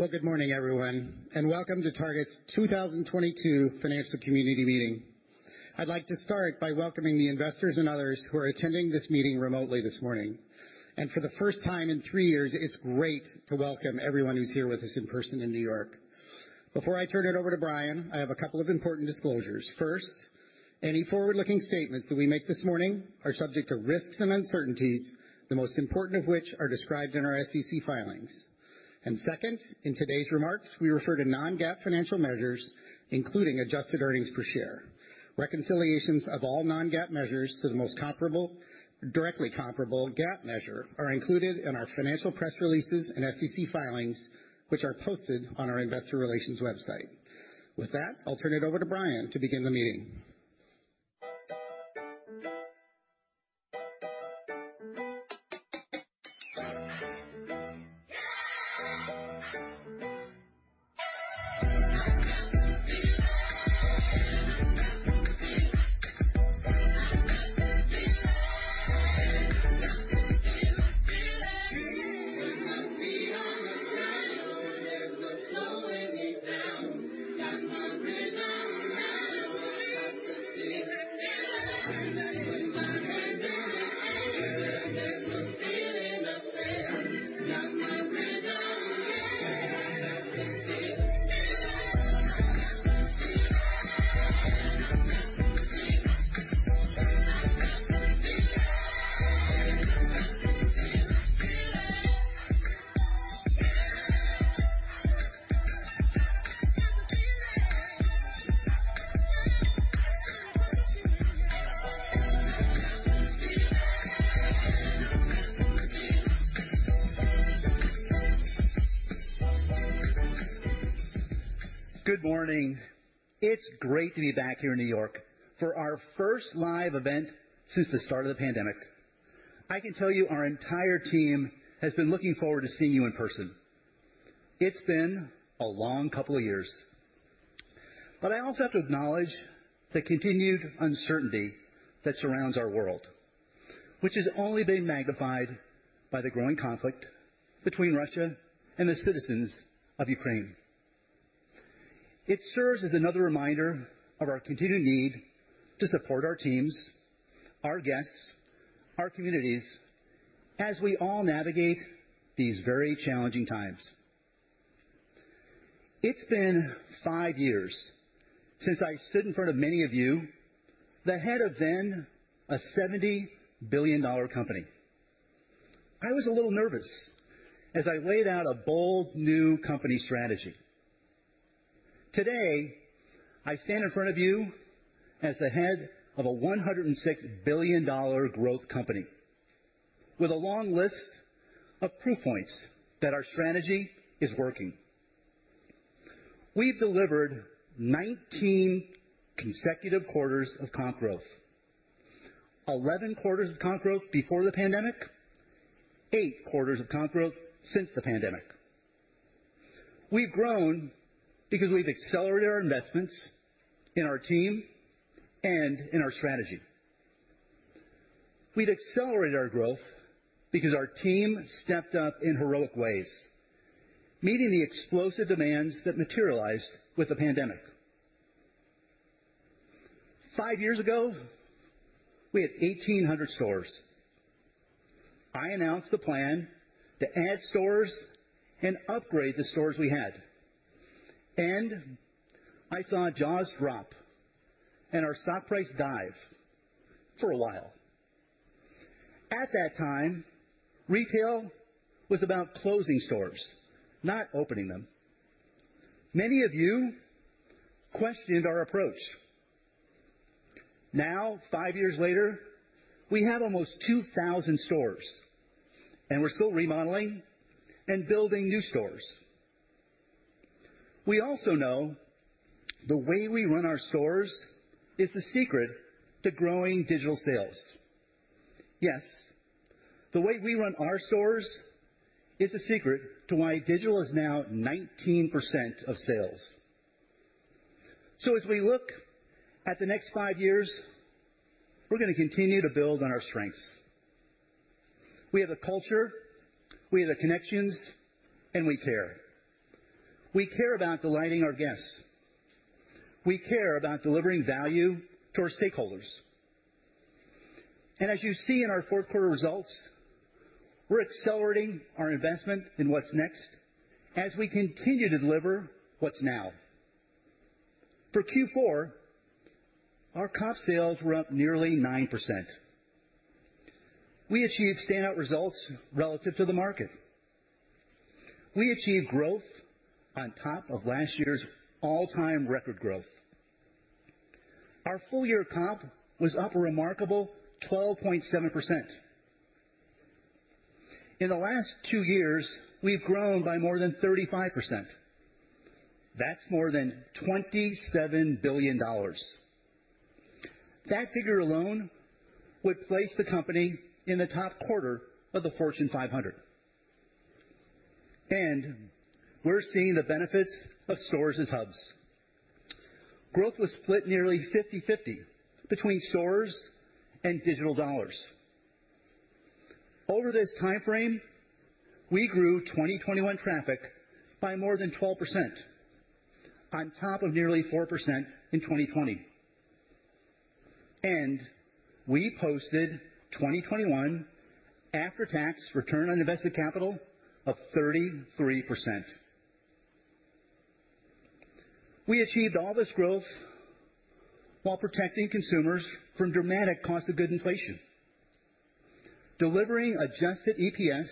Well, good morning, everyone, and welcome to Target's 2022 Financial Community Meeting. I'd like to start by welcoming the investors and others who are attending this meeting remotely this morning. For the first time in three years, it's great to welcome everyone who's here with us in person in New York. Before I turn it over to Brian, I have a couple of important disclosures. First, any forward-looking statements that we make this morning are subject to risks and uncertainties, the most important of which are described in our SEC filings. Second, in today's remarks, we refer to non-GAAP financial measures, including adjusted earnings per share. Reconciliations of all non-GAAP measures to the directly comparable GAAP measure are included in our financial press releases and SEC filings, which are posted on our investor relations website. With that, I'll turn it over to Brian to begin the meeting. Good morning. It's great to be back here in New York for our first live event since the start of the pandemic. I can tell you our entire team has been looking forward to seeing you in person. It's been a long couple of years. I also have to acknowledge the continued uncertainty that surrounds our world, which has only been magnified by the growing conflict between Russia and the citizens of Ukraine. It serves as another reminder of our continued need to support our teams, our guests, our communities as we all navigate these very challenging times. It's been five years since I stood in front of many of you, the head of then a $70 billion company. I was a little nervous as I laid out a bold new company strategy. Today, I stand in front of you as the head of a $106 billion growth company with a long list of proof points that our strategy is working. We've delivered 19 consecutive quarters of comp growth. 11 quarters of comp growth before the pandemic, eight quarters of comp growth since the pandemic. We've grown because we've accelerated our investments in our team and in our strategy. We've accelerated our growth because our team stepped up in heroic ways, meeting the explosive demands that materialized with the pandemic. five years ago, we had 1,800 stores. I announced the plan to add stores and upgrade the stores we had. I saw jaws drop and our stock price dive for a while. At that time, retail was about closing stores, not opening them. Many of you questioned our approach. Now, five years later, we have almost 2,000 stores, and we're still remodeling and building new stores. We also know the way we run our stores is the secret to growing digital sales. Yes, the way we run our stores is a secret to why digital is now 19% of sales. As we look at the next five years, we're gonna continue to build on our strengths. We have a culture, we have the connections, and we care. We care about delighting our guests. We care about delivering value to our stakeholders. As you see in our fourth quarter results, we're accelerating our investment in what's next as we continue to deliver what's now. For Q4, our comp sales were up nearly 9%. We achieved standout results relative to the market. We achieved growth on top of last year's all-time record growth. Our full year comp was up a remarkable 12.7%. In the last two years, we've grown by more than 35%. That's more than $27 billion. That figure alone would place the company in the top quarter of the Fortune 500. We're seeing the benefits of stores as hubs. Growth was split nearly 50/50 between stores and digital dollars. Over this time frame, we grew 2021 traffic by more than 12% on top of nearly 4% in 2020. We posted 2021 after-tax return on invested capital of 33%. We achieved all this growth while protecting consumers from dramatic cost of goods inflation, delivering adjusted EPS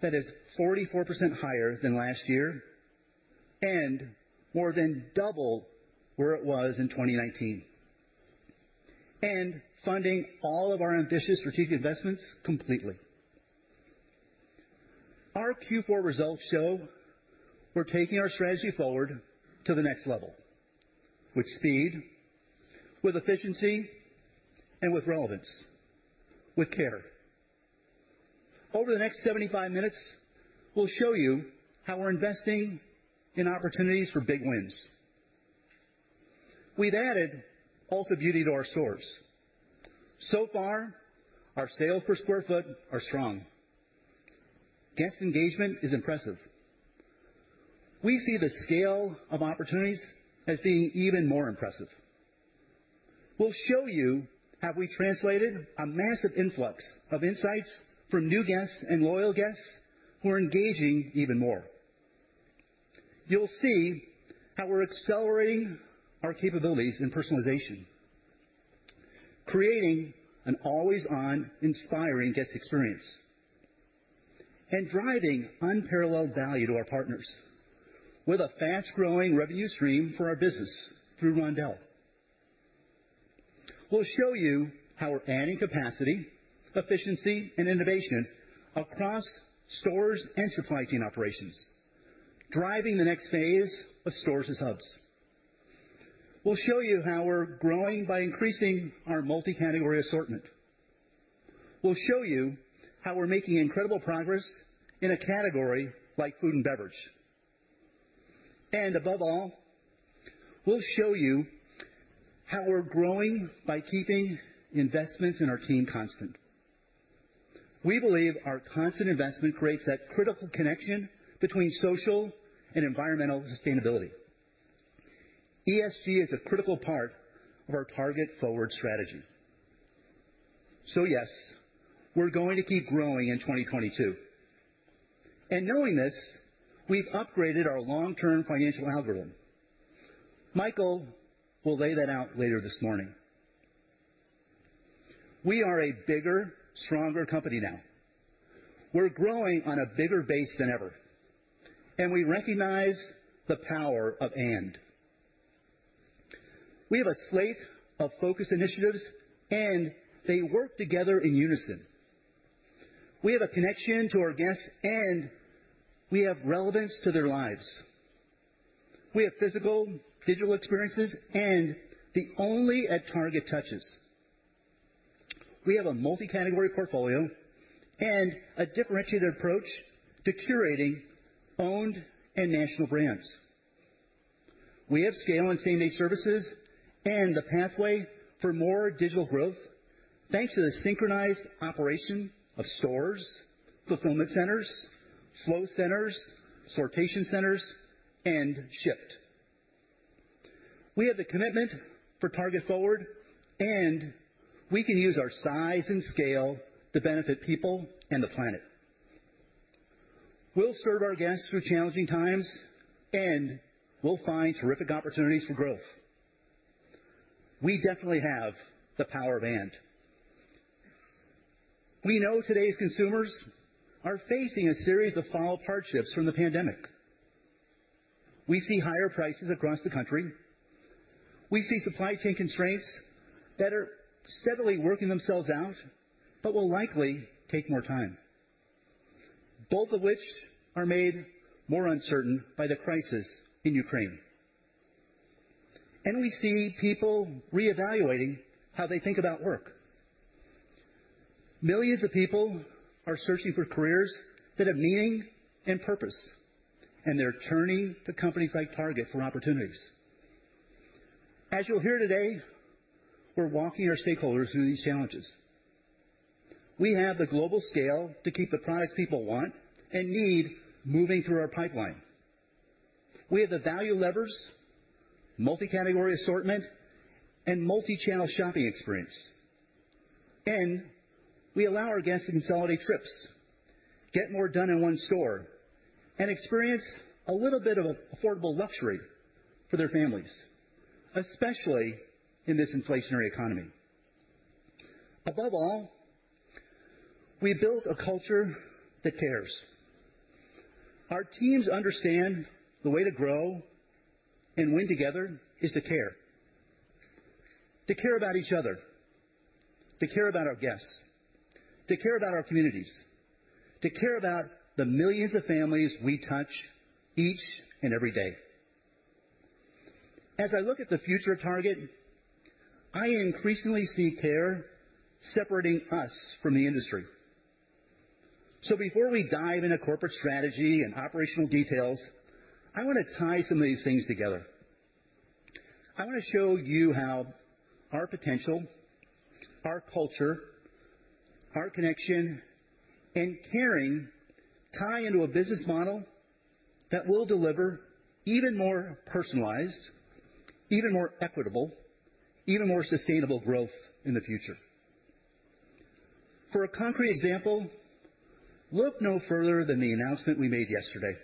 that is 44% higher than last year and more than double where it was in 2019, and funding all of our ambitious strategic investments completely. Our Q4 results show we're taking our strategy forward to the next level with speed, with efficiency, and with relevance, with care. Over the next 75 minutes, we'll show you how we're investing in opportunities for big wins. We've added Ulta Beauty to our stores. So far, our sales per square foot are strong. Guest engagement is impressive. We see the scale of opportunities as being even more impressive. We'll show you how we translated a massive influx of insights from new guests and loyal guests who are engaging even more. You'll see how we're accelerating our capabilities in personalization, creating an always-on inspiring guest experience and driving unparalleled value to our partners with a fast-growing revenue stream for our business through Roundel. We'll show you how we're adding capacity, efficiency, and innovation across stores and supply chain operations, driving the next phase of stores as hubs. We'll show you how we're growing by increasing our multi-category assortment. We'll show you how we're making incredible progress in a category like food and beverage. Above all, we'll show you how we're growing by keeping investments in our team constant. We believe our constant investment creates that critical connection between social and environmental sustainability. ESG is a critical part of our Target Forward strategy. Yes, we're going to keep growing in 2022. Knowing this, we've upgraded our long-term financial algorithm. Michael will lay that out later this morning. We are a bigger, stronger company now. We're growing on a bigger base than ever, and we recognize the power of "and." We have a slate of focused initiatives, and they work together in unison. We have a connection to our guests, and we have relevance to their lives. We have physical digital experiences and the only at Target touches. We have a multi-category portfolio and a differentiated approach to curating owned and national brands. We have scale and same-day services and the pathway for more digital growth thanks to the synchronized operation of stores, fulfillment centers, flow centers, sortation centers, and Shipt. We have the commitment for Target Forward, and we can use our size and scale to benefit people and the planet. We'll serve our guests through challenging times, and we'll find terrific opportunities for growth. We definitely have the power of "and." We know today's consumers are facing a series of following hardships from the pandemic. We see higher prices across the country. We see supply chain constraints that are steadily working themselves out but will likely take more time, both of which are made more uncertain by the crisis in Ukraine. We see people reevaluating how they think about work. Millions of people are searching for careers that have meaning and purpose, and they're turning to companies like Target for opportunities. As you'll hear today, we're walking our stakeholders through these challenges. We have the global scale to keep the products people want and need moving through our pipeline. We have the value levers, multi-category assortment, and multi-channel shopping experience. We allow our guests to consolidate trips, get more done in one store, and experience a little bit of affordable luxury for their families, especially in this inflationary economy. Above all, we built a culture that cares. Our teams understand the way to grow and win together is to care. To care about each other, to care about our guests, to care about our communities, to care about the millions of families we touch each and every day. As I look at the future of Target, I increasingly see care separating us from the industry. Before we dive into corporate strategy and operational details, I want to tie some of these things together. I want to show you how our potential, our culture, our connection, and caring tie into a business model that will deliver even more personalized, even more equitable, even more sustainable growth in the future. For a concrete example, look no further than the announcement we made yesterday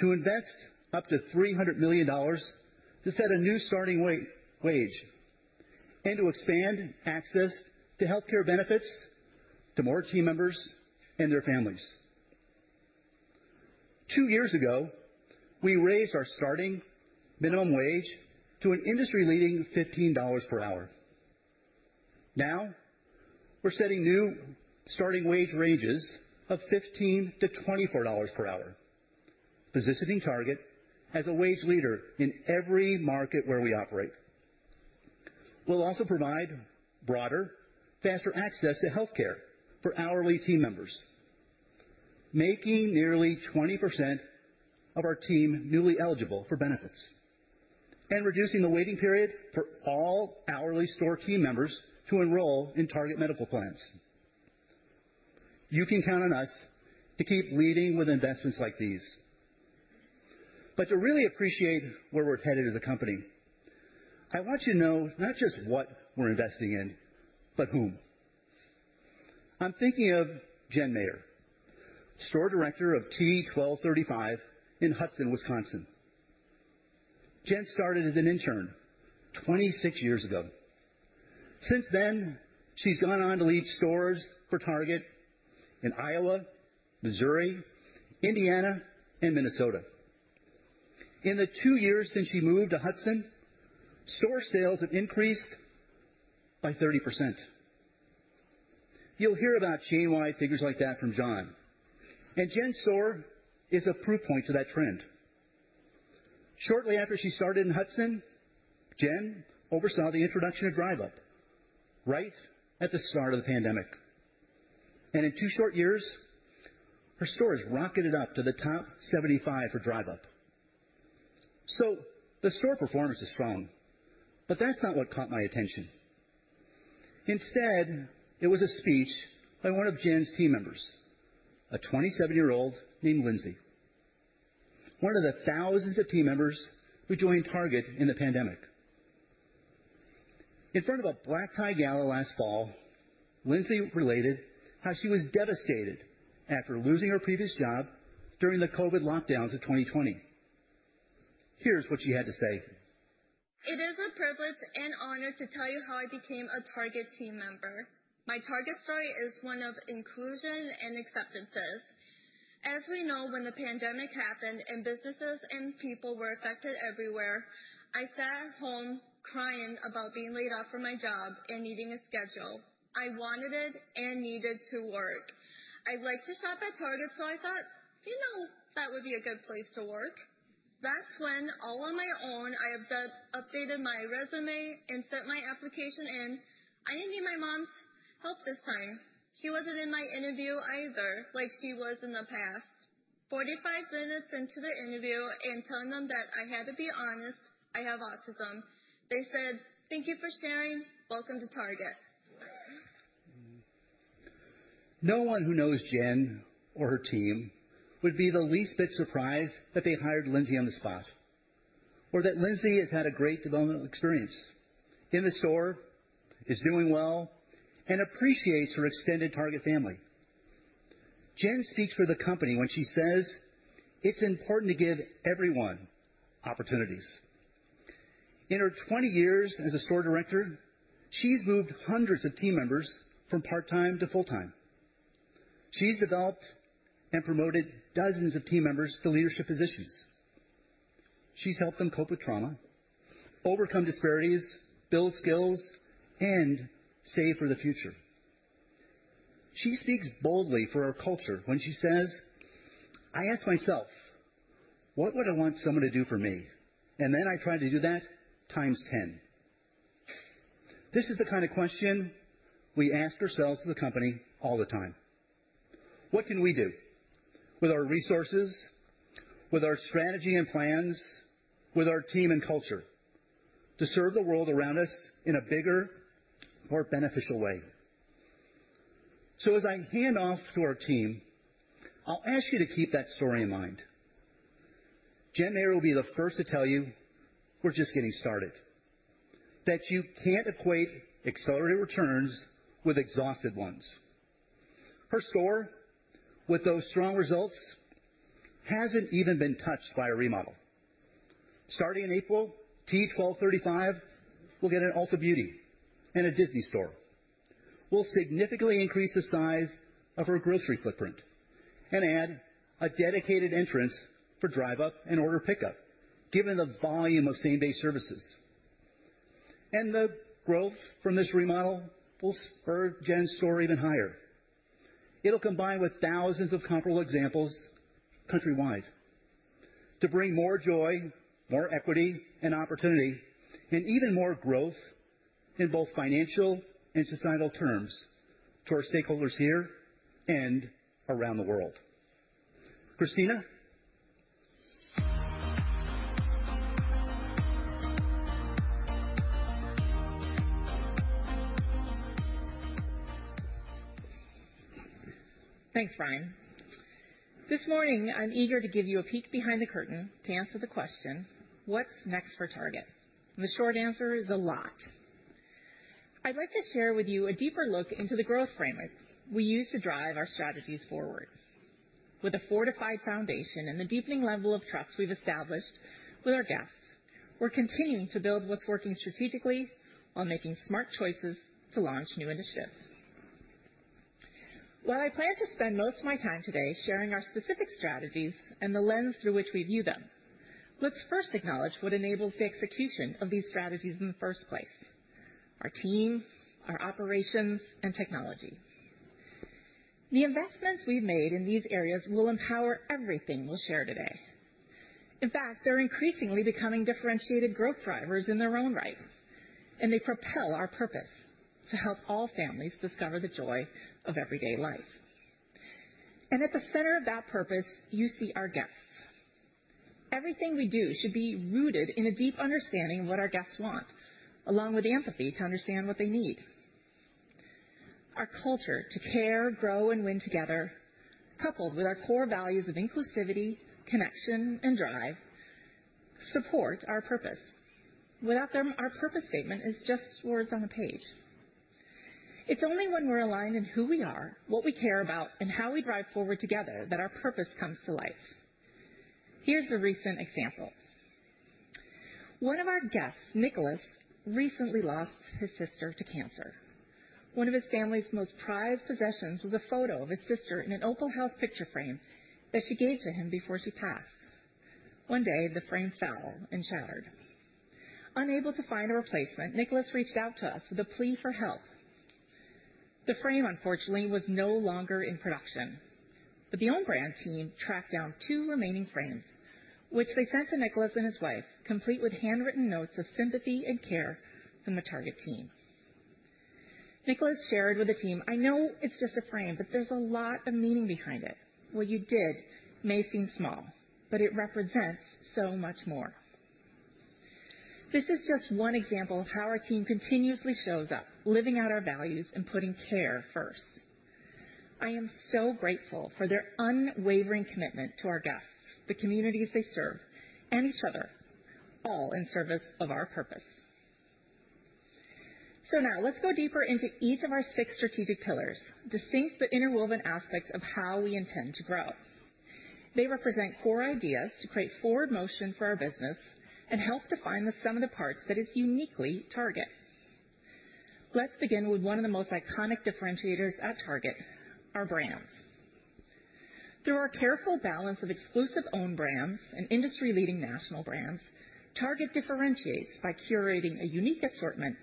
to invest up to $300 million to set a new starting wage and to expand access to healthcare benefits to more team members and their families. Two years ago, we raised our starting minimum wage to an industry-leading $15 per hour. Now we're setting new starting wage ranges of $15-$24 per hour, positioning Target as a wage leader in every market where we operate. We'll also provide broader, faster access to healthcare for hourly team members, making nearly 20% of our team newly eligible for benefits and reducing the waiting period for all hourly store team members to enroll in Target medical plans. You can count on us to keep leading with investments like these. To really appreciate where we're headed as a company, I want you to know not just what we're investing in, but whom. I'm thinking of Jen Mayer, Store Director of T 1235 in Hudson, Wisconsin. Jen started as an intern 26 years ago. Since then, she's gone on to lead stores for Target in Iowa, Missouri, Indiana, and Minnesota. In the two years since she moved to Hudson, store sales have increased by 30%. You'll hear about chain-wide figures like that from John, and Jen's store is a proof point to that trend. Shortly after she started in Hudson, Jen oversaw the introduction of Drive Up right at the start of the pandemic. In two short years, her store has rocketed up to the top 75 for Drive Up. The store performance is strong, but that's not what caught my attention. Instead, it was a speech by one of Jen's team members, a 27-year-old named Lindsay, one of the thousands of team members who joined Target in the pandemic. In front of a black-tie gala last fall, Lindsay related how she was devastated after losing her previous job during the COVID lockdowns of 2020. Here's what she had to say. It is a privilege and honor to tell you how I became a Target team member. My Target story is one of inclusion and acceptance. As we know, when the pandemic happened and businesses and people were affected everywhere, I sat at home crying about being laid off from my job and needing a schedule. I wanted and needed to work. I like to shop at Target, so I thought, "You know, that would be a good place to work." That's when, all on my own, I updated my resume and sent my application in. I didn't need my mom's help this time. She wasn't in my interview either, like she was in the past. 45 minutes into the interview and telling them that I had to be honest, I have autism, they said, "Thank you for sharing. Welcome to Target. No one who knows Jen or her team would be the least bit surprised that they hired Lindsay on the spot or that Lindsay has had a great developmental experience in the store, is doing well, and appreciates her extended Target family. Jen speaks for the company when she says it's important to give everyone opportunities. In her 20 years as a Store Director, she's moved hundreds of team members from part-time to full-time. She's developed and promoted dozens of team members to leadership positions. She's helped them cope with trauma, overcome disparities, build skills, and save for the future. She speaks boldly for our culture when she says, "I ask myself, what would I want someone to do for me? And then I try to do that times ten." This is the kind of question we ask ourselves as a company all the time. What can we do with our resources, with our strategy and plans, with our team and culture to serve the world around us in a bigger, more beneficial way? As I hand off to our team, I'll ask you to keep that story in mind. Jen Mayer will be the first to tell you we're just getting started, that you can't equate accelerated returns with exhausted ones. Her store with those strong results hasn't even been touched by a remodel. Starting in April, T1235 will get an Ulta Beauty and a Disney store. We'll significantly increase the size of her grocery footprint and add a dedicated entrance for Drive Up and Order Pickup, given the volume of same-day services. The growth from this remodel will spur Jen's store even higher. It'll combine with thousands of comparable examples countrywide to bring more joy, more equity and opportunity, and even more growth in both financial and societal terms to our stakeholders here and around the world. Christina? Thanks, Brian. This morning, I'm eager to give you a peek behind the curtain to answer the question, what's next for Target? The short answer is a lot. I'd like to share with you a deeper look into the growth framework we use to drive our strategies forward. With a fortified foundation and the deepening level of trust we've established with our guests, we're continuing to build what's working strategically while making smart choices to launch new initiatives. While I plan to spend most of my time today sharing our specific strategies and the lens through which we view them, let's first acknowledge what enables the execution of these strategies in the first place, our teams, our operations, and technology. The investments we've made in these areas will empower everything we'll share today. In fact, they're increasingly becoming differentiated growth drivers in their own right, and they propel our purpose to help all families discover the joy of everyday life. At the center of that purpose, you see our guests. Everything we do should be rooted in a deep understanding of what our guests want, along with empathy to understand what they need. Our culture to care, grow, and win together, coupled with our core values of inclusivity, connection, and drive, support our purpose. Without them, our purpose statement is just words on a page. It's only when we're aligned in who we are, what we care about, and how we drive forward together that our purpose comes to life. Here's a recent example. One of our guests, Nicholas, recently lost his sister to cancer. One of his family's most prized possessions was a photo of his sister in an Opalhouse picture frame that she gave to him before she passed. One day, the frame fell and shattered. Unable to find a replacement, Nicholas reached out to us with a plea for help. The frame, unfortunately, was no longer in production. The Beyond Brand team tracked down two remaining frames, which they sent to Nicholas and his wife, complete with handwritten notes of sympathy and care from the Target team. Nicholas shared with the team, "I know it's just a frame, but there's a lot of meaning behind it. What you did may seem small, but it represents so much more." This is just one example of how our team continuously shows up, living out our values and putting care first. I am so grateful for their unwavering commitment to our guests, the communities they serve, and each other, all in service of our purpose. Now let's go deeper into each of our six strategic pillars, distinct but interwoven aspects of how we intend to grow. They represent core ideas to create forward motion for our business and help define the sum of the parts that is uniquely Target. Let's begin with one of the most iconic differentiators at Target, our brands. Through our careful balance of exclusive own brands and industry-leading national brands, Target differentiates by curating a unique assortment,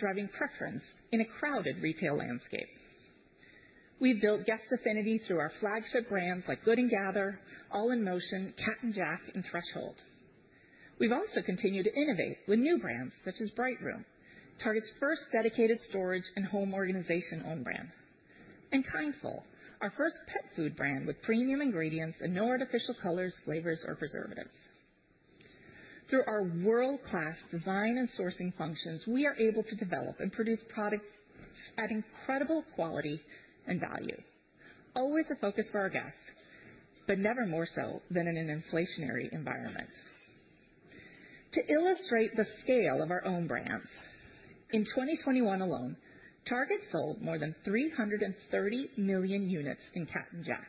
driving preference in a crowded retail landscape. We've built guest affinity through our flagship brands like Good & Gather, All in Motion, Cat & Jack, and Threshold. We've also continued to innovate with new brands such as Brightroom, Target's first dedicated storage and home organization owned brand, and Kindfull, our first pet food brand with premium ingredients and no artificial colors, flavors, or preservatives. Through our world-class design and sourcing functions, we are able to develop and produce products at incredible quality and value. Always a focus for our guests, but never more so than in an inflationary environment. To illustrate the scale of our own brands, in 2021 alone, Target sold more than 330 million units in Cat & Jack,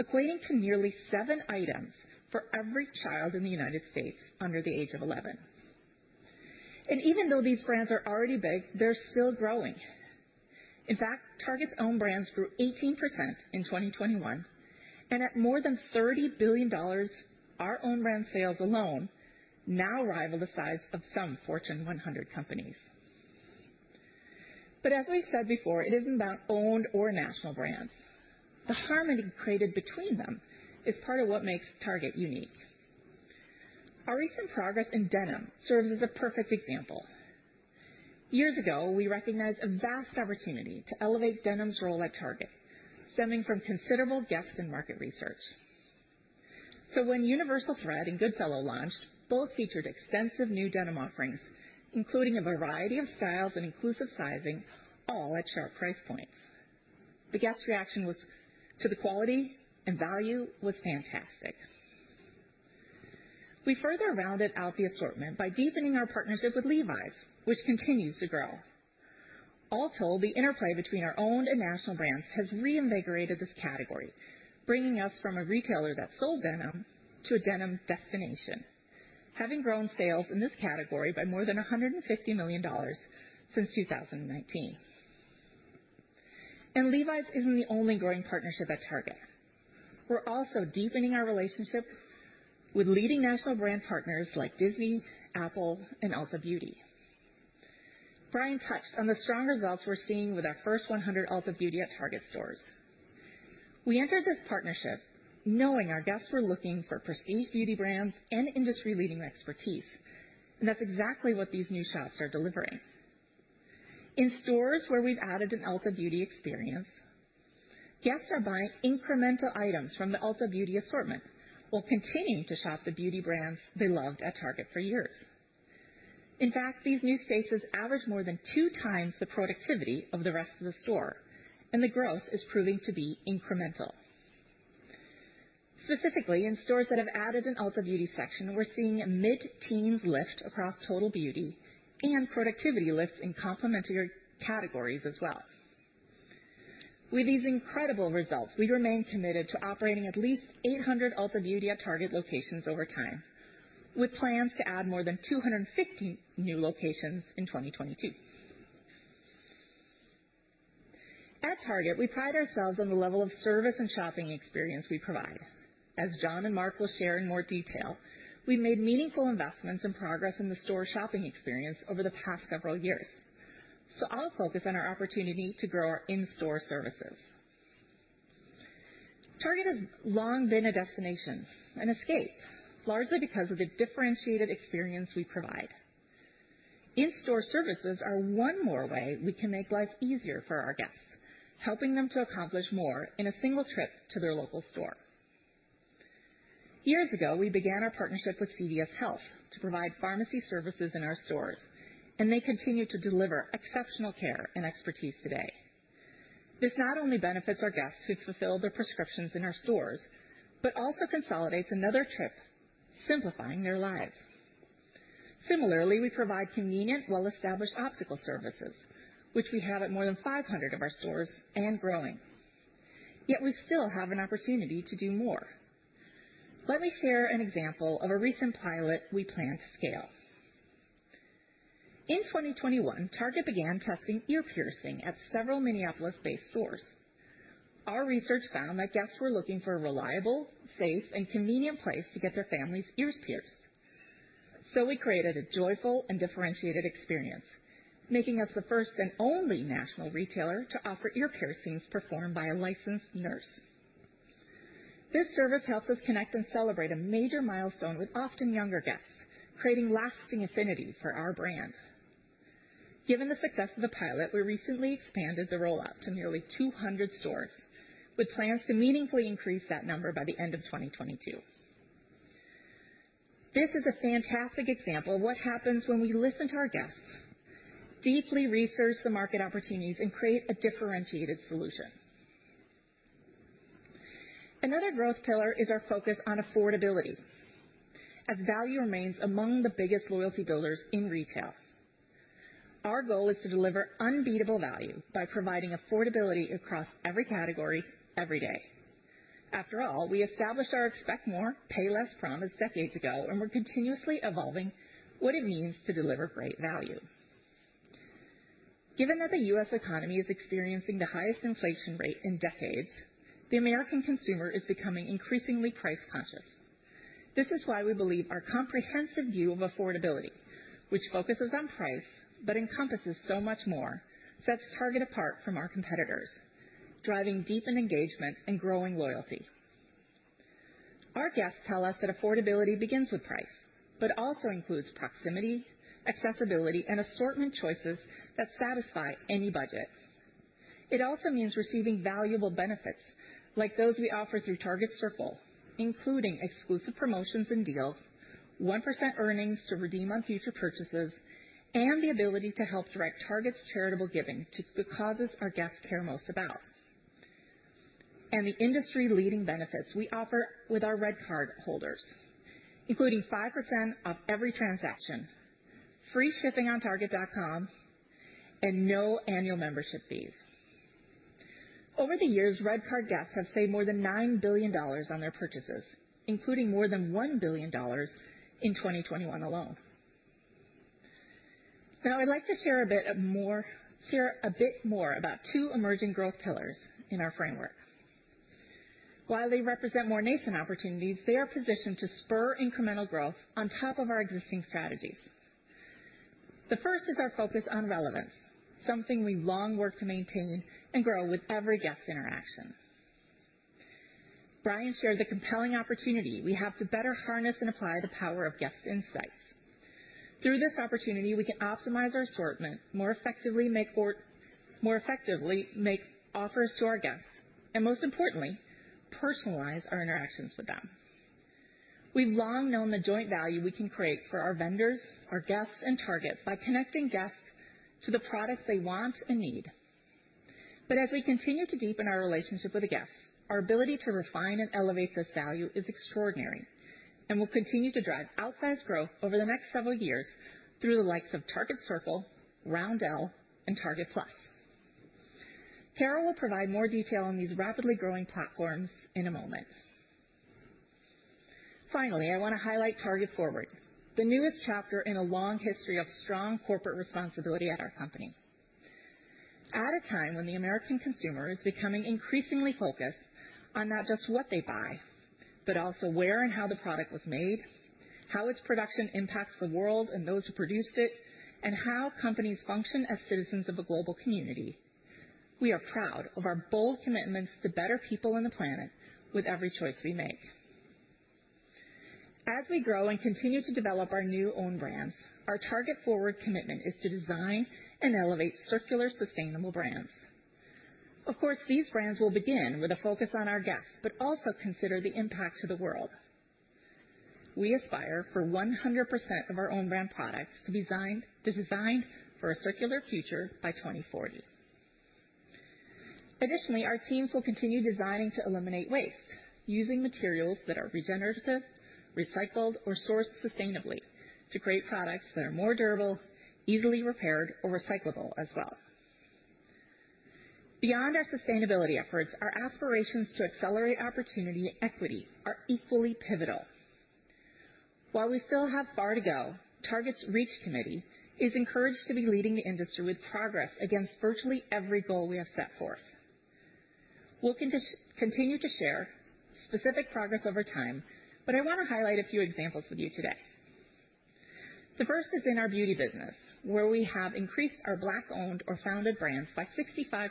equating to nearly seven items for every child in the United States under the age of 11. Even though these brands are already big, they're still growing. In fact, Target's own brands grew 18% in 2021. At more than $30 billion, our owned brand sales alone now rival the size of some Fortune 100 companies. As we've said before, it isn't about owned or national brands. The harmony created between them is part of what makes Target unique. Our recent progress in denim serves as a perfect example. Years ago, we recognized a vast opportunity to elevate denim's role at Target, stemming from considerable gaps in market research. When Universal Thread and Goodfellow launched, both featured extensive new denim offerings, including a variety of styles and inclusive sizing, all at sharp price points. The guest reaction to the quality and value was fantastic. We further rounded out the assortment by deepening our partnership with Levi's, which continues to grow. All told, the interplay between our own and national brands has reinvigorated this category, bringing us from a retailer that sold denim to a denim destination, having grown sales in this category by more than $150 million since 2019. Levi's isn't the only growing partnership at Target. We're also deepening our relationship with leading national brand partners like Disney, Apple, and Ulta Beauty. Brian touched on the strong results we're seeing with our first 100 Ulta Beauty at Target stores. We entered this partnership knowing our guests were looking for prestige beauty brands and industry-leading expertise, and that's exactly what these new shops are delivering. In stores where we've added an Ulta Beauty experience, guests are buying incremental items from the Ulta Beauty assortment while continuing to shop the beauty brands they loved at Target for years. In fact, these new spaces average more than two times the productivity of the rest of the store, and the growth is proving to be incremental. Specifically, in stores that have added an Ulta Beauty section, we're seeing mid-teens lift across total beauty and productivity lifts in complementary categories as well. With these incredible results, we remain committed to operating at least 800 Ulta Beauty at Target locations over time, with plans to add more than 250 new locations in 2022. At Target, we pride ourselves on the level of service and shopping experience we provide. As John and Mark will share in more detail, we've made meaningful investments and progress in the store shopping experience over the past several years. I'll focus on our opportunity to grow our in-store services. Target has long been a destination, an escape, largely because of the differentiated experience we provide. In-store services are one more way we can make life easier for our guests, helping them to accomplish more in a single trip to their local store. Years ago, we began our partnership with CVS Health to provide pharmacy services in our stores, and they continue to deliver exceptional care and expertise today. This not only benefits our guests who fulfill their prescriptions in our stores, but also consolidates another trip, simplifying their lives. Similarly, we provide convenient, well-established optical services, which we have at more than 500 of our stores and growing. Yet we still have an opportunity to do more. Let me share an example of a recent pilot we plan to scale. In 2021, Target began testing ear piercing at several Minneapolis-based stores. Our research found that guests were looking for a reliable, safe, and convenient place to get their family's ears pierced. We created a joyful and differentiated experience, making us the first and only national retailer to offer ear piercings performed by a licensed nurse. This service helps us connect and celebrate a major milestone with often younger guests, creating lasting affinity for our brand. Given the success of the pilot, we recently expanded the rollout to nearly 200 stores, with plans to meaningfully increase that number by the end of 2022. This is a fantastic example of what happens when we listen to our guests, deeply research the market opportunities, and create a differentiated solution. Another growth pillar is our focus on affordability, as value remains among the biggest loyalty builders in retail. Our goal is to deliver unbeatable value by providing affordability across every category, every day. After all, we established our Expect More. Pay Less. promise decades ago, and we're continuously evolving what it means to deliver great value. Given that the U.S. economy is experiencing the highest inflation rate in decades, the American consumer is becoming increasingly price-conscious. This is why we believe our comprehensive view of affordability, which focuses on price but encompasses so much more, sets Target apart from our competitors, driving deeper engagement and growing loyalty. Our guests tell us that affordability begins with price, but also includes proximity, accessibility, and assortment choices that satisfy any budget. It also means receiving valuable benefits like those we offer through Target Circle, including exclusive promotions and deals, 1% earnings to redeem on future purchases, and the ability to help direct Target's charitable giving to the causes our guests care most about. The industry-leading benefits we offer with our RedCard holders, including 5% off every transaction, free shipping on target.com, and no annual membership fees. Over the years, RedCard guests have saved more than $9 billion on their purchases, including more than $1 billion in 2021 alone. Now, I'd like to share a bit more about two emerging growth pillars in our framework. While they represent more nascent opportunities, they are positioned to spur incremental growth on top of our existing strategies. The first is our focus on relevance, something we long work to maintain and grow with every guest interaction. Brian shared the compelling opportunity we have to better harness and apply the power of guest insights. Through this opportunity, we can optimize our assortment more effectively, make offers to our guests, and most importantly, personalize our interactions with them. We've long known the joint value we can create for our vendors, our guests, and Target by connecting guests to the products they want and need. As we continue to deepen our relationship with the guests, our ability to refine and elevate this value is extraordinary and will continue to drive outsized growth over the next several years through the likes of Target Circle, Roundel, and Target+. Cara will provide more detail on these rapidly growing platforms in a moment. Finally, I wanna highlight Target Forward, the newest chapter in a long history of strong corporate responsibility at our company. At a time when the American consumer is becoming increasingly focused on not just what they buy, but also where and how the product was made, how its production impacts the world and those who produce it, and how companies function as citizens of a global community. We are proud of our bold commitments to better for people and the planet with every choice we make. As we grow and continue to develop our new owned brands, our Target Forward commitment is to design and elevate circular, sustainable brands. Of course, these brands will begin with a focus on our guests, but also consider the impact to the world. We aspire for 100% of our owned brand products to design for a circular future by 2040. Additionally, our teams will continue designing to eliminate waste using materials that are regenerative, recycled, or sourced sustainably to create products that are more durable, easily repaired, or recyclable as well. Beyond our sustainability efforts, our aspirations to accelerate opportunity equity are equally pivotal. While we still have far to go, Target's REACH Committee is encouraged to be leading the industry with progress against virtually every goal we have set forth. We'll continue to share specific progress over time, but I wanna highlight a few examples with you today. The first is in our beauty business, where we have increased our Black-owned or founded brands by 65%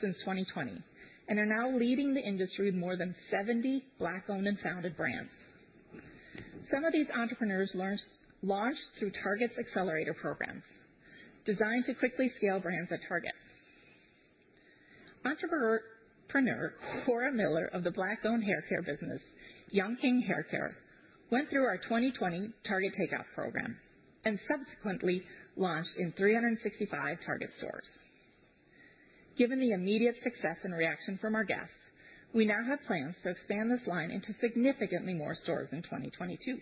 since 2020, and are now leading the industry with more than 70 Black-owned and founded brands. Some of these entrepreneurs launched through Target's accelerator programs designed to quickly scale brands at Target. Entrepreneur, Cora Miller of the Black-owned haircare business, Young King Hair Care, went through our 2020 Target Takeoff program and subsequently launched in 365 Target stores. Given the immediate success and reaction from our guests, we now have plans to expand this line into significantly more stores in 2022.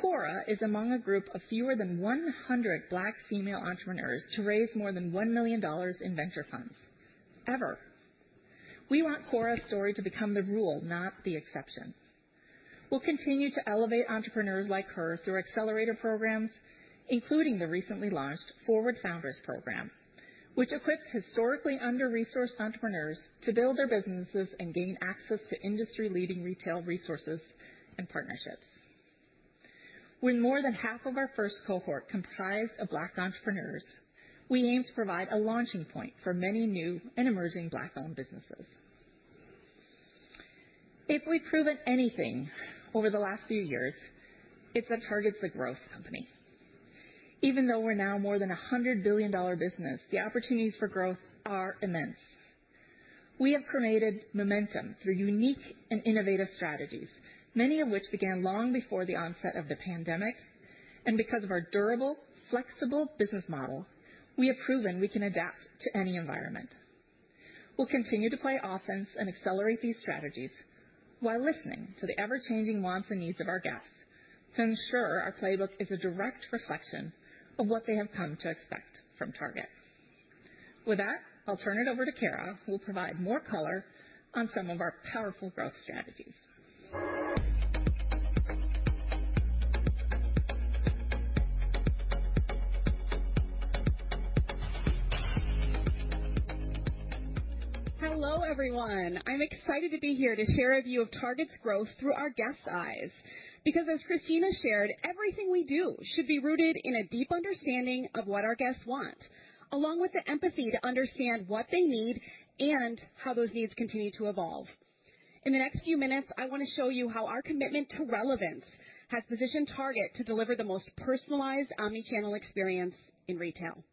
Cora is among a group of fewer than 100 Black female entrepreneurs to raise more than $1 million in venture funds, ever. We want Cora's story to become the rule, not the exception. We'll continue to elevate entrepreneurs like her through accelerator programs, including the recently launched Forward Founders program, which equips historically under-resourced entrepreneurs to build their businesses and gain access to industry-leading retail resources and partnerships. With more than half of our first cohort comprised of Black entrepreneurs, we aim to provide a launching point for many new and emerging Black-owned businesses. If we've proven anything over the last few years, it's that Target's a growth company. Even though we're now more than a $100 billion business, the opportunities for growth are immense. We have created momentum through unique and innovative strategies, many of which began long before the onset of the pandemic. Because of our durable, flexible business model, we have proven we can adapt to any environment. We'll continue to play offense and accelerate these strategies while listening to the ever-changing wants and needs of our guests to ensure our playbook is a direct reflection of what they have come to expect from Target. With that, I'll turn it over to Cara, who will provide more color on some of our powerful growth strategies. Hello, everyone. I'm excited to be here to share a view of Target's growth through our guest's eyes, because as Christina shared, everything we do should be rooted in a deep understanding of what our guests want, along with the empathy to understand what they need and how those needs continue to evolve. In the next few minutes, I wanna show you how our commitment to relevance has positioned Target to deliver the most personalized omnichannel experience in retail.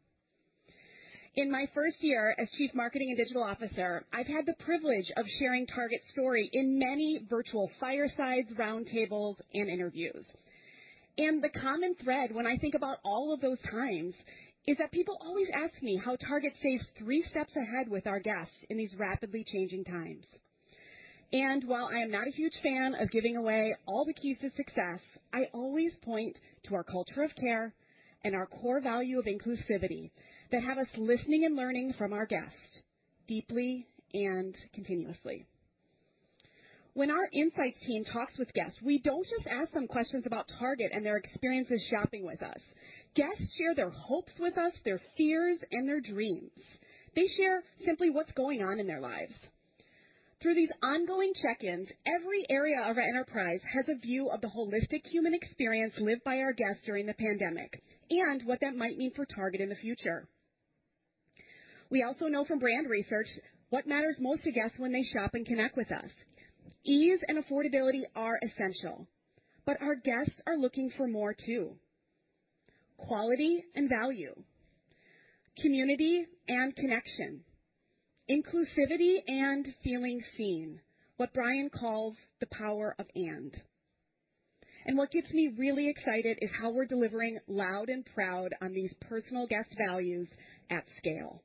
In my first year as Chief Marketing and Digital Officer, I've had the privilege of sharing Target's story in many virtual firesides, roundtables, and interviews. The common thread when I think about all of those times is that people always ask me how Target stays three steps ahead with our guests in these rapidly changing times. While I am not a huge fan of giving away all the keys to success, I always point to our culture of care and our core value of inclusivity that have us listening and learning from our guests deeply and continuously. When our insights team talks with guests, we don't just ask them questions about Target and their experiences shopping with us. Guests share their hopes with us, their fears and their dreams. They share simply what's going on in their lives. Through these ongoing check-ins, every area of our enterprise has a view of the holistic human experience lived by our guests during the pandemic and what that might mean for Target in the future. We also know from brand research what matters most to guests when they shop and connect with us. Ease and affordability are essential, but our guests are looking for more too. Quality and value, community and connection, inclusivity and feeling seen. What Brian calls the power of and. What gets me really excited is how we're delivering loud and proud on these personal guest values at scale.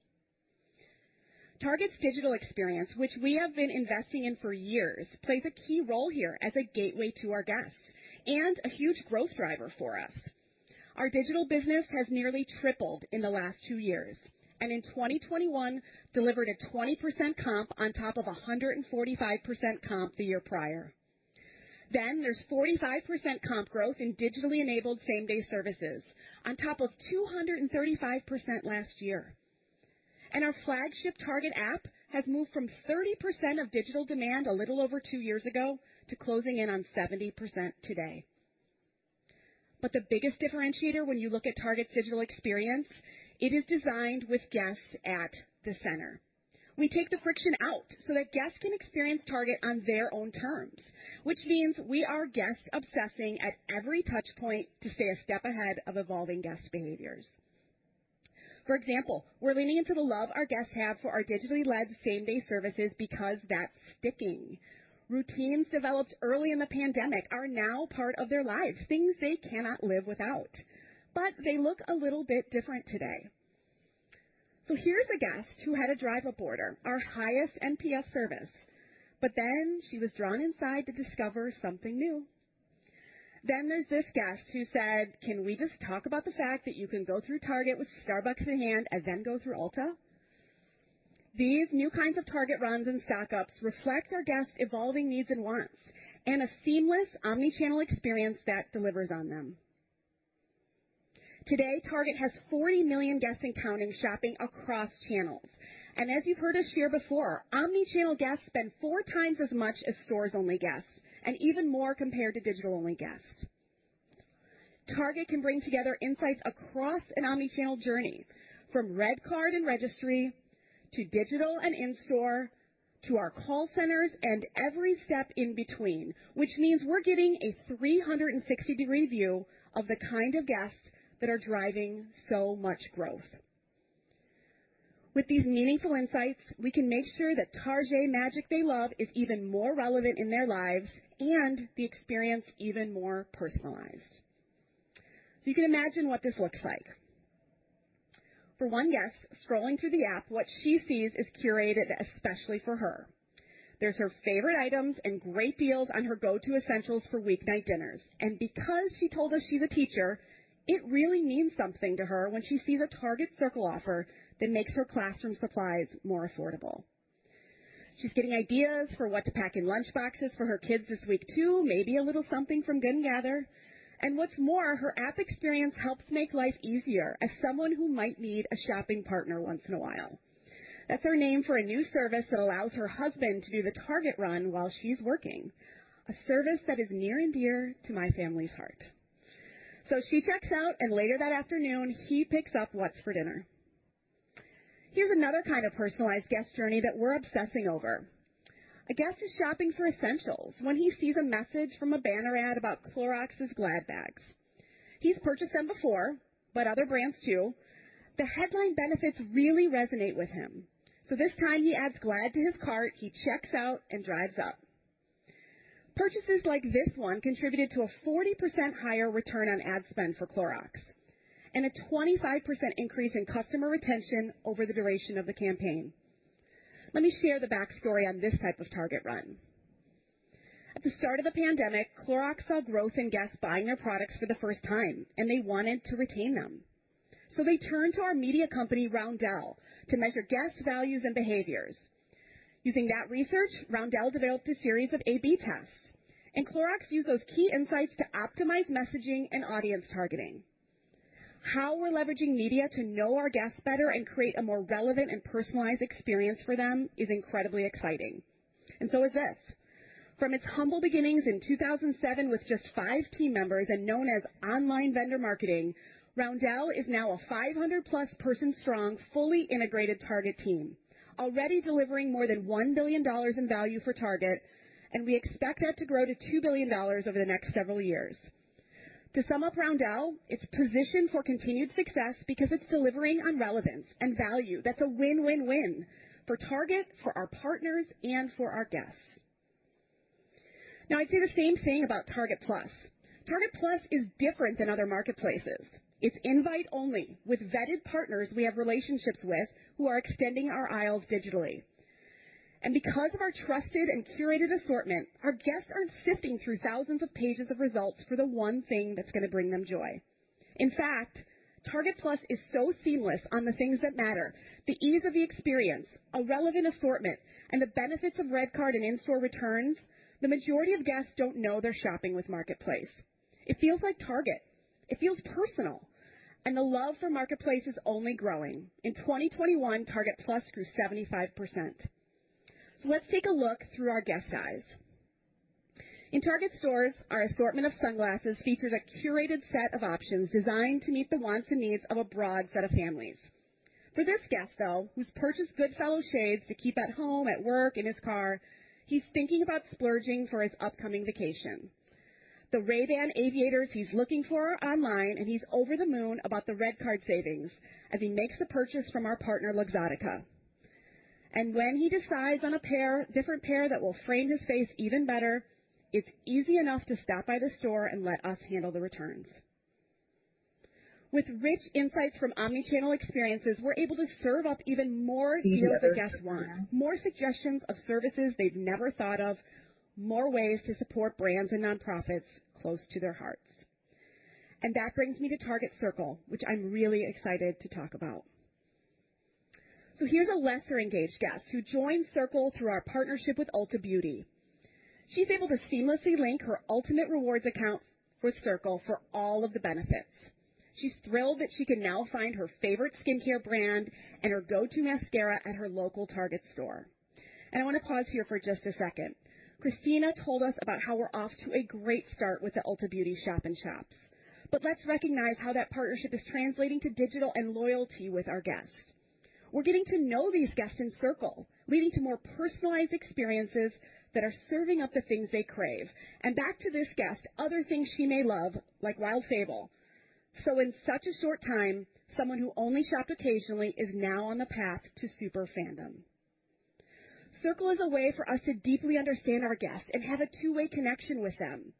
Target's digital experience, which we have been investing in for years, plays a key role here as a gateway to our guests and a huge growth driver for us. Our digital business has nearly tripled in the last two years, and in 2021 delivered a 20% comp on top of a 145% comp the year prior. There's 45% comp growth in digitally enabled same-day services on top of 235% last year. Our flagship Target app has moved from 30% of digital demand a little over two years ago to closing in on 70% today. The biggest differentiator when you look at Target's digital experience, it is designed with guests at the center. We take the friction out so that guests can experience Target on their own terms, which means we are guest obsessing at every touch point to stay a step ahead of evolving guest behaviors. For example, we're leaning into the love our guests have for our digitally led same-day services because that's sticking. Routines developed early in the pandemic are now part of their lives, things they cannot live without, but they look a little bit different today. Here's a guest who had a Drive Up order, our highest NPS service. She was drawn inside to discover something new. There's this guest who said, "Can we just talk about the fact that you can go through Target with Starbucks in hand and then go through Ulta?" These new kinds of Target runs and stock-ups reflect our guests' evolving needs and wants, and a seamless omni-channel experience that delivers on them. Today, Target has 40 million guests and counting shopping across channels. As you've heard us share before, omni-channel guests spend four times as much as stores-only guests, and even more compared to digital-only guests. Target can bring together insights across an omni-channel journey, from Red Card and registry to digital and in-store to our call centers and every step in between, which means we're getting a 360-degree view of the kind of guests that are driving so much growth. With these meaningful insights, we can make sure that Target magic they love is even more relevant in their lives and the experience even more personalized. You can imagine what this looks like. For one guest scrolling through the app, what she sees is curated especially for her. There's her favorite items and great deals on her go-to essentials for weeknight dinners. Because she told us she's a teacher, it really means something to her when she sees a Target Circle offer that makes her classroom supplies more affordable. She's getting ideas for what to pack in lunchboxes for her kids this week too. Maybe a little something from Good & Gather. What's more, her app experience helps make life easier as someone who might need a shopping partner once in a while. That's her name for a new service that allows her husband to do the Target run while she's working, a service that is near and dear to my family's heart. She checks out, and later that afternoon he picks up what's for dinner. Here's another kind of personalized guest journey that we're obsessing over. A guest is shopping for essentials when he sees a message from a banner ad about Clorox's Glad bags. He's purchased them before, but other brands too. The headline benefits really resonate with him, so this time he adds Glad to his cart, he checks out, and drives up. Purchases like this one contributed to a 40% higher return on ad spend for Clorox and a 25% increase in customer retention over the duration of the campaign. Let me share the backstory on this type of Target run. At the start of the pandemic, Clorox saw growth in guests buying their products for the first time, and they wanted to retain them. They turned to our media company, Roundel, to measure guest values and behaviors. Using that research, Roundel developed a series of A/B tests, and Clorox used those key insights to optimize messaging and audience targeting. How we're leveraging media to know our guests better and create a more relevant and personalized experience for them is incredibly exciting. This is. From its humble beginnings in 2007 with just five team members and known as Online Vendor Marketing, Roundel is now a 500-plus person-strong, fully integrated Target team, already delivering more than $1 billion in value for Target, and we expect that to grow to $2 billion over the next several years. To sum up Roundel, it's positioned for continued success because it's delivering on relevance and value. That's a win-win-win for Target, for our partners, and for our guests. Now, I'd say the same thing about Target+. Target+ is different than other marketplaces. It's invite only with vetted partners we have relationships with who are extending our aisles digitally. Because of our trusted and curated assortment, our guests aren't sifting through thousands of pages of results for the one thing that's gonna bring them joy. In fact, Target+ is so seamless on the things that matter, the ease of the experience, a relevant assortment, and the benefits of RedCard and in-store returns, the majority of guests don't know they're shopping with Marketplace. It feels like Target. It feels personal, and the love for Marketplace is only growing. In 2021, Target+ grew 75%. Let's take a look through our guest's eyes. In Target stores, our assortment of sunglasses features a curated set of options designed to meet the wants and needs of a broad set of families. For this guest, though, who's purchased Goodfellow shades to keep at home, at work, in his car, he's thinking about splurging for his upcoming vacation. The Ray-Ban aviators he's looking for are online, and he's over the moon about the Red Card savings as he makes a purchase from our partner, Luxottica. When he decides on a pair, different pair that will frame his face even better, it's easy enough to stop by the store and let us handle the returns. With rich insights from omni-channel experiences, we're able to serve up even more of what the guests want, more suggestions of services they've never thought of, more ways to support brands and nonprofits close to their hearts. That brings me to Target Circle, which I'm really excited to talk about. Here's a lesser engaged guest who joined Circle through our partnership with Ulta Beauty. She's able to seamlessly link her Ultamate Rewards account with Circle for all of the benefits. She's thrilled that she can now find her favorite skincare brand and her go-to mascara at her local Target store. I wanna pause here for just a second. Christina told us about how we're off to a great start with the Ulta Beauty shop-in-shops. Let's recognize how that partnership is translating to digital and loyalty with our guests. We're getting to know these guests in Circle, leading to more personalized experiences that are serving up the things they crave. Back to this guest, other things she may love, like Wild Fable. In such a short time, someone who only shopped occasionally is now on the path to super fandom. Circle is a way for us to deeply understand our guests and have a two-way connection with them.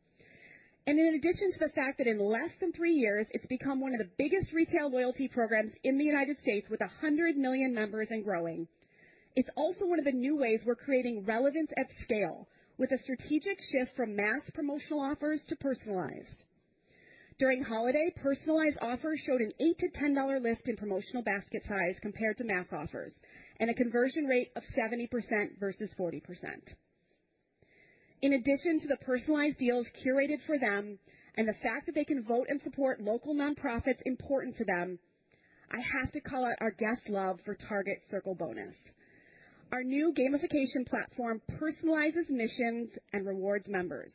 In addition to the fact that in less than three years, it's become one of the biggest retail loyalty programs in the United States with 100 million members and growing, it's also one of the new ways we're creating relevance at scale with a strategic shift from mass promotional offers to personalized. During holiday, personalized offers showed an $8-$10 lift in promotional basket size compared to mass offers and a conversion rate of 70% versus 40%. In addition to the personalized deals curated for them and the fact that they can vote and support local nonprofits important to them, I have to call out our guests' love for Target Circle Bonus. Our new gamification platform personalizes missions and rewards members,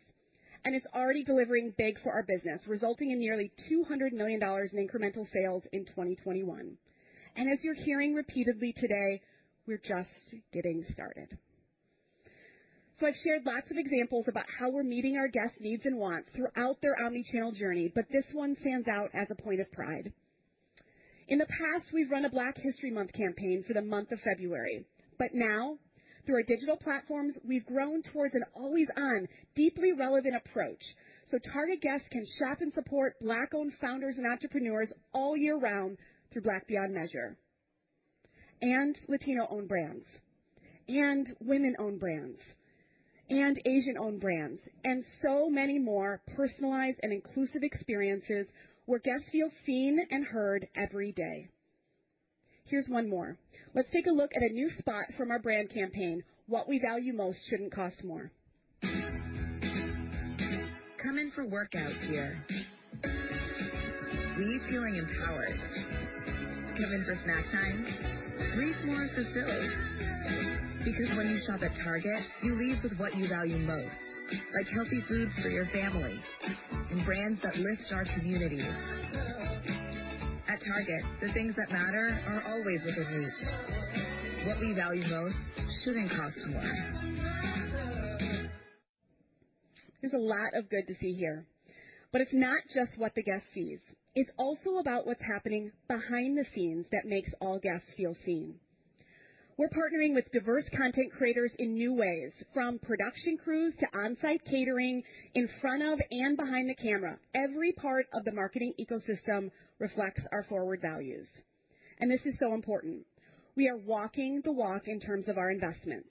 and it's already delivering big for our business, resulting in nearly $200 million in incremental sales in 2021. As you're hearing repeatedly today, we're just getting started. I've shared lots of examples about how we're meeting our guests' needs and wants throughout their omnichannel journey, but this one stands out as a point of pride. In the past, we've run a Black History Month campaign for the month of February, but now through our digital platforms, we've grown towards an always on, deeply relevant approach. Target guests can shop and support Black-owned founders and entrepreneurs all year round through Black Beyond Measure and Latino-owned brands and women-owned brands and Asian-owned brands, and so many more personalized and inclusive experiences where guests feel seen and heard every day. Here's one more. Let's take a look at a new spot from our brand campaign, "What we value most shouldn't cost more. Come in for workout gear. Leave feeling empowered. Come in for snack time. Leave more fulfilled. Because when you shop at Target, you leave with what you value most, like healthy foods for your family and brands that lift our communities. At Target, the things that matter are always within reach. What we value most shouldn't cost more. There's a lot of good to see here, but it's not just what the guest sees. It's also about what's happening behind the scenes that makes all guests feel seen. We're partnering with diverse content creators in new ways, from production crews to on-site catering, in front of and behind the camera. Every part of the marketing ecosystem reflects our forward values. This is so important. We are walking the walk in terms of our investments.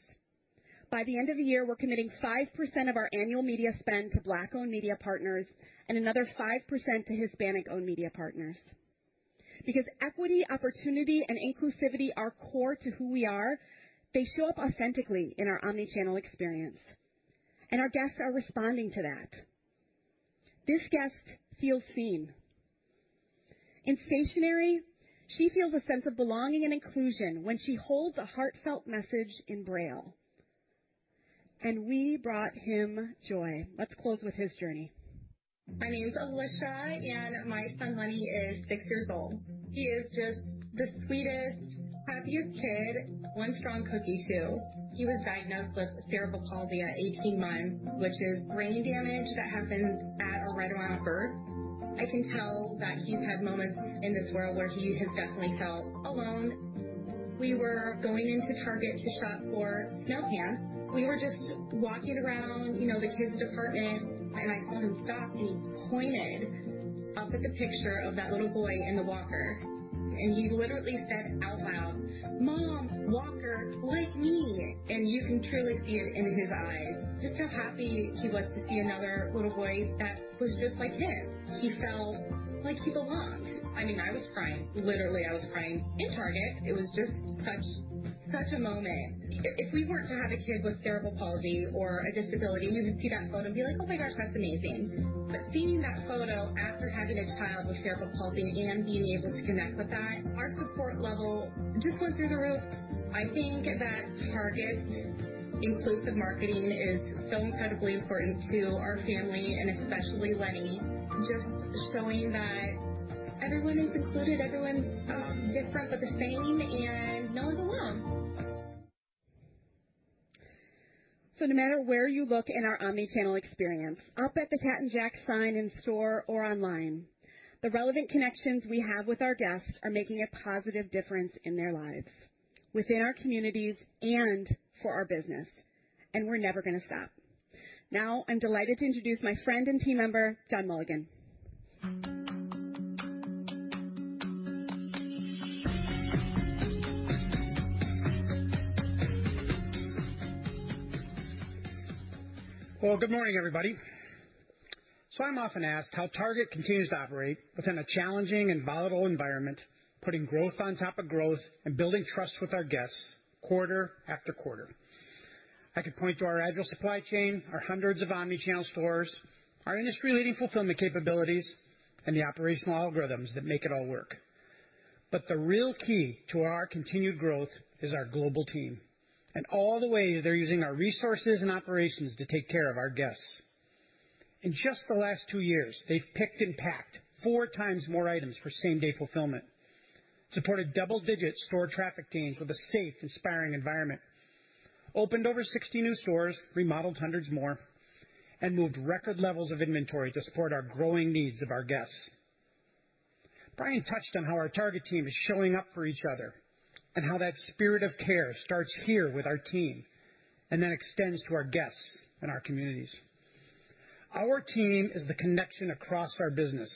By the end of the year, we're committing 5% of our annual media spend to Black-owned media partners and another 5% to Hispanic-owned media partners. Because equity, opportunity, and inclusivity are core to who we are, they show up authentically in our omnichannel experience, and our guests are responding to that. This guest feels seen. In stationery, she feels a sense of belonging and inclusion when she holds a heartfelt message in Braille. We brought him joy. Let's close with his journey. My name is Alicia, and my son Lenny is six years old. He is just the sweetest, happiest kid. One strong cookie, too. He was diagnosed with cerebral palsy at 18 months, which is brain damage that happens at or right around birth. I can tell that he's had moments in this world where he has definitely felt alone. We were going into Target to shop for snow pants. We were just walking around, you know, the kids department, and I told him, "Stop," and he pointed up at the picture of that little boy in the walker, and he literally said out loud, "Mom, walker like me." You can truly see it in his eyes. Just how happy he was to see another little boy that was just like him. He felt like he belonged. I mean, I was crying. Literally, I was crying in Target. It was just such a moment. If we weren't to have a kid with cerebral palsy or a disability, we would see that photo and be like, "Oh, my gosh, that's amazing." Seeing that photo after having a child with cerebral palsy and being able to connect with that, our support level just went through the roof. I think that Target inclusive marketing is so incredibly important to our family and especially Lenny, just showing that everyone is included, everyone's different, but the same, and no one's alone. No matter where you look in our omnichannel experience, up at the Cat & Jack sign in store or online, the relevant connections we have with our guests are making a positive difference in their lives, within our communities and for our business, and we're never gonna stop. Now, I'm delighted to introduce my friend and team member, John Mulligan. Well, good morning, everybody. I'm often asked how Target continues to operate within a challenging and volatile environment, putting growth on top of growth and building trust with our guests quarter after quarter. I could point to our agile supply chain, our hundreds of omni-channel stores, our industry-leading fulfillment capabilities, and the operational algorithms that make it all work. The real key to our continued growth is our global team and all the ways they're using our resources and operations to take care of our guests. In just the last 2 years, they've picked and packed 4 times more items for same-day fulfillment, supported double-digit store traffic gains with a safe, inspiring environment, opened over 60 new stores, remodeled hundreds more, and moved record levels of inventory to support our growing needs of our guests. Brian touched on how our Target team is showing up for each other and how that spirit of care starts here with our team and then extends to our guests and our communities. Our team is the connection across our business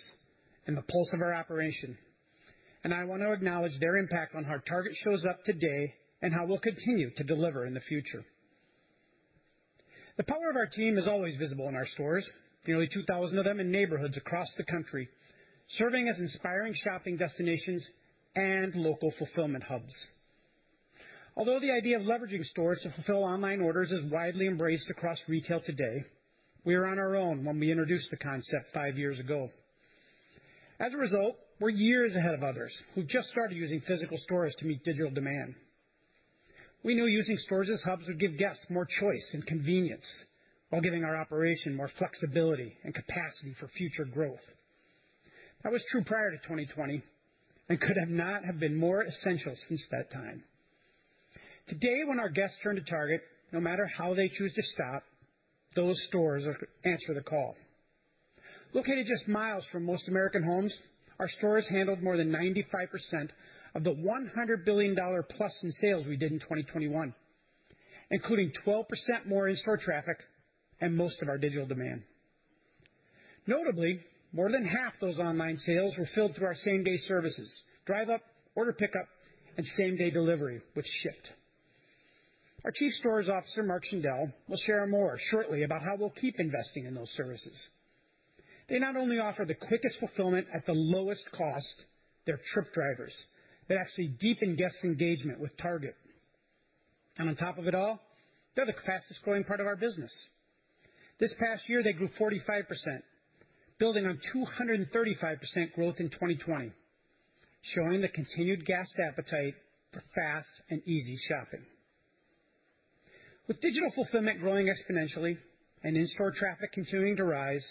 and the pulse of our operation, and I want to acknowledge their impact on how Target shows up today and how we'll continue to deliver in the future. The power of our team is always visible in our stores. Nearly 2,000 of them in neighborhoods across the country, serving as inspiring shopping destinations and local fulfillment hubs. Although the idea of leveraging stores to fulfill online orders is widely embraced across retail today, we were on our own when we introduced the concept five years ago. As a result, we're years ahead of others who've just started using physical stores to meet digital demand. We knew using stores as hubs would give guests more choice and convenience while giving our operation more flexibility and capacity for future growth. That was true prior to 2020 and could not have been more essential since that time. Today, when our guests turn to Target, no matter how they choose to shop, those stores answer the call. Located just miles from most American homes, our stores handled more than 95% of the $100 billion-plus in sales we did in 2021, including 12% more in-store traffic and most of our digital demand. Notably, more than half those online sales were filled through our same-day services, Drive Up, Order Pickup, and same-day delivery with Shipt. Our Chief Stores Officer, Mark Schindele, will share more shortly about how we'll keep investing in those services. They not only offer the quickest fulfillment at the lowest cost, they're trip drivers. They actually deepen guest engagement with Target. On top of it all, they're the fastest-growing part of our business. This past year, they grew 45%, building on 235% growth in 2020, showing the continued guest appetite for fast and easy shopping. With digital fulfillment growing exponentially and in-store traffic continuing to rise,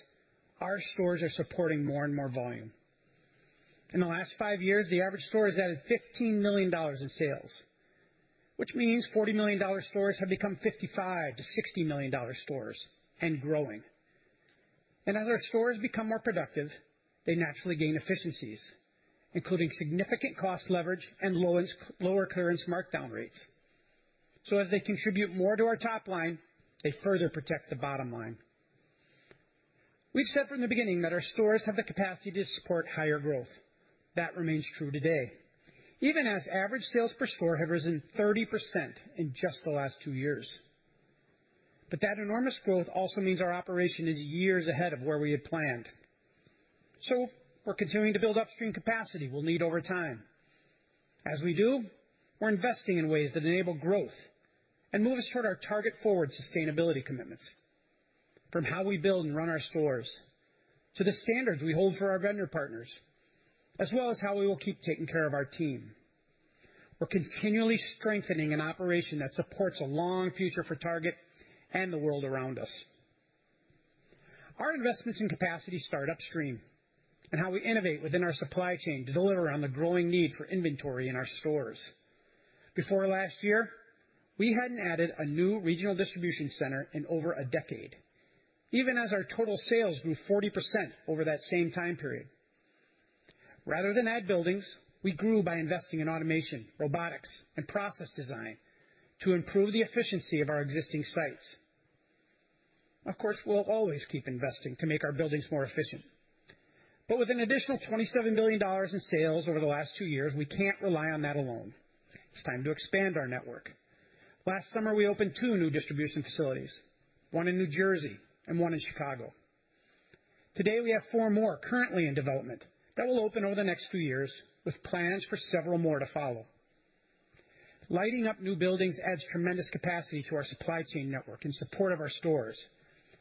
our stores are supporting more and more volume. In the last five years, the average store has added $15 million in sales, which means $40 million stores have become $55 million-$60 million stores and growing. As our stores become more productive, they naturally gain efficiencies, including significant cost leverage and lower clearance markdown rates. As they contribute more to our top line, they further protect the bottom line. We've said from the beginning that our stores have the capacity to support higher growth. That remains true today, even as average sales per store have risen 30% in just the last two years. That enormous growth also means our operation is years ahead of where we had planned. We're continuing to build upstream capacity we'll need over time. As we do, we're investing in ways that enable growth and move us toward our Target Forward sustainability commitments from how we build and run our stores, to the standards we hold for our vendor partners, as well as how we will keep taking care of our team. We're continually strengthening an operation that supports a long future for Target and the world around us. Our investments in capacity start upstream and how we innovate within our supply chain to deliver on the growing need for inventory in our stores. Before last year, we hadn't added a new regional distribution center in over a decade, even as our total sales grew 40% over that same time period. Rather than add buildings, we grew by investing in automation, robotics, and process design to improve the efficiency of our existing sites. Of course, we'll always keep investing to make our buildings more efficient. With an additional $27 billion in sales over the last two years, we can't rely on that alone. It's time to expand our network. Last summer, we opened 2 new distribution facilities, one in New Jersey and one in Chicago. Today, we have four more currently in development that will open over the next few years, with plans for several more to follow. Lighting up new buildings adds tremendous capacity to our supply chain network in support of our stores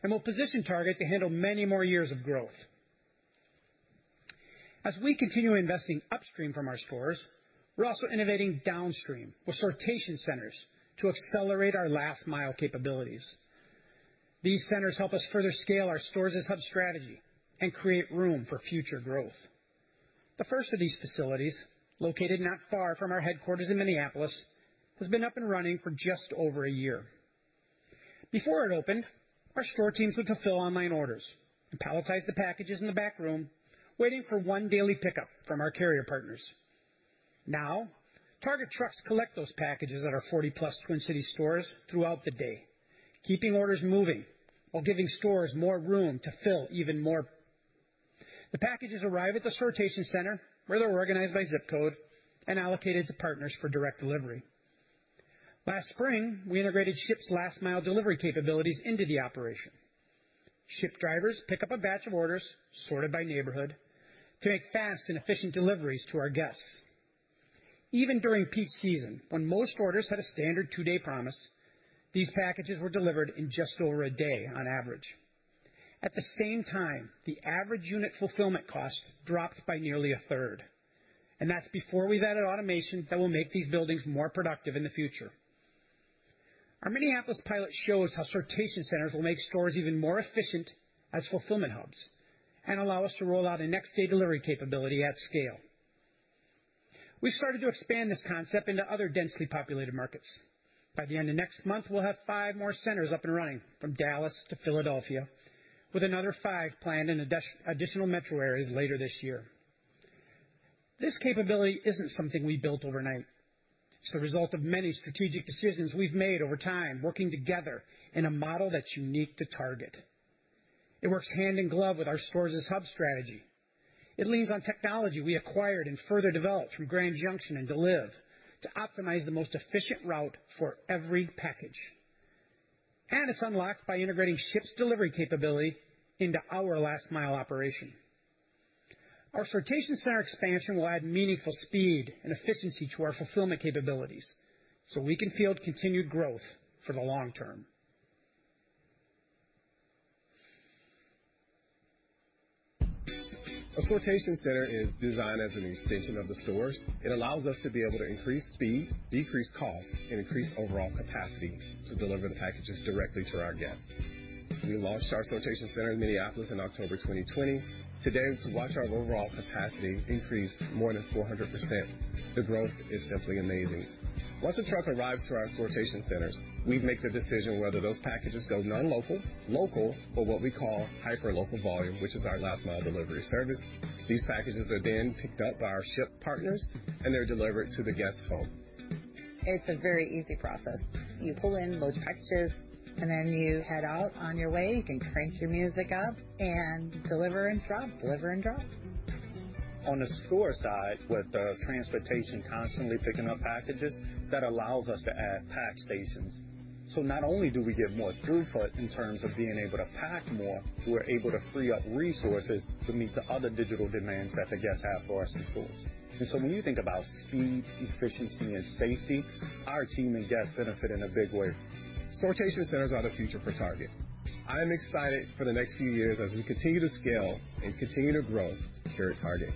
and will position Target to handle many more years of growth. As we continue investing upstream from our stores, we're also innovating downstream with sortation centers to accelerate our last mile capabilities. These centers help us further scale our stores-as-hub strategy and create room for future growth. The first of these facilities, located not far from our headquarters in Minneapolis, has been up and running for just over a year. Before it opened, our store teams would fulfill online orders and palletize the packages in the back room, waiting for one daily pickup from our carrier partners. Target trucks collect those packages at our 40-plus Twin Cities stores throughout the day, keeping orders moving while giving stores more room to fill even more. The packages arrive at the sortation center where they're organized by zip code and allocated to partners for direct delivery. Last spring, we integrated Shipt's last mile delivery capabilities into the operation. Shipt drivers pick up a batch of orders sorted by neighborhood to make fast and efficient deliveries to our guests. Even during peak season, when most orders had a standard two-day promise, these packages were delivered in just over a day on average. At the same time, the average unit fulfillment cost dropped by nearly a third, and that's before we've added automation that will make these buildings more productive in the future. Our Minneapolis pilot shows how sortation centers will make stores even more efficient as fulfillment hubs and allow us to roll out a next day delivery capability at scale. We started to expand this concept into other densely populated markets. By the end of next month, we'll have five more centers up and running from Dallas to Philadelphia, with another five planned in additional metro areas later this year. This capability isn't something we built overnight. It's the result of many strategic decisions we've made over time, working together in a model that's unique to Target. It works hand in glove with our stores as hub strategy. It leans on technology we acquired and further developed through Grand Junction and Deliv to optimize the most efficient route for every package. It's unlocked by integrating Shipt's delivery capability into our last mile operation. Our sortation center expansion will add meaningful speed and efficiency to our fulfillment capabilities so we can field continued growth for the long term. A sortation center is designed as an extension of the stores. It allows us to be able to increase speed, decrease costs, and increase overall capacity to deliver the packages directly to our guests. We launched our sortation center in Minneapolis in October 2020. Today we watch our overall capacity increase more than 400%. The growth is simply amazing. Once a truck arrives to our sortation centers, we make the decision whether those packages go non-local, local, or what we call hyper local volume, which is our last mile delivery service. These packages are then picked up by our Shipt partners, and they're delivered to the guest home. It's a very easy process. You pull in, load packages, and then you head out on your way. You can crank your music up and deliver and drop, deliver and drop. On the store side, with the transportation constantly picking up packages, that allows us to add pack stations. Not only do we get more throughput in terms of being able to pack more, we're able to free up resources to meet the other digital demands that the guests have for us in stores. When you think about speed, efficiency, and safety, our team and guests benefit in a big way. Sortation centers are the future for Target. I am excited for the next few years as we continue to scale and continue to grow here at Target.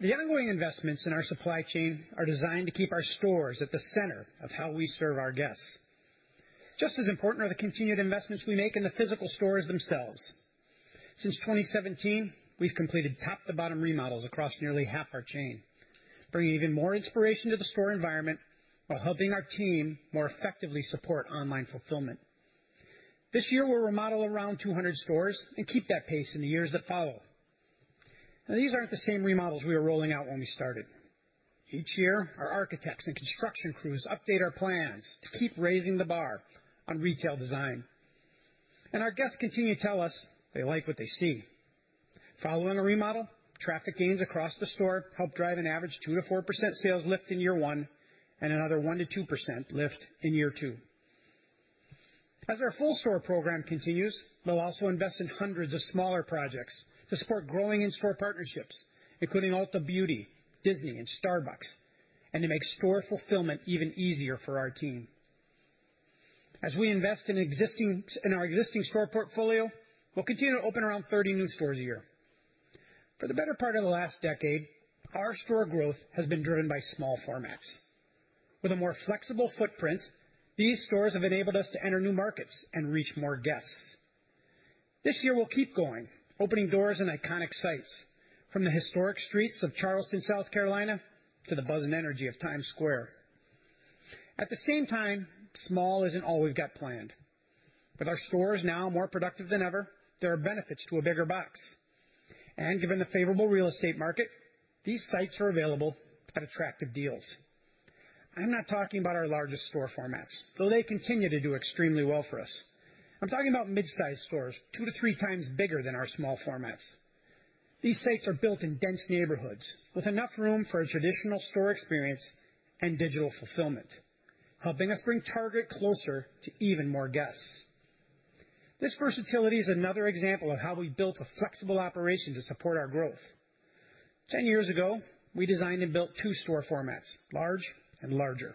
The ongoing investments in our supply chain are designed to keep our stores at the center of how we serve our guests. Just as important are the continued investments we make in the physical stores themselves. Since 2017, we've completed top to bottom remodels across nearly half our chain, bringing even more inspiration to the store environment while helping our team more effectively support online fulfillment. This year, we'll remodel around 200 stores and keep that pace in the years that follow. Now, these aren't the same remodels we were rolling out when we started. Each year, our architects and construction crews update our plans to keep raising the bar on retail design. Our guests continue to tell us they like what they see. Following a remodel, traffic gains across the store help drive an average 2%-4% sales lift in year one and another 1%-2% lift in year two. As our full store program continues, we'll also invest in hundreds of smaller projects to support growing in-store partnerships, including Ulta Beauty, Disney, and Starbucks, and to make store fulfillment even easier for our team. As we invest in our existing store portfolio, we'll continue to open around 30 new stores a year. For the better part of the last decade, our store growth has been driven by small formats. With a more flexible footprint, these stores have enabled us to enter new markets and reach more guests. This year, we'll keep going, opening doors in iconic sites from the historic streets of Charleston, South Carolina, to the buzz and energy of Times Square. At the same time, small isn't always got planned. With our stores now more productive than ever, there are benefits to a bigger box. Given the favorable real estate market, these sites are available at attractive deals. I'm not talking about our largest store formats, though they continue to do extremely well for us. I'm talking about mid-size stores two to three times bigger than our small formats. These sites are built in dense neighborhoods with enough room for a traditional store experience and digital fulfillment, helping us bring Target closer to even more guests. This versatility is another example of how we built a flexible operation to support our growth. 10 years ago, we designed and built two store formats, large and larger.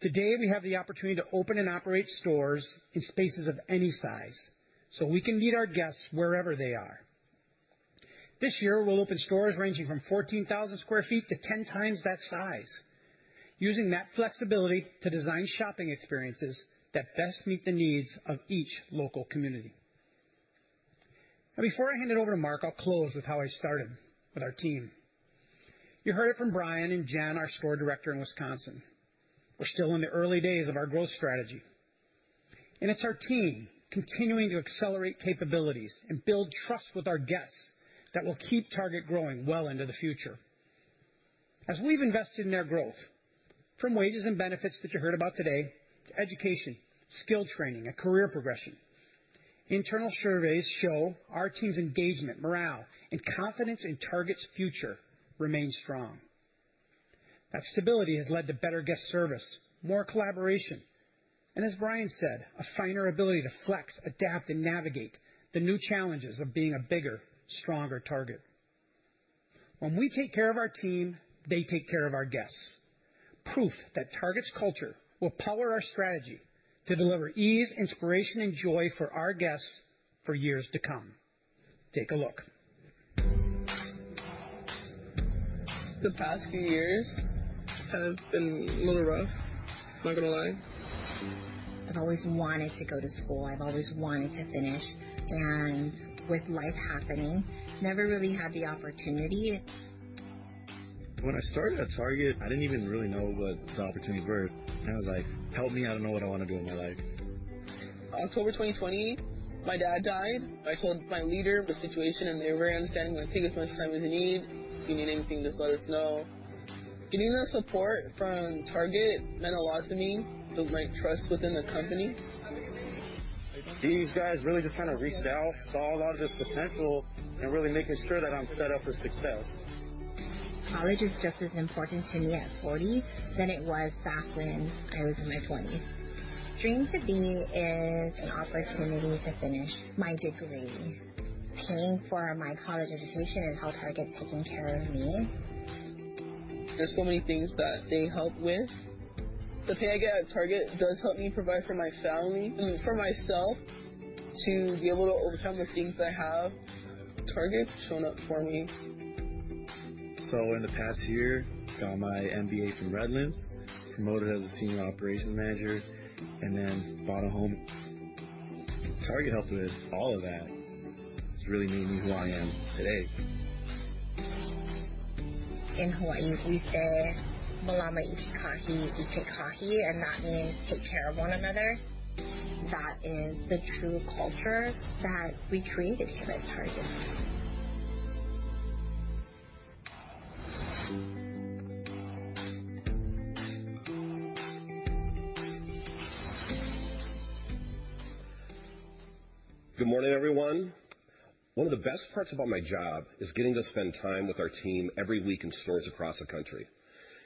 Today, we have the opportunity to open and operate stores in spaces of any size, so we can meet our guests wherever they are. This year, we'll open stores ranging from 14,000 sq ft to 10 times that size, using that flexibility to design shopping experiences that best meet the needs of each local community. Before I hand it over to Mark, I'll close with how I started, with our team. You heard it from Brian and Jan, our store director in Wisconsin. We're still in the early days of our growth strategy, and it's our team continuing to accelerate capabilities and build trust with our guests that will keep Target growing well into the future. As we've invested in their growth from wages and benefits that you heard about today to education, skill training, and career progression, internal surveys show our team's engagement, morale, and confidence in Target's future remains strong. That stability has led to better guest service, more collaboration, and as Brian said, a finer ability to flex, adapt, and navigate the new challenges of being a bigger, stronger Target. When we take care of our team, they take care of our guests. Proof that Target's culture will power our strategy to deliver ease, inspiration, and joy for our guests for years to come. Take a look. The past few years have been a little rough. I'm not gonna lie. I've always wanted to go to school. I've always wanted to finish, and with life happening, never really had the opportunity. When I started at Target, I didn't even really know what the opportunities were, and I was like, "Help me, I don't know what I wanna do in my life. October 2020, my dad died. I told my leader the situation, and they were understanding, like, "Take as much time as you need. If you need anything, just let us know." Getting that support from Target meant a lot to me, to build my trust within the company. These guys really just trying to reach out, saw a lot of just potential, and really making sure that I'm set up for success. College is just as important to me at 40 than it was back when I was in my 20s. Dream to Be is an opportunity to finish my degree. Paying for my college education is how Target's taking care of me. There's so many things that they help with. The pay I get at Target does help me provide for my family and for myself to be able to overcome the things I have. Target shown up for me. In the past year, I got my MBA from Redlands, promoted as a senior operations manager, and then bought a home. Target helped with all of that. It's really made me who I am today. In Hawaii, we say, "Mālama i kekahi i kekahi", and that means take care of one another. That is the true culture that we created here at Target. Good morning, everyone. One of the best parts about my job is getting to spend time with our team every week in stores across the country,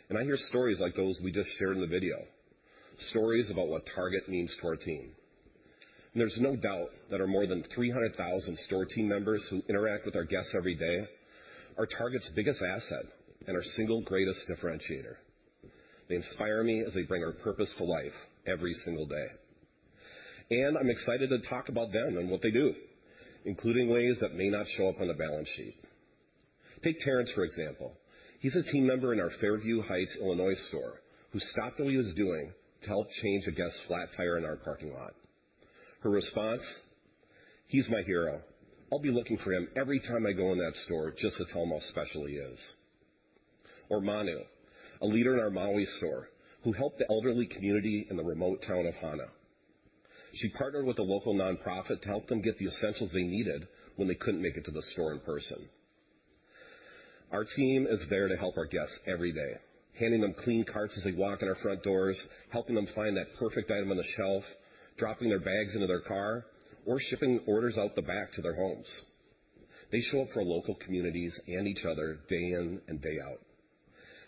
and I hear stories like those we just shared in the video, stories about what Target means to our team. There's no doubt that our more than 300,000 store team members who interact with our guests every day are Target's biggest asset and our single greatest differentiator. They inspire me as they bring our purpose to life every single day. I'm excited to talk about them and what they do, including ways that may not show up on the balance sheet. Take Terrence, for example. He's a team member in our Fairview Heights, Illinois store who stopped what he was doing to help change a guest's flat tire in our parking lot. Her response? "He's my hero. I'll be looking for him every time I go in that store just to tell him how special he is." Or Manu, a leader in our Maui store, who helped the elderly community in the remote town of Hana. She partnered with a local nonprofit to help them get the essentials they needed when they couldn't make it to the store in person. Our team is there to help our guests every day, handing them clean carts as they walk in our front doors, helping them find that perfect item on the shelf, dropping their bags into their car, or shipping orders out the back to their homes. They show up for local communities and each other day in and day out.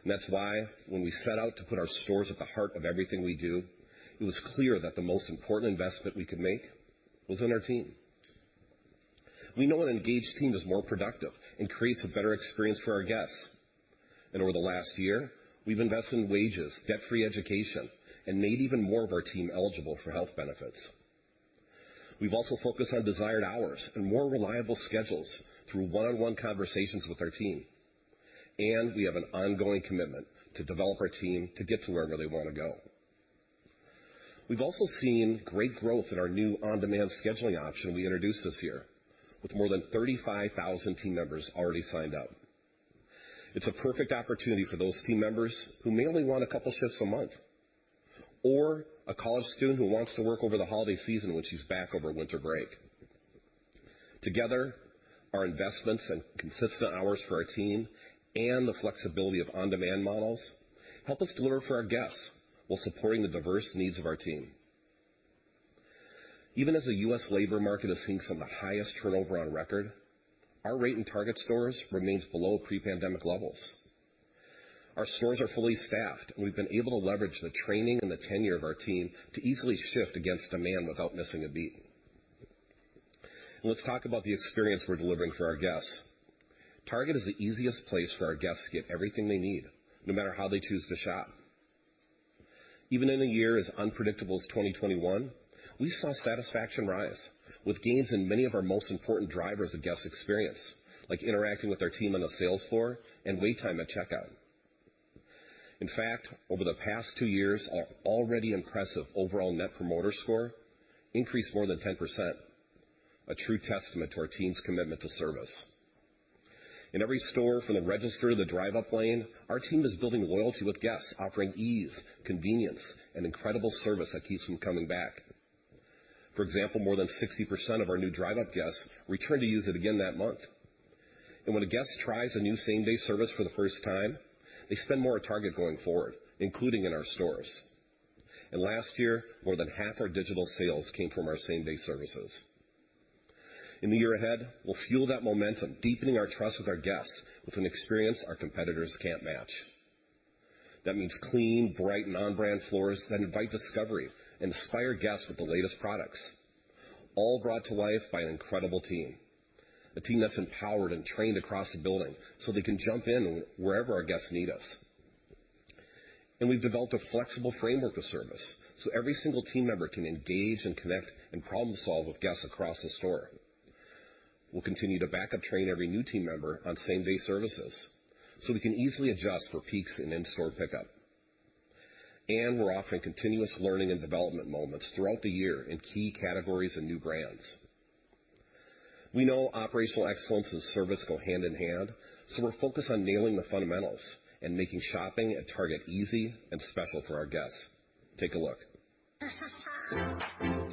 That's why when we set out to put our stores at the heart of everything we do, it was clear that the most important investment we could make was in our team. We know an engaged team is more productive and creates a better experience for our guests. Over the last year, we've invested in wages, debt-free education, and made even more of our team eligible for health benefits. We've also focused on desired hours and more reliable schedules through one-on-one conversations with our team. We have an ongoing commitment to develop our team to get to where they wanna go. We've also seen great growth in our new on-demand scheduling option we introduced this year with more than 35,000 team members already signed up. It's a perfect opportunity for those team members who may only want a couple shifts a month or a college student who wants to work over the holiday season when she's back over winter break. Together, our investments in consistent hours for our team and the flexibility of on-demand models help us deliver for our guests while supporting the diverse needs of our team. Even as the U.S. labor market has seen some of the highest turnover on record, our rate in Target stores remains below pre-pandemic levels. Our stores are fully staffed, and we've been able to leverage the training and the tenure of our team to easily shift against demand without missing a beat. Let's talk about the experience we're delivering for our guests. Target is the easiest place for our guests to get everything they need, no matter how they choose to shop. Even in a year as unpredictable as 2021, we saw satisfaction rise with gains in many of our most important drivers of guest experience, like interacting with our team on the sales floor and wait time at checkout. In fact, over the past two years, our already impressive overall net promoter score increased more than 10%, a true testament to our team's commitment to service. In every store from the register to the Drive Up lane, our team is building loyalty with guests, offering ease, convenience, and incredible service that keeps them coming back. For example, more than 60% of our new Drive Up guests return to use it again that month. When a guest tries a new same-day service for the first time, they spend more at Target going forward, including in our stores. Last year, more than half our digital sales came from our same-day services. In the year ahead, we'll fuel that momentum, deepening our trust with our guests with an experience our competitors can't match. That means clean, bright, and on-brand floors that invite discovery and inspire guests with the latest products, all brought to life by an incredible team, a team that's empowered and trained across the building so they can jump in wherever our guests need us. We've developed a flexible framework of service so every single team member can engage and connect and problem solve with guests across the store. We'll continue to back up train every new team member on same-day services so we can easily adjust for peaks in in-store pickup. We're offering continuous learning and development moments throughout the year in key categories and new brands. We know operational excellence and service go hand in hand, so we're focused on nailing the fundamentals and making shopping at Target easy and special for our guests. Take a look.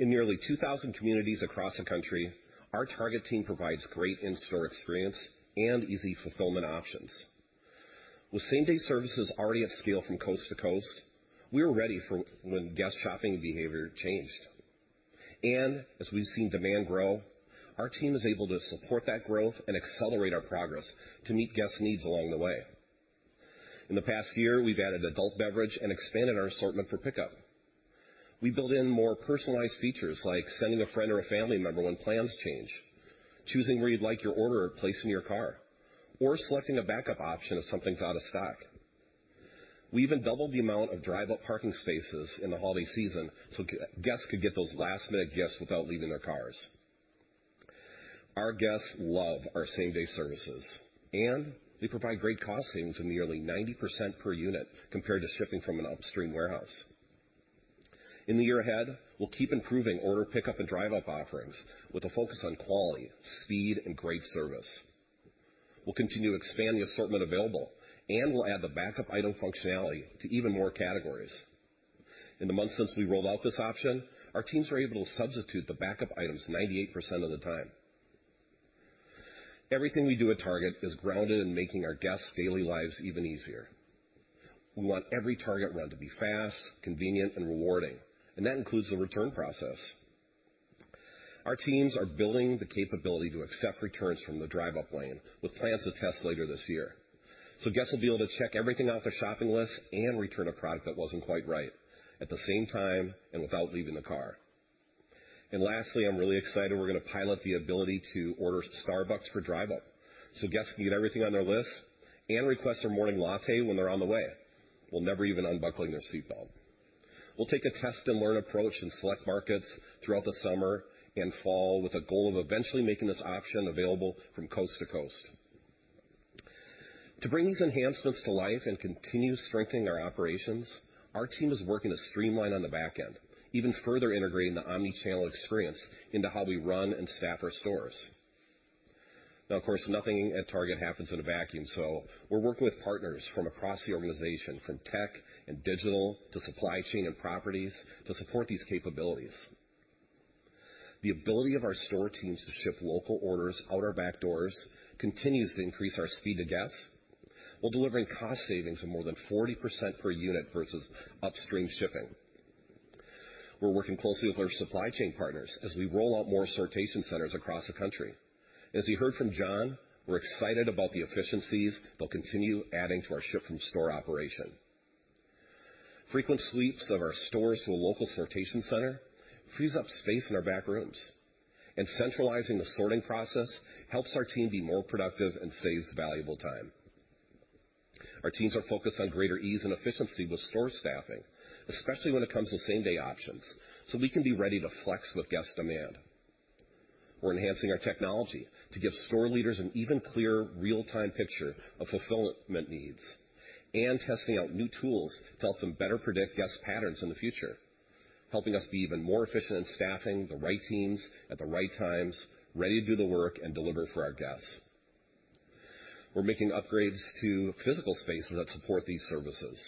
In nearly 2,000 communities across the country, our Target team provides great in-store experience and easy fulfillment options. With same-day services already at scale from coast to coast, we were ready for when guest shopping behavior changed. As we've seen demand grow, our team is able to support that growth and accelerate our progress to meet guests' needs along the way. In the past year, we've added adult beverage and expanded our assortment for pickup. We built in more personalized features like sending a friend or a family member when plans change, choosing where you'd like your order placed in your car, or selecting a backup option if something's out of stock. We even doubled the amount of Drive Up parking spaces in the holiday season so guests could get those last-minute gifts without leaving their cars. Our guests love our same-day services, and they provide great cost savings of nearly 90% per unit compared to shipping from an upstream warehouse. In the year ahead, we'll keep improving Order Pickup and Drive Up offerings with a focus on quality, speed, and great service. We'll continue to expand the assortment available, and we'll add the backup item functionality to even more categories. In the months since we rolled out this option, our teams were able to substitute the backup items 98% of the time. Everything we do at Target is grounded in making our guests' daily lives even easier. We want every Target run to be fast, convenient, and rewarding, and that includes the return process. Our teams are building the capability to accept returns from the Drive Up lane with plans to test later this year. Guests will be able to check everything off their shopping list and return a product that wasn't quite right at the same time and without leaving the car. Lastly, I'm really excited we're gonna pilot the ability to order Starbucks for Drive Up, so guests can get everything on their list and request their morning latte when they're on the way, while never even unbuckling their seatbelt. We'll take a test-and-learn approach in select markets throughout the summer and fall with a goal of eventually making this option available from coast to coast. To bring these enhancements to life and continue strengthening our operations, our team is working to streamline on the back end, even further integrating the omnichannel experience into how we run and staff our stores. Now, of course, nothing at Target happens in a vacuum, so we're working with partners from across the organization, from tech and digital to supply chain and properties, to support these capabilities. The ability of our store teams to ship local orders out our back doors continues to increase our speed to guests while delivering cost savings of more than 40% per unit versus upstream shipping. We're working closely with our supply chain partners as we roll out more sortation centers across the country. As you heard from John, we're excited about the efficiencies they'll continue adding to our ship-from-store operation. Frequent sweeps of our stores to a local sortation center frees up space in our back rooms. Centralizing the sorting process helps our team be more productive and saves valuable time. Our teams are focused on greater ease and efficiency with store staffing, especially when it comes to same-day options, so we can be ready to flex with guest demand. We're enhancing our technology to give store leaders an even clearer real-time picture of fulfillment needs and testing out new tools to help them better predict guest patterns in the future, helping us be even more efficient in staffing the right teams at the right times, ready to do the work and deliver for our guests. We're making upgrades to physical spaces that support these services,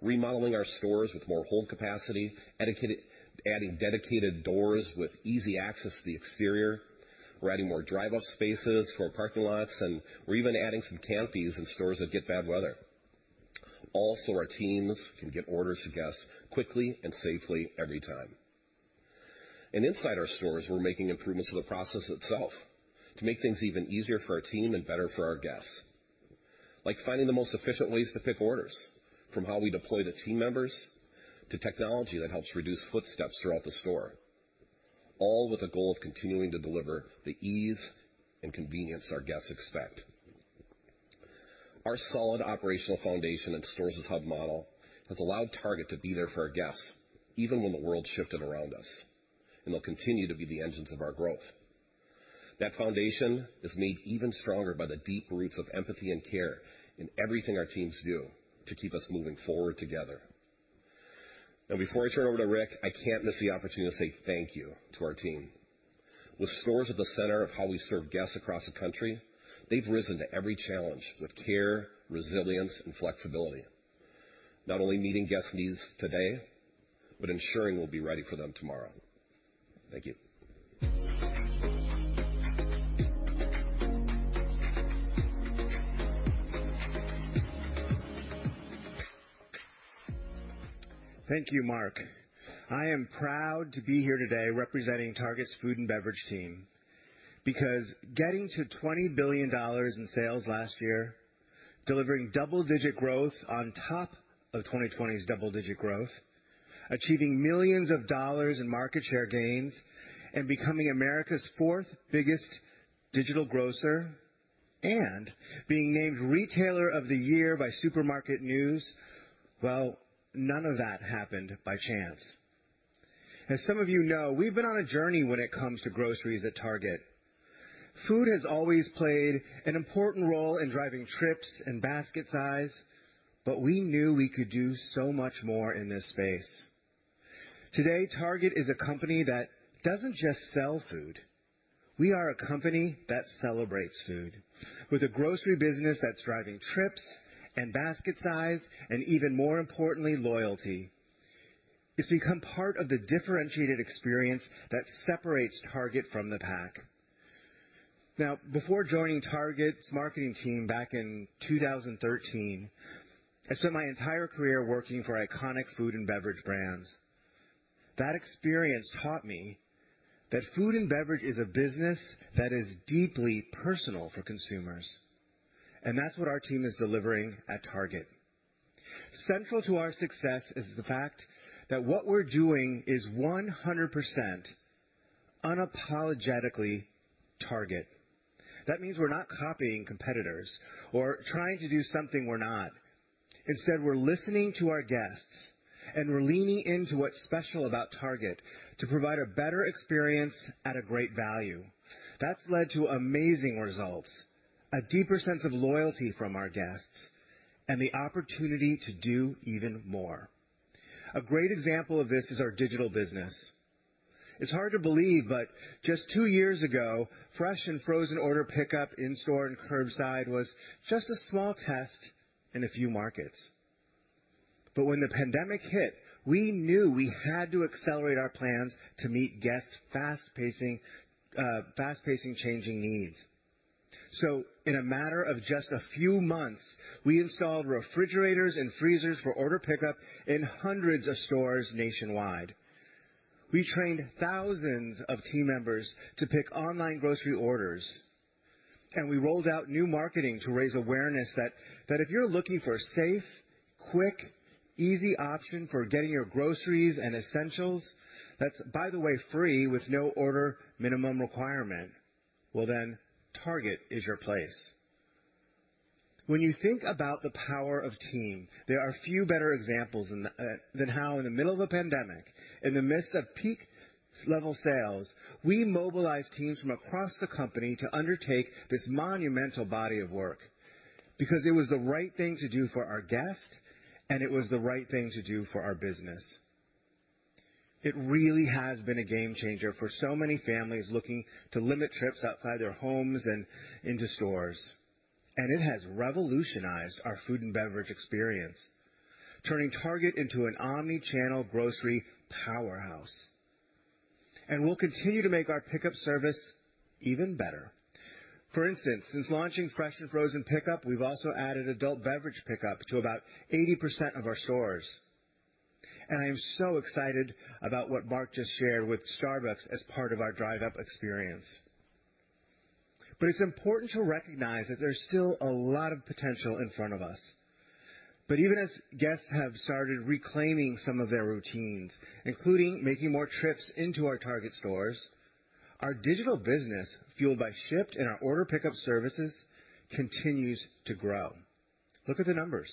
remodeling our stores with more hold capacity, adding dedicated doors with easy access to the exterior. We're adding more Drive Up spaces for our parking lots, and we're even adding some canopies in stores that get bad weather. All so our teams can get orders to guests quickly and safely every time. Inside our stores, we're making improvements to the process itself to make things even easier for our team and better for our guests. Like finding the most efficient ways to pick orders from how we deploy the team members to technology that helps reduce footsteps throughout the store, all with the goal of continuing to deliver the ease and convenience our guests expect. Our solid operational foundation and stores as hub model has allowed Target to be there for our guests even when the world shifted around us and will continue to be the engines of our growth. That foundation is made even stronger by the deep roots of empathy and care in everything our teams do to keep us moving forward together. Now, before I turn over to Rick, I can't miss the opportunity to say thank you to our team. With stores at the center of how we serve guests across the country, they've risen to every challenge with care, resilience, and flexibility. Not only meeting guests' needs today, but ensuring we'll be ready for them tomorrow. Thank you. Thank you, Mark. I am proud to be here today representing Target's food and beverage team because getting to $20 billion in sales last year, delivering double-digit growth on top of 2020's double-digit growth, achieving $millions in market share gains, and becoming America's fourth biggest digital grocer, and being named Retailer of the Year by Supermarket News. Well, none of that happened by chance. As some of you know, we've been on a journey when it comes to groceries at Target. Food has always played an important role in driving trips and basket size, but we knew we could do so much more in this space. Today, Target is a company that doesn't just sell food. We are a company that celebrates food with a grocery business that's driving trips and basket size and even more importantly, loyalty. It's become part of the differentiated experience that separates Target from the pack. Now, before joining Target's marketing team back in 2013, I spent my entire career working for iconic food and beverage brands. That experience taught me that food and beverage is a business that is deeply personal for consumers, and that's what our team is delivering at Target. Central to our success is the fact that what we're doing is 100% unapologetically Target. That means we're not copying competitors or trying to do something we're not. Instead, we're listening to our guests, and we're leaning into what's special about Target to provide a better experience at a great value. That's led to amazing results, a deeper sense of loyalty from our guests, and the opportunity to do even more. A great example of this is our digital business. It's hard to believe, but just two years ago, fresh and frozen order pickup in store and curbside was just a small test in a few markets. When the pandemic hit, we knew we had to accelerate our plans to meet guests' fast-paced changing needs. In a matter of just a few months, we installed refrigerators and freezers for order pickup in hundreds of stores nationwide. We trained thousands of team members to pick online grocery orders, and we rolled out new marketing to raise awareness that if you're looking for a safe, quick, easy option for getting your groceries and essentials that's, by the way, free with no order minimum requirement, well, then Target is your place. When you think about the power of team, there are few better examples than how in the middle of a pandemic, in the midst of peak level sales, we mobilized teams from across the company to undertake this monumental body of work because it was the right thing to do for our guests, and it was the right thing to do for our business. It really has been a game changer for so many families looking to limit trips outside their homes and into stores. It has revolutionized our food and beverage experience, turning Target into an omni-channel grocery powerhouse. We'll continue to make our pickup service even better. For instance, since launching fresh and frozen pickup, we've also added adult beverage pickup to about 80% of our stores. I am so excited about what Mark just shared with Starbucks as part of our Drive Up experience. It's important to recognize that there's still a lot of potential in front of us. Even as guests have started reclaiming some of their routines, including making more trips into our Target stores, our digital business, fueled by Shipt and our Order Pickup services, continues to grow. Look at the numbers.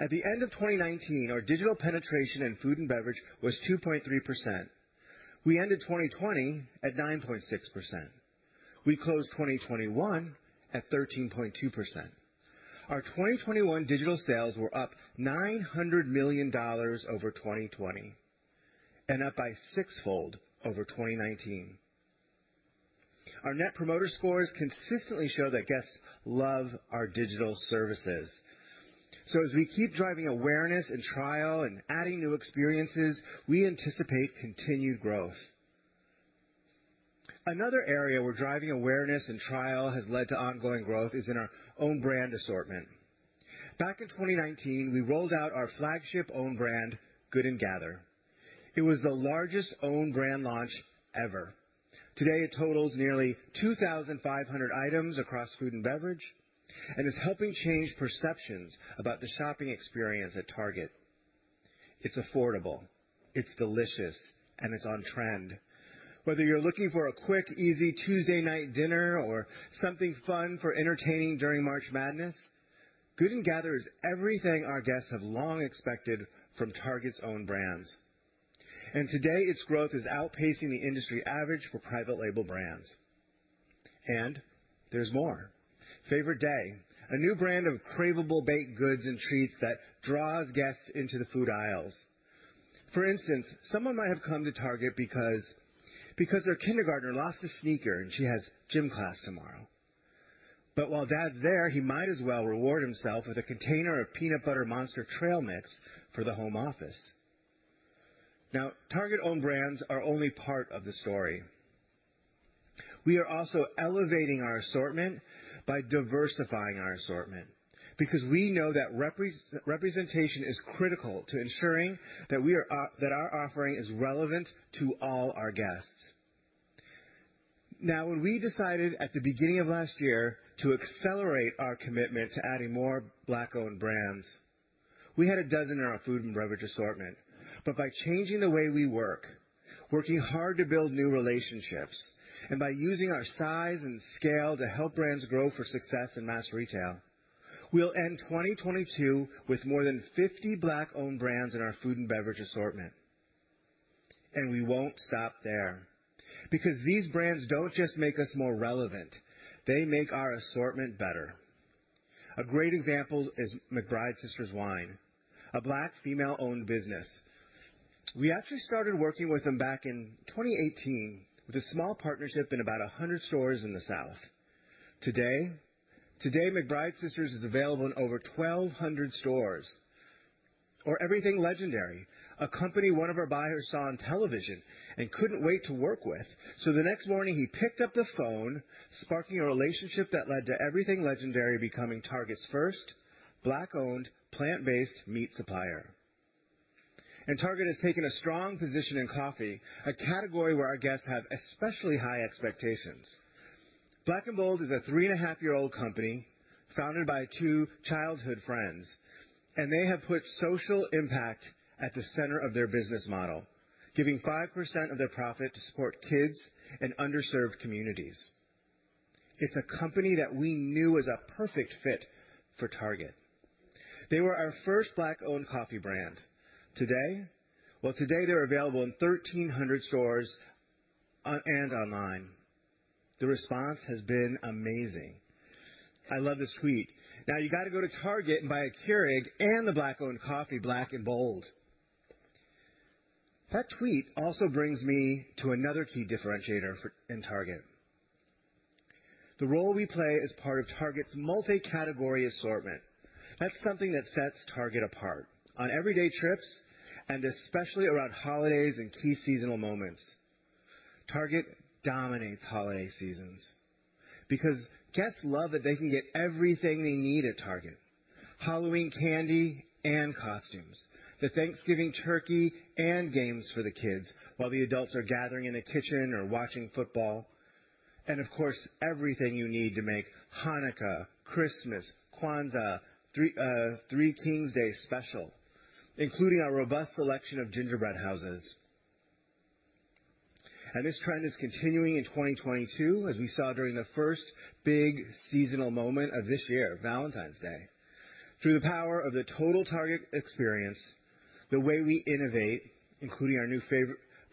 At the end of 2019, our digital penetration in food and beverage was 2.3%. We ended 2020 at 9.6%. We closed 2021 at 13.2%. Our 2021 digital sales were up $900 million over 2020. Up by sixfold over 2019. Our net promoter scores consistently show that guests love our digital services. As we keep driving awareness and trial and adding new experiences, we anticipate continued growth. Another area where driving awareness and trial has led to ongoing growth is in our own brand assortment. Back in 2019, we rolled out our flagship own brand, Good & Gather. It was the largest own brand launch ever. Today, it totals nearly 2,500 items across food and beverage and is helping change perceptions about the shopping experience at Target. It's affordable, it's delicious, and it's on trend. Whether you're looking for a quick, easy Tuesday night dinner or something fun for entertaining during March Madness, Good & Gather is everything our guests have long expected from Target's own brands. Today, its growth is outpacing the industry average for private label brands. There's more. Favorite Day, a new brand of craveable baked goods and treats that draws guests into the food aisles. For instance, someone might have come to Target because their kindergartner lost a sneaker and she has gym class tomorrow. While dad's there, he might as well reward himself with a container of peanut butter monster trail mix for the home office. Now, Target owned brands are only part of the story. We are also elevating our assortment by diversifying our assortment because we know that representation is critical to ensuring that our offering is relevant to all our guests. Now, when we decided at the beginning of last year to accelerate our commitment to adding more Black-owned brands, we had a dozen in our food and beverage assortment. By changing the way we work, working hard to build new relationships, and by using our size and scale to help brands grow for success in mass retail, we'll end 2022 with more than 50 Black-owned brands in our food and beverage assortment. We won't stop there because these brands don't just make us more relevant. They make our assortment better. A great example is McBride Sisters Wine, a Black female-owned business. We actually started working with them back in 2018 with a small partnership in about 100 stores in the South. Today, McBride Sisters is available in over 1,200 stores. Everything Legendary, a company one of our buyers saw on television and couldn't wait to work with. The next morning, he picked up the phone, sparking a relationship that led to Everything Legendary becoming Target's first Black-owned plant-based meat supplier. Target has taken a strong position in coffee, a category where our guests have especially high expectations. BLK & Bold is a three-and-a-half-year-old company founded by two childhood friends, and they have put social impact at the center of their business model, giving 5% of their profit to support kids in underserved communities. It's a company that we knew was a perfect fit for Target. They were our first Black-owned coffee brand. Today? Well, today, they're available in 1,300 stores and online. The response has been amazing. I love this tweet. "Now you gotta go to Target and buy a Keurig and the Black-owned coffee BLK & Bold." That tweet also brings me to another key differentiator in Target, the role we play as part of Target's multi-category assortment. That's something that sets Target apart on everyday trips and especially around holidays and key seasonal moments. Target dominates holiday seasons because guests love that they can get everything they need at Target. Halloween candy and costumes, the Thanksgiving turkey and games for the kids while the adults are gathering in the kitchen or watching football, and of course, everything you need to make Hanukkah, Christmas, Kwanzaa, Three Kings Day special, including our robust selection of gingerbread houses. This trend is continuing in 2022, as we saw during the first big seasonal moment of this year, Valentine's Day. Through the power of the total Target experience, the way we innovate, including our new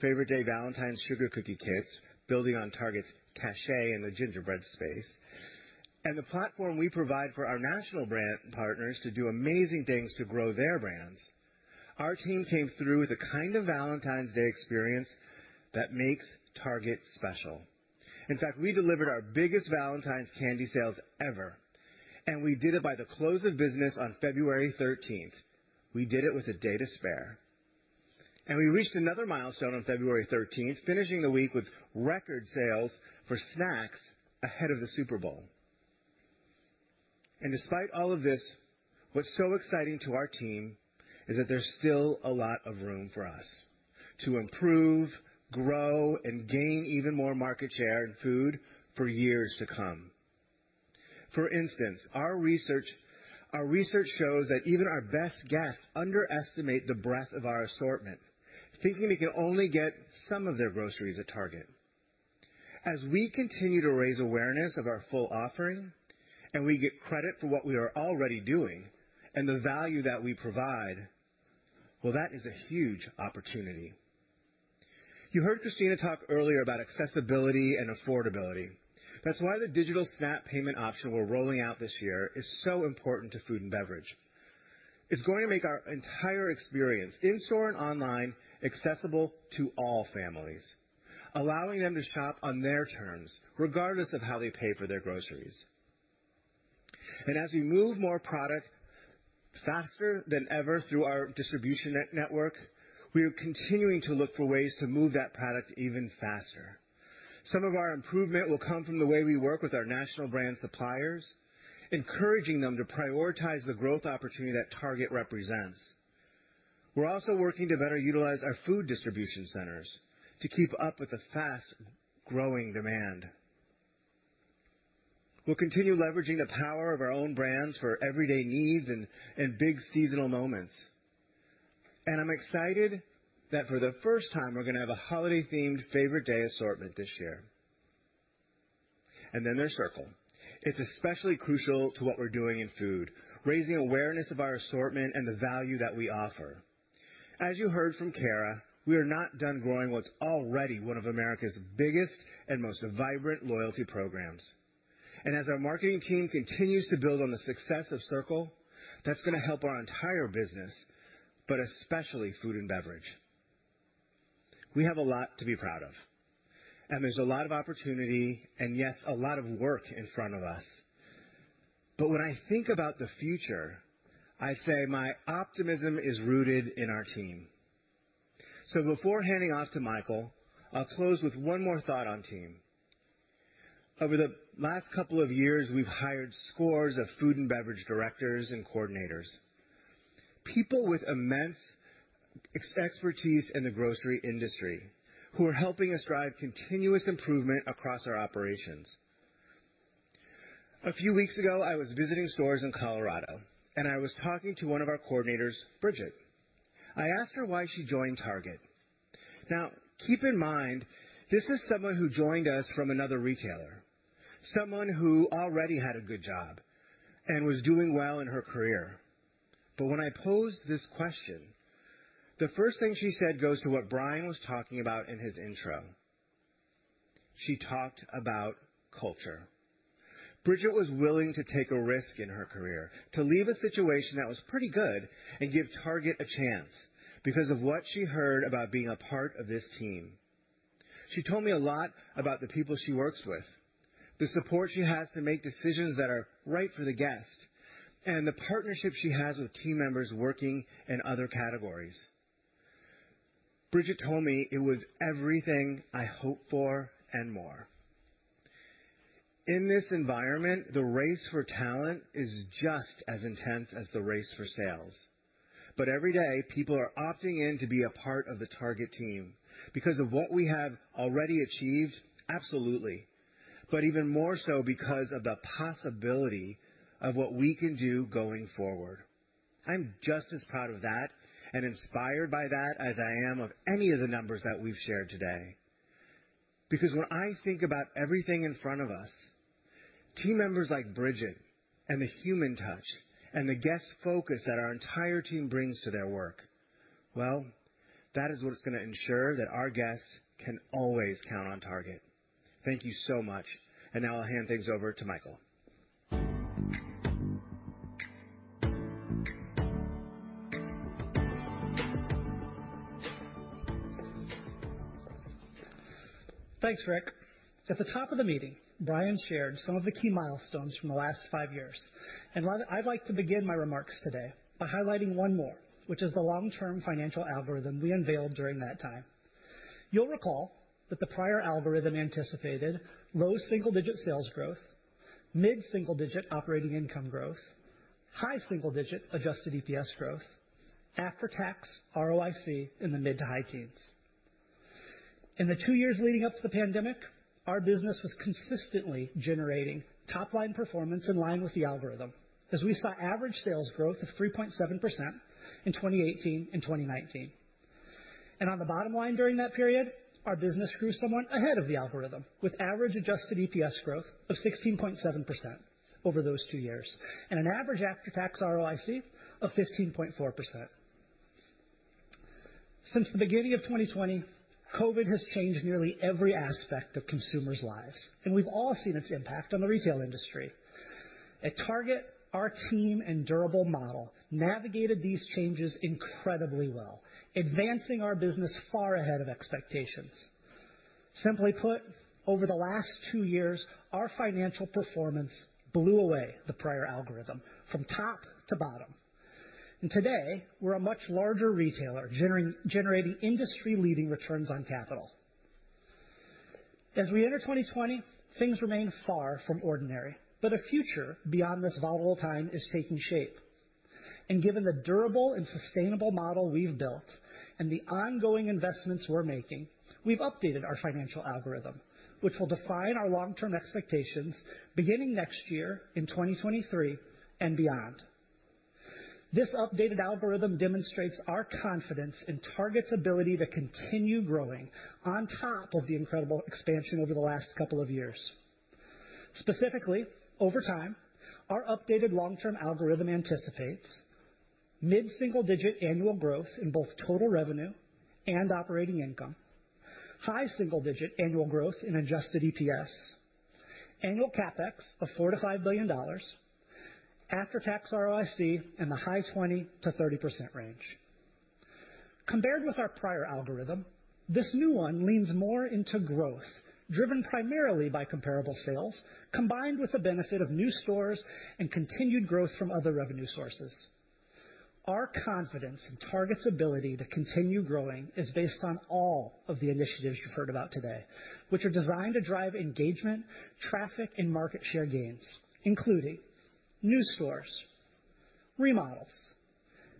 Favorite Day Valentine's sugar cookie kits, building on Target's cachet in the gingerbread space, and the platform we provide for our national brand partners to do amazing things to grow their brands, our team came through with the kind of Valentine's Day experience that makes Target special. In fact, we delivered our biggest Valentine's candy sales ever, and we did it by the close of business on February thirteenth. We did it with a day to spare. We reached another milestone on February thirteenth, finishing the week with record sales for snacks ahead of the Super Bowl. Despite all of this, what's so exciting to our team is that there's still a lot of room for us to improve, grow, and gain even more market share in food for years to come. For instance, our research shows that even our best guests underestimate the breadth of our assortment, thinking they can only get some of their groceries at Target. As we continue to raise awareness of our full offering, and we get credit for what we are already doing and the value that we provide, well, that is a huge opportunity. You heard Christina talk earlier about accessibility and affordability. That's why the digital SNAP payment option we're rolling out this year is so important to food and beverage. It's going to make our entire experience in-store and online accessible to all families, allowing them to shop on their terms regardless of how they pay for their groceries. As we move more product faster than ever through our distribution network, we are continuing to look for ways to move that product even faster. Some of our improvement will come from the way we work with our national brand suppliers, encouraging them to prioritize the growth opportunity that Target represents. We're also working to better utilize our food distribution centers to keep up with the fast-growing demand. We'll continue leveraging the power of our own brands for everyday needs and big seasonal moments. I'm excited that for the first time, we're gonna have a holiday-themed Favorite Day assortment this year. There's Circle. It's especially crucial to what we're doing in food, raising awareness of our assortment and the value that we offer. As you heard from Cara, we are not done growing what's already one of America's biggest and most vibrant loyalty programs. Our marketing team continues to build on the success of Circle, that's gonna help our entire business, but especially food and beverage. We have a lot to be proud of, and there's a lot of opportunity, and yes, a lot of work in front of us. When I think about the future, I say my optimism is rooted in our team. Before handing off to Michael, I'll close with one more thought on team. Over the last couple of years, we've hired scores of food and beverage directors and coordinators, people with immense expertise in the grocery industry who are helping us drive continuous improvement across our operations. A few weeks ago, I was visiting stores in Colorado, and I was talking to one of our coordinators, Bridget. I asked her why she joined Target. Now keep in mind, this is someone who joined us from another retailer, someone who already had a good job and was doing well in her career. When I posed this question, the first thing she said goes to what Brian was talking about in his intro. She talked about culture. Bridget was willing to take a risk in her career to leave a situation that was pretty good and give Target a chance because of what she heard about being a part of this team. She told me a lot about the people she works with, the support she has to make decisions that are right for the guest, and the partnership she has with team members working in other categories. Bridget told me it was everything I hoped for and more. In this environment, the race for talent is just as intense as the race for sales. Every day, people are opting in to be a part of the Target team because of what we have already achieved, absolutely, but even more so because of the possibility of what we can do going forward. I'm just as proud of that and inspired by that as I am of any of the numbers that we've shared today. Because when I think about everything in front of us, team members like Bridget and the human touch and the guest focus that our entire team brings to their work, well, that is what is gonna ensure that our guests can always count on Target. Thank you so much. Now I'll hand things over to Michael. Thanks, Rick. At the top of the meeting, Brian shared some of the key milestones from the last five years. I'd like to begin my remarks today by highlighting one more, which is the long-term financial algorithm we unveiled during that time. You'll recall that the prior algorithm anticipated low single-digit sales growth, mid-single digit operating income growth, high single-digit adjusted EPS growth, after-tax ROIC in the mid to high teens. In the two years leading up to the pandemic, our business was consistently generating top-line performance in line with the algorithm as we saw average sales growth of 3.7% in 2018 and 2019. On the bottom line during that period, our business grew somewhat ahead of the algorithm, with average adjusted EPS growth of 16.7% over those two years and an average after-tax ROIC of 15.4%. Since the beginning of 2020, COVID has changed nearly every aspect of consumers' lives, and we've all seen its impact on the retail industry. At Target, our team and durable model navigated these changes incredibly well, advancing our business far ahead of expectations. Simply put, over the last two years, our financial performance blew away the prior algorithm from top to bottom. Today, we're a much larger retailer, generating industry-leading returns on capital. As we enter 2022, things remain far from ordinary, but a future beyond this volatile time is taking shape. Given the durable and sustainable model we've built and the ongoing investments we're making, we've updated our financial algorithm, which will define our long-term expectations beginning next year in 2023 and beyond. This updated algorithm demonstrates our confidence in Target's ability to continue growing on top of the incredible expansion over the last couple of years. Specifically, over time, our updated long-term algorithm anticipates mid-single-digit annual growth in both total revenue and operating income, high single-digit annual growth in adjusted EPS, annual CapEx of $4 billion-$5 billion, after-tax ROIC in the high 20%-30% range. Compared with our prior algorithm, this new one leans more into growth, driven primarily by comparable sales, combined with the benefit of new stores and continued growth from other revenue sources. Our confidence in Target's ability to continue growing is based on all of the initiatives you've heard about today, which are designed to drive engagement, traffic, and market share gains, including new stores, remodels,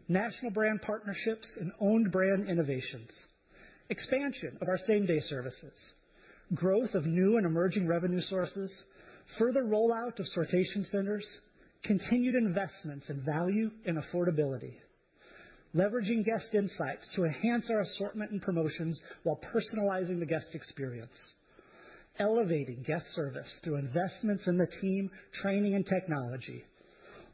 national brand partnerships and Owned Brand innovations, expansion of our same-day services, growth of new and emerging revenue sources, further rollout of sortation centers, continued investments in value and affordability, leveraging guest insights to enhance our assortment and promotions while personalizing the guest experience, elevating guest service through investments in the team, training and technology,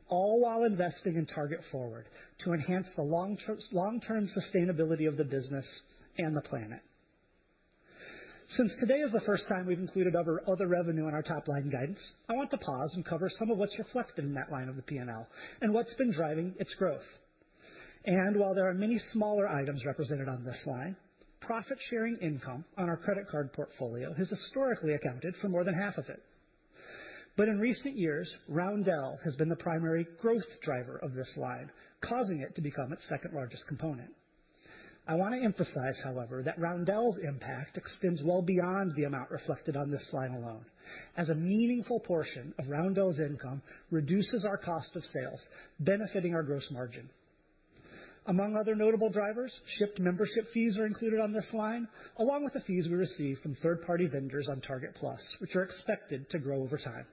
all while investing in Target Forward to enhance the long-term sustainability of the business and the planet. Since today is the first time we've included other revenue in our top line guidance, I want to pause and cover some of what's reflected in that line of the P&L and what's been driving its growth. While there are many smaller items represented on this line, profit sharing income on our credit card portfolio has historically accounted for more than half of it. In recent years, Roundel has been the primary growth driver of this line, causing it to become its second largest component. I want to emphasize, however, that Roundel's impact extends well beyond the amount reflected on this line alone as a meaningful portion of Roundel's income reduces our cost of sales, benefiting our gross margin. Among other notable drivers, Shipt membership fees are included on this line, along with the fees we receive from third-party vendors on Target+, which are expected to grow over time.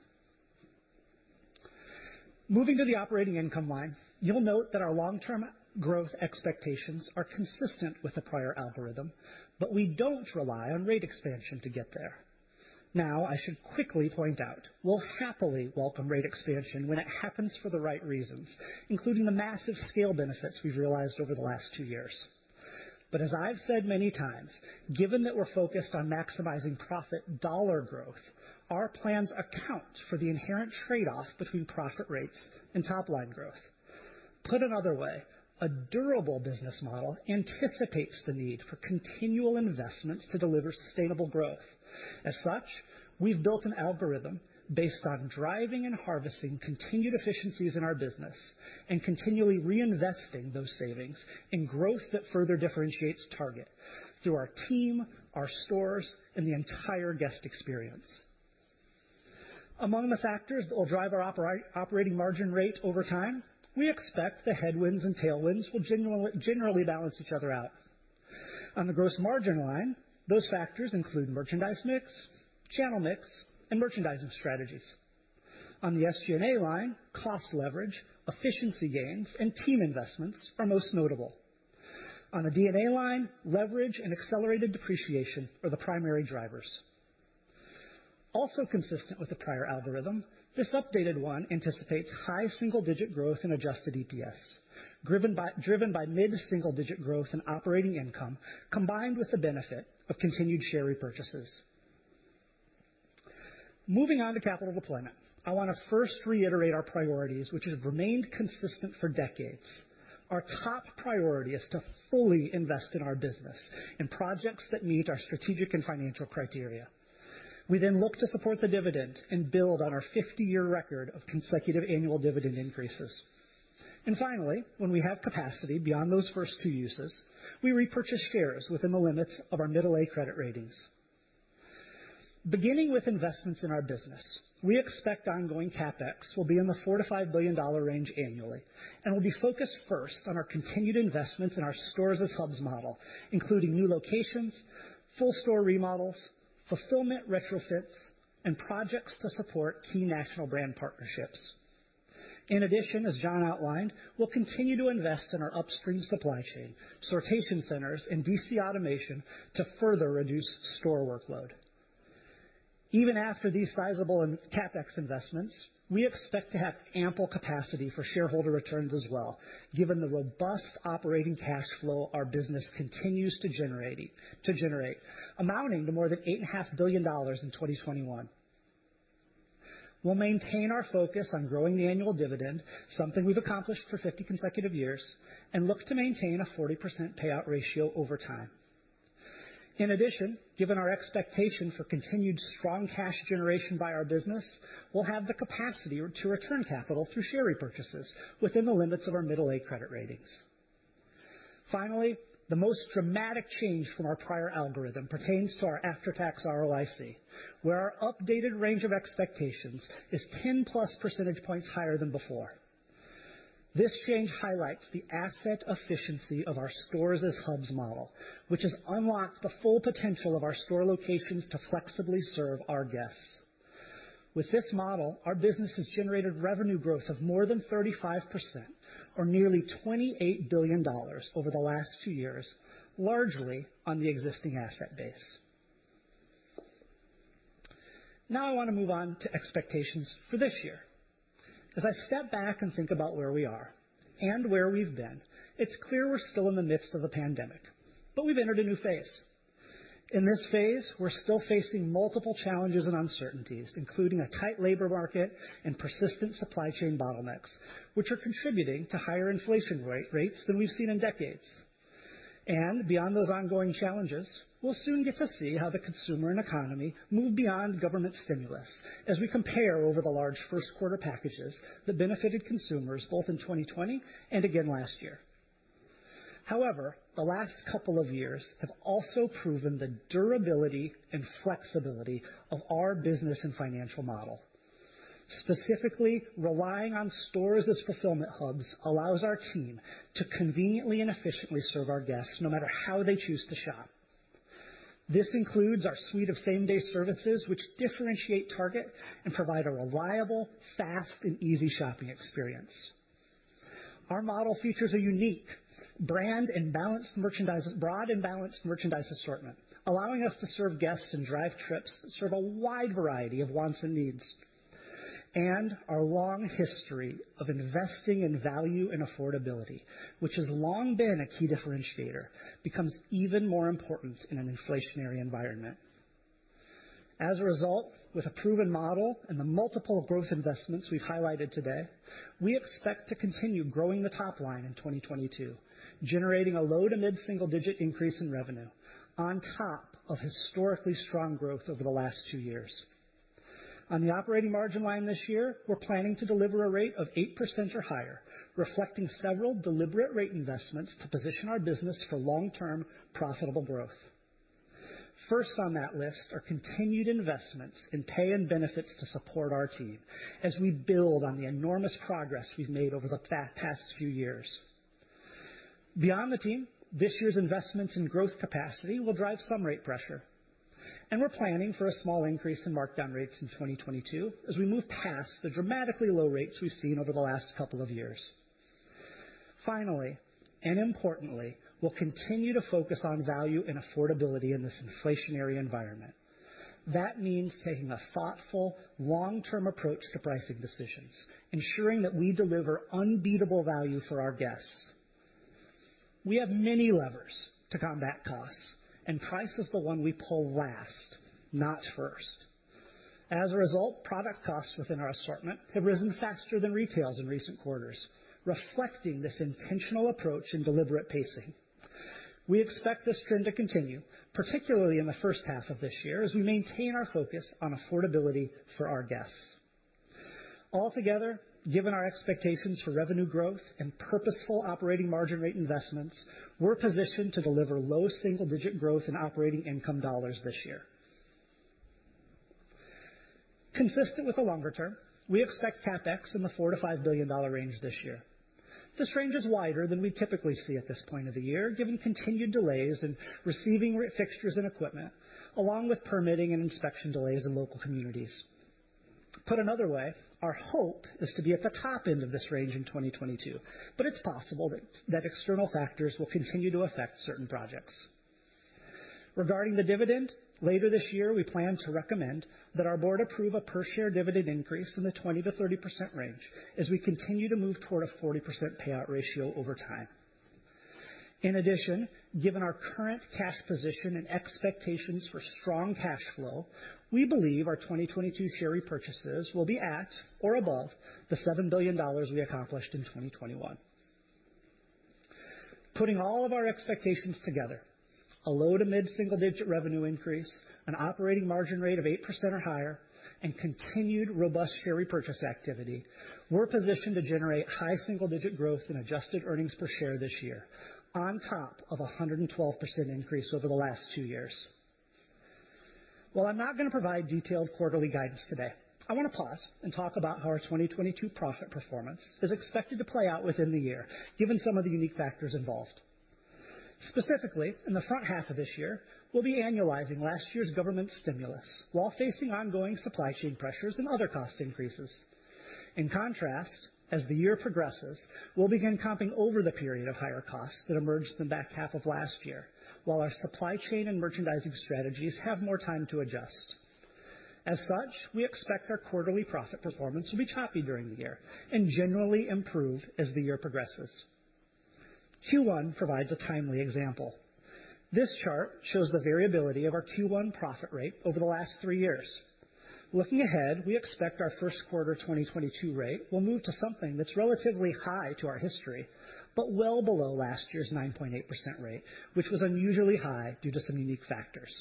Moving to the operating income line, you'll note that our long-term growth expectations are consistent with the prior algorithm, but we don't rely on rate expansion to get there. Now, I should quickly point out, we'll happily welcome rate expansion when it happens for the right reasons, including the massive scale benefits we've realized over the last two years. As I've said many times, given that we're focused on maximizing profit dollar growth, our plans account for the inherent trade-off between profit rates and top line growth. Put another way, a durable business model anticipates the need for continual investments to deliver sustainable growth. As such, we've built an algorithm based on driving and harvesting continued efficiencies in our business and continually reinvesting those savings in growth that further differentiates Target through our team, our stores, and the entire guest experience. Among the factors that will drive our operating margin rate over time, we expect the headwinds and tailwinds will generally balance each other out. On the gross margin line, those factors include merchandise mix, channel mix, and merchandising strategies. On the SG&A line, cost leverage, efficiency gains, and team investments are most notable. On the D&A line, leverage and accelerated depreciation are the primary drivers. Also consistent with the prior algorithm, this updated one anticipates high single-digit growth in adjusted EPS, driven by mid-single digit growth in operating income, combined with the benefit of continued share repurchases. Moving on to capital deployment, I wanna first reiterate our priorities, which has remained consistent for decades. Our top priority is to fully invest in our business in projects that meet our strategic and financial criteria. We then look to support the dividend and build on our 50-year record of consecutive annual dividend increases. Finally, when we have capacity beyond those first two uses, we repurchase shares within the limits of our middle A credit ratings. Beginning with investments in our business, we expect ongoing CapEx will be in the $4 billion-$5 billion range annually and will be focused first on our continued investments in our stores as hubs model, including new locations, full store remodels, fulfillment retrofits, and projects to support key national brand partnerships. In addition, as John outlined, we'll continue to invest in our upstream supply chain, sortation centers, and DC automation to further reduce store workload. Even after these sizable CapEx investments, we expect to have ample capacity for shareholder returns as well, given the robust operating cash flow our business continues to generate, amounting to more than $8.5 billion in 2021. We'll maintain our focus on growing the annual dividend, something we've accomplished for 50 consecutive years, and look to maintain a 40% payout ratio over time. In addition, given our expectation for continued strong cash generation by our business, we'll have the capacity to return capital through share repurchases within the limits of our mid-A credit ratings. Finally, the most dramatic change from our prior algorithm pertains to our after-tax ROIC, where our updated range of expectations is 10+ percentage points higher than before. This change highlights the asset efficiency of our stores as hubs model, which has unlocked the full potential of our store locations to flexibly serve our guests. With this model, our business has generated revenue growth of more than 35% or nearly $28 billion over the last two years, largely on the existing asset base. Now I wanna move on to expectations for this year. As I step back and think about where we are and where we've been, it's clear we're still in the midst of a pandemic, but we've entered a new phase. In this phase, we're still facing multiple challenges and uncertainties, including a tight labor market and persistent supply chain bottlenecks, which are contributing to higher inflation rates than we've seen in decades. Beyond those ongoing challenges, we'll soon get to see how the consumer and economy move beyond government stimulus as we compare to the large first-quarter packages that benefited consumers both in 2020 and again last year. However, the last couple of years have also proven the durability and flexibility of our business and financial model. Specifically, relying on stores as fulfillment hubs allows our team to conveniently and efficiently serve our guests no matter how they choose to shop. This includes our suite of same-day services which differentiate Target and provide a reliable, fast, and easy shopping experience. Our model features a unique brand and broad and balanced merchandise assortment, allowing us to serve guests and drive trips that serve a wide variety of wants and needs. Our long history of investing in value and affordability, which has long been a key differentiator, becomes even more important in an inflationary environment. As a result, with a proven model and the multiple growth investments we've highlighted today, we expect to continue growing the top line in 2022, generating a low- to mid-single-digit increase in revenue on top of historically strong growth over the last 2 years. On the operating margin line this year, we're planning to deliver a rate of 8% or higher, reflecting several deliberate rate investments to position our business for long-term profitable growth. First on that list are continued investments in pay and benefits to support our team as we build on the enormous progress we've made over the past few years. Beyond the team, this year's investments in growth capacity will drive some rate pressure, and we're planning for a small increase in markdown rates in 2022 as we move past the dramatically low rates we've seen over the last couple of years. Finally, and importantly, we'll continue to focus on value and affordability in this inflationary environment. That means taking a thoughtful, long-term approach to pricing decisions, ensuring that we deliver unbeatable value for our guests. We have many levers to combat costs, and price is the one we pull last, not first. As a result, product costs within our assortment have risen faster than retails in recent quarters, reflecting this intentional approach and deliberate pacing. We expect this trend to continue, particularly in the first half of this year as we maintain our focus on affordability for our guests. Altogether, given our expectations for revenue growth and purposeful operating margin rate investments, we're positioned to deliver low single-digit growth in operating income dollars this year. Consistent with the longer term, we expect CapEx in the $4 billion-$5 billion range this year. This range is wider than we typically see at this point of the year, given continued delays in receiving re-fixtures and equipment, along with permitting and inspection delays in local communities. Put another way, our hope is to be at the top end of this range in 2022, but it's possible that external factors will continue to affect certain projects. Regarding the dividend, later this year, we plan to recommend that our board approve a per share dividend increase in the 20%-30% range as we continue to move toward a 40% payout ratio over time. In addition, given our current cash position and expectations for strong cash flow, we believe our 2022 share repurchases will be at or above the $7 billion we accomplished in 2021. Putting all of our expectations together, a low- to mid-single-digit revenue increase, an operating margin rate of 8% or higher, and continued robust share repurchase activity, we're positioned to generate high single-digit growth in adjusted earnings per share this year on top of a 112% increase over the last two years. While I'm not gonna provide detailed quarterly guidance today, I wanna pause and talk about how our 2022 profit performance is expected to play out within the year, given some of the unique factors involved. Specifically, in the front half of this year, we'll be annualizing last year's government stimulus while facing ongoing supply chain pressures and other cost increases. In contrast, as the year progresses, we'll begin comping over the period of higher costs that emerged in the back half of last year, while our supply chain and merchandising strategies have more time to adjust. As such, we expect our quarterly profit performance to be choppy during the year and generally improve as the year progresses. Q1 provides a timely example. This chart shows the variability of our Q1 profit rate over the last three years. Looking ahead, we expect our first quarter 2022 rate will move to something that's relatively high to our history, but well below last year's 9.8% rate, which was unusually high due to some unique factors.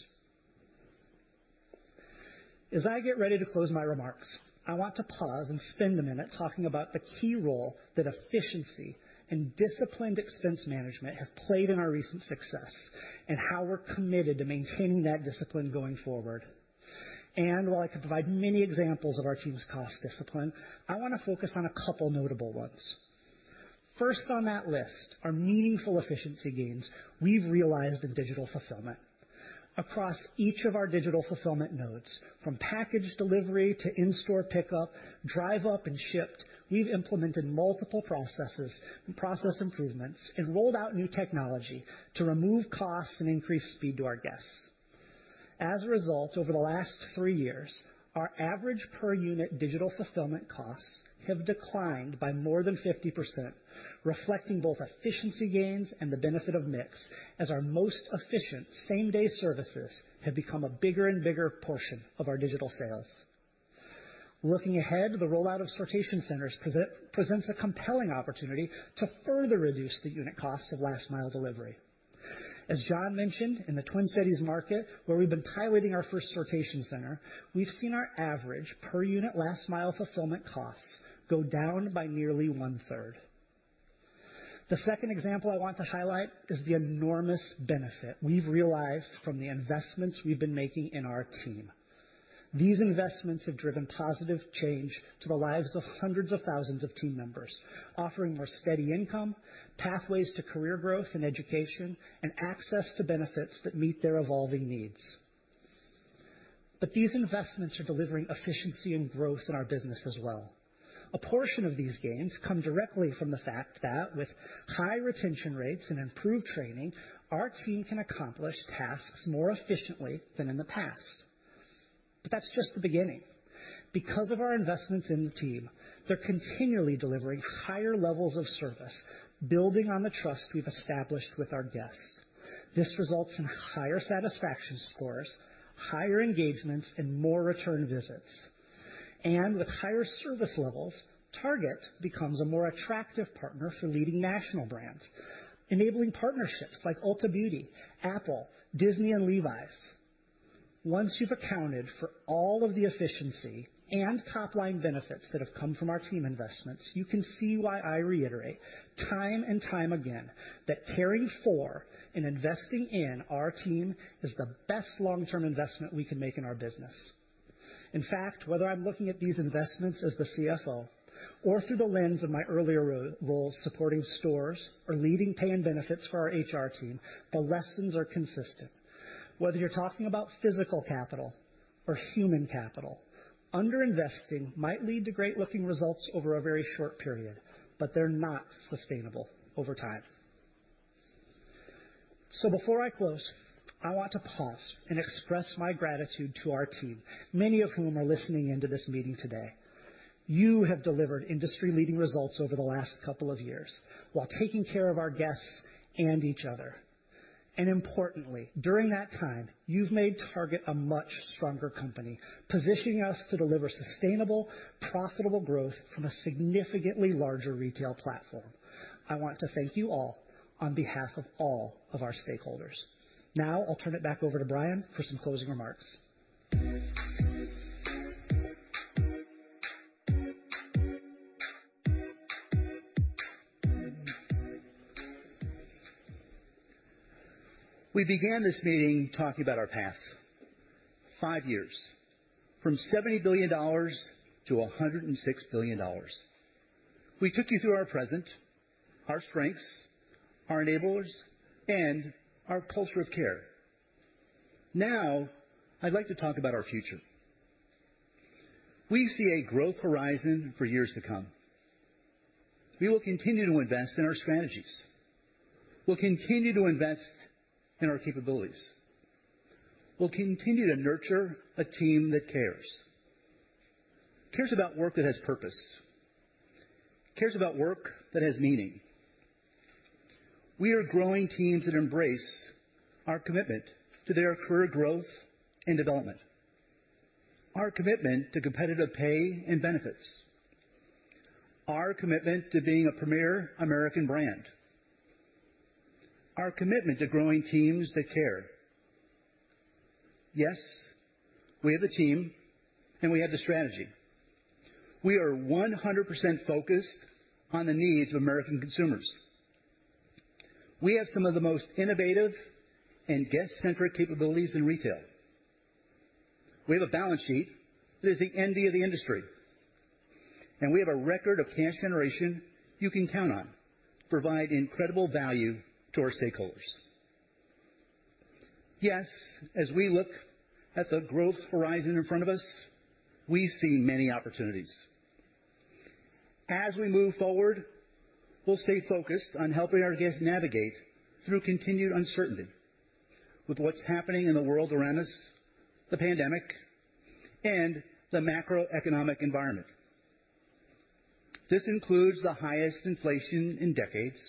As I get ready to close my remarks, I want to pause and spend a minute talking about the key role that efficiency and disciplined expense management have played in our recent success and how we're committed to maintaining that discipline going forward. While I could provide many examples of our team's cost discipline, I wanna focus on a couple notable ones. First on that list are meaningful efficiency gains we've realized in digital fulfillment. Across each of our digital fulfillment nodes, from packaged delivery to in-store pickup, Drive Up, and Shipt, we've implemented multiple processes and process improvements and rolled out new technology to remove costs and increase speed to our guests. As a result, over the last three years, our average per unit digital fulfillment costs have declined by more than 50%, reflecting both efficiency gains and the benefit of mix, as our most efficient same-day services have become a bigger and bigger portion of our digital sales. Looking ahead, the rollout of sortation centers presents a compelling opportunity to further reduce the unit cost of last mile delivery. As John mentioned, in the Twin Cities market, where we've been piloting our first sortation center, we've seen our average per unit last mile fulfillment costs go down by nearly one-third. The second example I want to highlight is the enormous benefit we've realized from the investments we've been making in our team. These investments have driven positive change to the lives of hundreds of thousands of team members, offering more steady income, pathways to career growth and education, and access to benefits that meet their evolving needs. These investments are delivering efficiency and growth in our business as well. A portion of these gains come directly from the fact that with high retention rates and improved training, our team can accomplish tasks more efficiently than in the past. That's just the beginning. Because of our investments in the team, they're continually delivering higher levels of service, building on the trust we've established with our guests. This results in higher satisfaction scores, higher engagements, and more return visits. With higher service levels, Target becomes a more attractive partner for leading national brands, enabling partnerships like Ulta Beauty, Apple, Disney, and Levi's. Once you've accounted for all of the efficiency and top-line benefits that have come from our team investments, you can see why I reiterate time and time again that caring for and investing in our team is the best long-term investment we can make in our business. In fact, whether I'm looking at these investments as the CFO or through the lens of my earlier roles supporting stores or leading pay and benefits for our HR team, the lessons are consistent. Whether you're talking about physical capital or human capital, under-investing might lead to great-looking results over a very short period, but they're not sustainable over time. Before I close, I want to pause and express my gratitude to our team, many of whom are listening in to this meeting today. You have delivered industry-leading results over the last couple of years while taking care of our guests and each other. Importantly, during that time, you've made Target a much stronger company, positioning us to deliver sustainable, profitable growth from a significantly larger retail platform. I want to thank you all on behalf of all of our stakeholders. Now I'll turn it back over to Brian for some closing remarks. We began this meeting talking about our past. Five years, from $70 billion-$106 billion. We took you through our present, our strengths, our enablers, and our culture of care. Now, I'd like to talk about our future. We see a growth horizon for years to come. We will continue to invest in our strategies. We'll continue to invest in our capabilities. We'll continue to nurture a team that cares. Cares about work that has purpose, cares about work that has meaning. We are growing teams that embrace our commitment to their career growth and development, our commitment to competitive pay and benefits, our commitment to being a premier American brand, our commitment to growing teams that care. Yes, we have the team, and we have the strategy. We are 100% focused on the needs of American consumers. We have some of the most innovative and guest-centric capabilities in retail. We have a balance sheet that is the envy of the industry, and we have a record of cash generation you can count on to provide incredible value to our stakeholders. Yes, as we look at the growth horizon in front of us, we see many opportunities. As we move forward, we'll stay focused on helping our guests navigate through continued uncertainty with what's happening in the world around us, the pandemic, and the macroeconomic environment. This includes the highest inflation in decades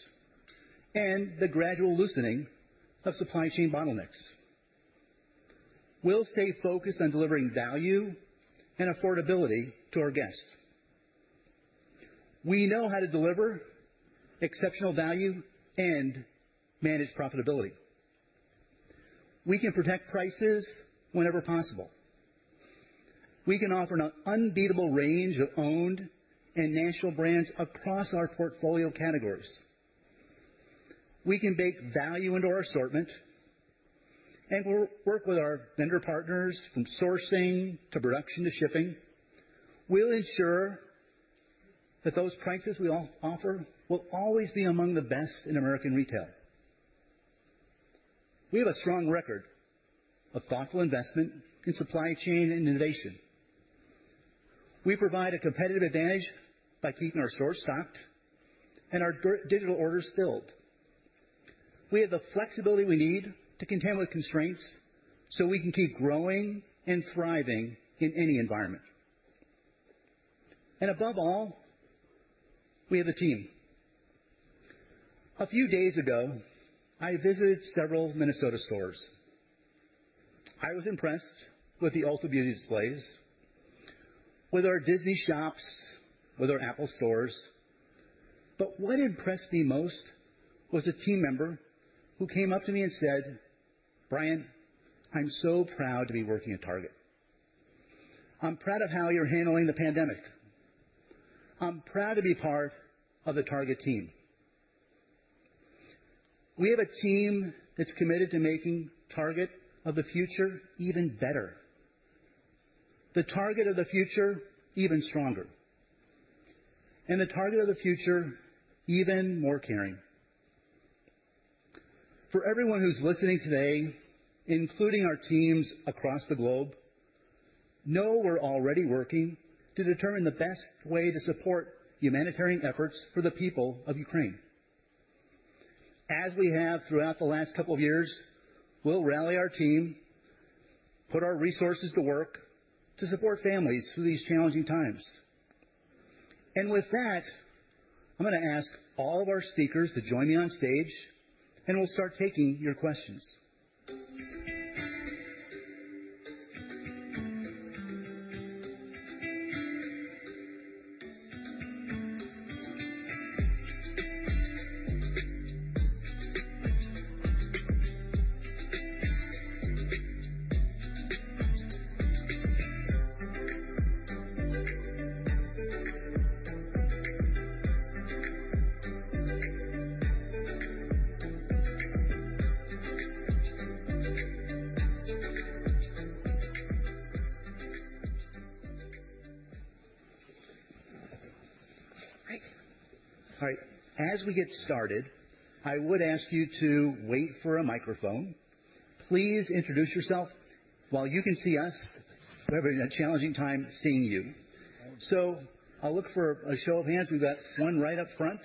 and the gradual loosening of supply chain bottlenecks. We'll stay focused on delivering value and affordability to our guests. We know how to deliver exceptional value and manage profitability. We can protect prices whenever possible. We can offer an unbeatable range of owned and national brands across our portfolio categories. We can bake value into our assortment, and we'll work with our vendor partners from sourcing to production to shipping. We'll ensure that those prices we offer will always be among the best in American retail. We have a strong record of thoughtful investment in supply chain and innovation. We provide a competitive advantage by keeping our stores stocked and our digital orders filled. We have the flexibility we need to contend with constraints so we can keep growing and thriving in any environment. Above all, we have a team. A few days ago, I visited several Minnesota stores. I was impressed with the Ulta Beauty displays, with our Disney shops, with our Apple stores. What impressed me most was a team member who came up to me and said, "Brian, I'm so proud to be working at Target. I'm proud of how you're handling the pandemic. I'm proud to be part of the Target team." We have a team that's committed to making Target of the future even better, the Target of the future even stronger, and the Target of the future even more caring. For everyone who's listening today, including our teams across the globe, know we're already working to determine the best way to support humanitarian efforts for the people of Ukraine. As we have throughout the last couple of years, we'll rally our team, put our resources to work to support families through these challenging times. With that, I'm gonna ask all of our speakers to join me on stage, and we'll start taking your questions. All right. As we get started, I would ask you to wait for a microphone. Please introduce yourself. While you can see us, we're having a challenging time seeing you. I'll look for a show of hands. We've got one right up front.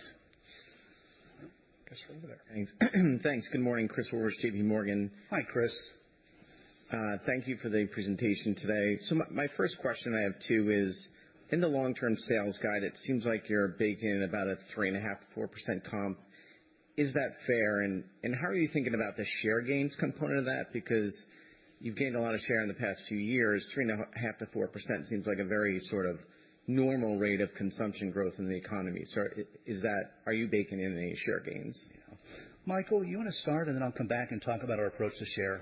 Thanks. Good morning, Christopher Horvers. Hi, Chris. Thank you for the presentation today. My first question I have to is, in the long-term sales guide, it seems like you're baking in about 3.5%-4% comp. Is that fair? And how are you thinking about the share gains component of that? Because you've gained a lot of share in the past few years, 3.5%-4% seems like a very sort of normal rate of consumption growth in the economy. Is that—are you baking in any share gains? Michael, you wanna start, and then I'll come back and talk about our approach to share.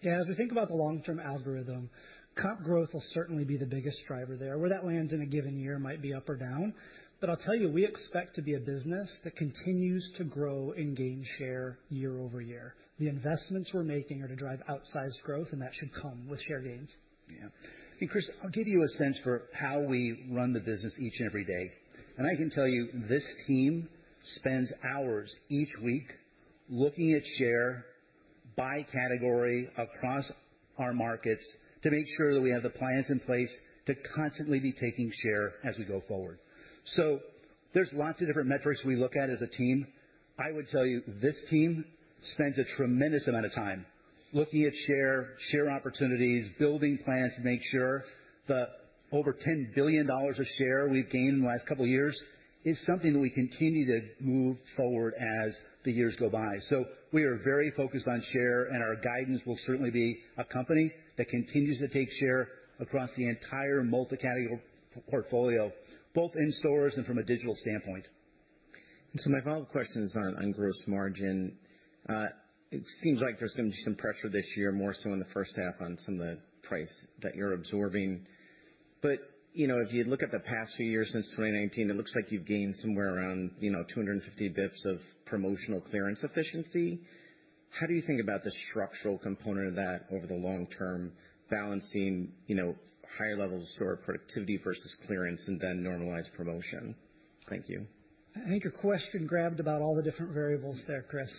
Yeah. As we think about the long-term algorithm, comp growth will certainly be the biggest driver there. Where that lands in a given year might be up or down. I'll tell you, we expect to be a business that continues to grow and gain share year over year. The investments we're making are to drive outsized growth, and that should come with share gains. Yeah. Chris, I'll give you a sense for how we run the business each and every day. I can tell you, this team spends hours each week looking at share by category across our markets to make sure that we have the plans in place to constantly be taking share as we go forward. There's lots of different metrics we look at as a team. I would tell you, this team spends a tremendous amount of time looking at share opportunities, building plans to make sure the over $10 billion of share we've gained in the last couple of years is something that we continue to move forward as the years go by. We are very focused on share, and our guidance will certainly be a company that continues to take share across the entire multi-category portfolio, both in stores and from a digital standpoint. My follow-up question is on gross margin. It seems like there's gonna be some pressure this year, more so in the first half on some of the price that you're absorbing. But, you know, if you look at the past few years since 2019, it looks like you've gained somewhere around, you know, 250 basis points of promotional clearance efficiency. How do you think about the structural component of that over the long term, balancing, you know, higher levels of store productivity versus clearance and then normalized promotion? Thank you. I think your question covers all the different variables there, Chris.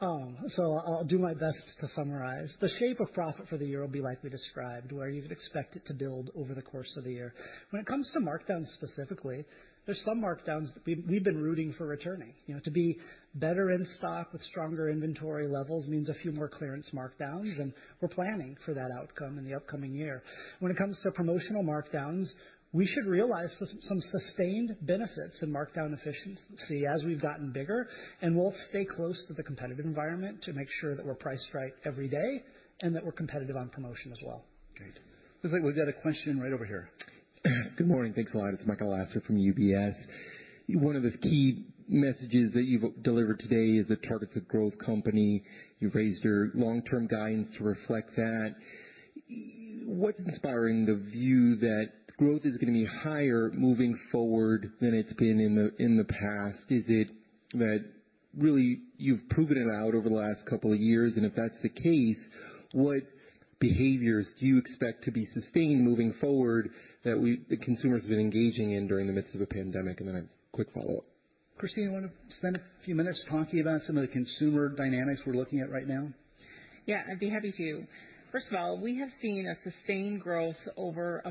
I'll do my best to summarize. The shape of profit for the year will be like we described, where you'd expect it to build over the course of the year. When it comes to markdowns specifically, there's some markdowns we've been waiting for returning. You know, to be better in stock with stronger inventory levels means a few more clearance markdowns, and we're planning for that outcome in the upcoming year. When it comes to promotional markdowns, we should realize some sustained benefits in markdown efficiency as we've gotten bigger, and we'll stay close to the competitive environment to make sure that we're priced right every day and that we're competitive on promotion as well. Great. Looks like we've got a question right over here. Good morning. Thanks a lot. It's Michael Lasser from UBS. One of the key messages that you've delivered today is that Target's a growth company. You've raised your long-term guidance to reflect that. What's inspiring the view that growth is gonna be higher moving forward than it's been in the past? Is it that really you've proven it out over the last couple of years? If that's the case, what behaviors do you expect to be sustained moving forward that the consumer's been engaging in during the midst of a pandemic? A quick follow-up. Christina, want to spend a few minutes talking about some of the consumer dynamics we're looking at right now? Yeah, I'd be happy to. First of all, we have seen a sustained growth over a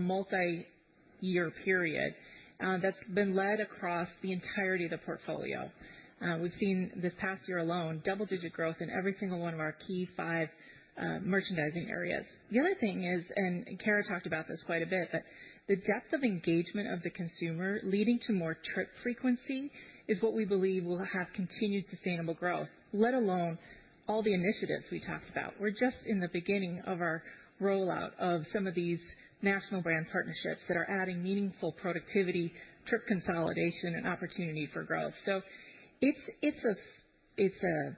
multi-year period that's been led across the entirety of the portfolio. We've seen this past year alone, double-digit growth in every single one of our key five merchandising areas. The other thing is, and Cara talked about this quite a bit, but the depth of engagement of the consumer leading to more trip frequency is what we believe will have continued sustainable growth, let alone all the initiatives we talked about. We're just in the beginning of our rollout of some of these national brand partnerships that are adding meaningful productivity, trip consolidation, and opportunity for growth. It's a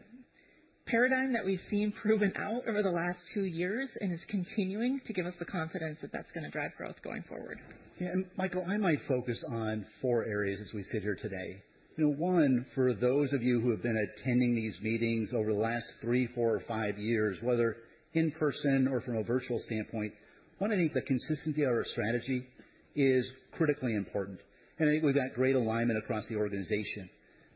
paradigm that we've seen proven out over the last two years and is continuing to give us the confidence that that's gonna drive growth going forward. Yeah, Michael, I might focus on four areas as we sit here today. You know, one, for those of you who have been attending these meetings over the last three, four or five years, whether in person or from a virtual standpoint, one, I think the consistency of our strategy is critically important. I think we've got great alignment across the organization.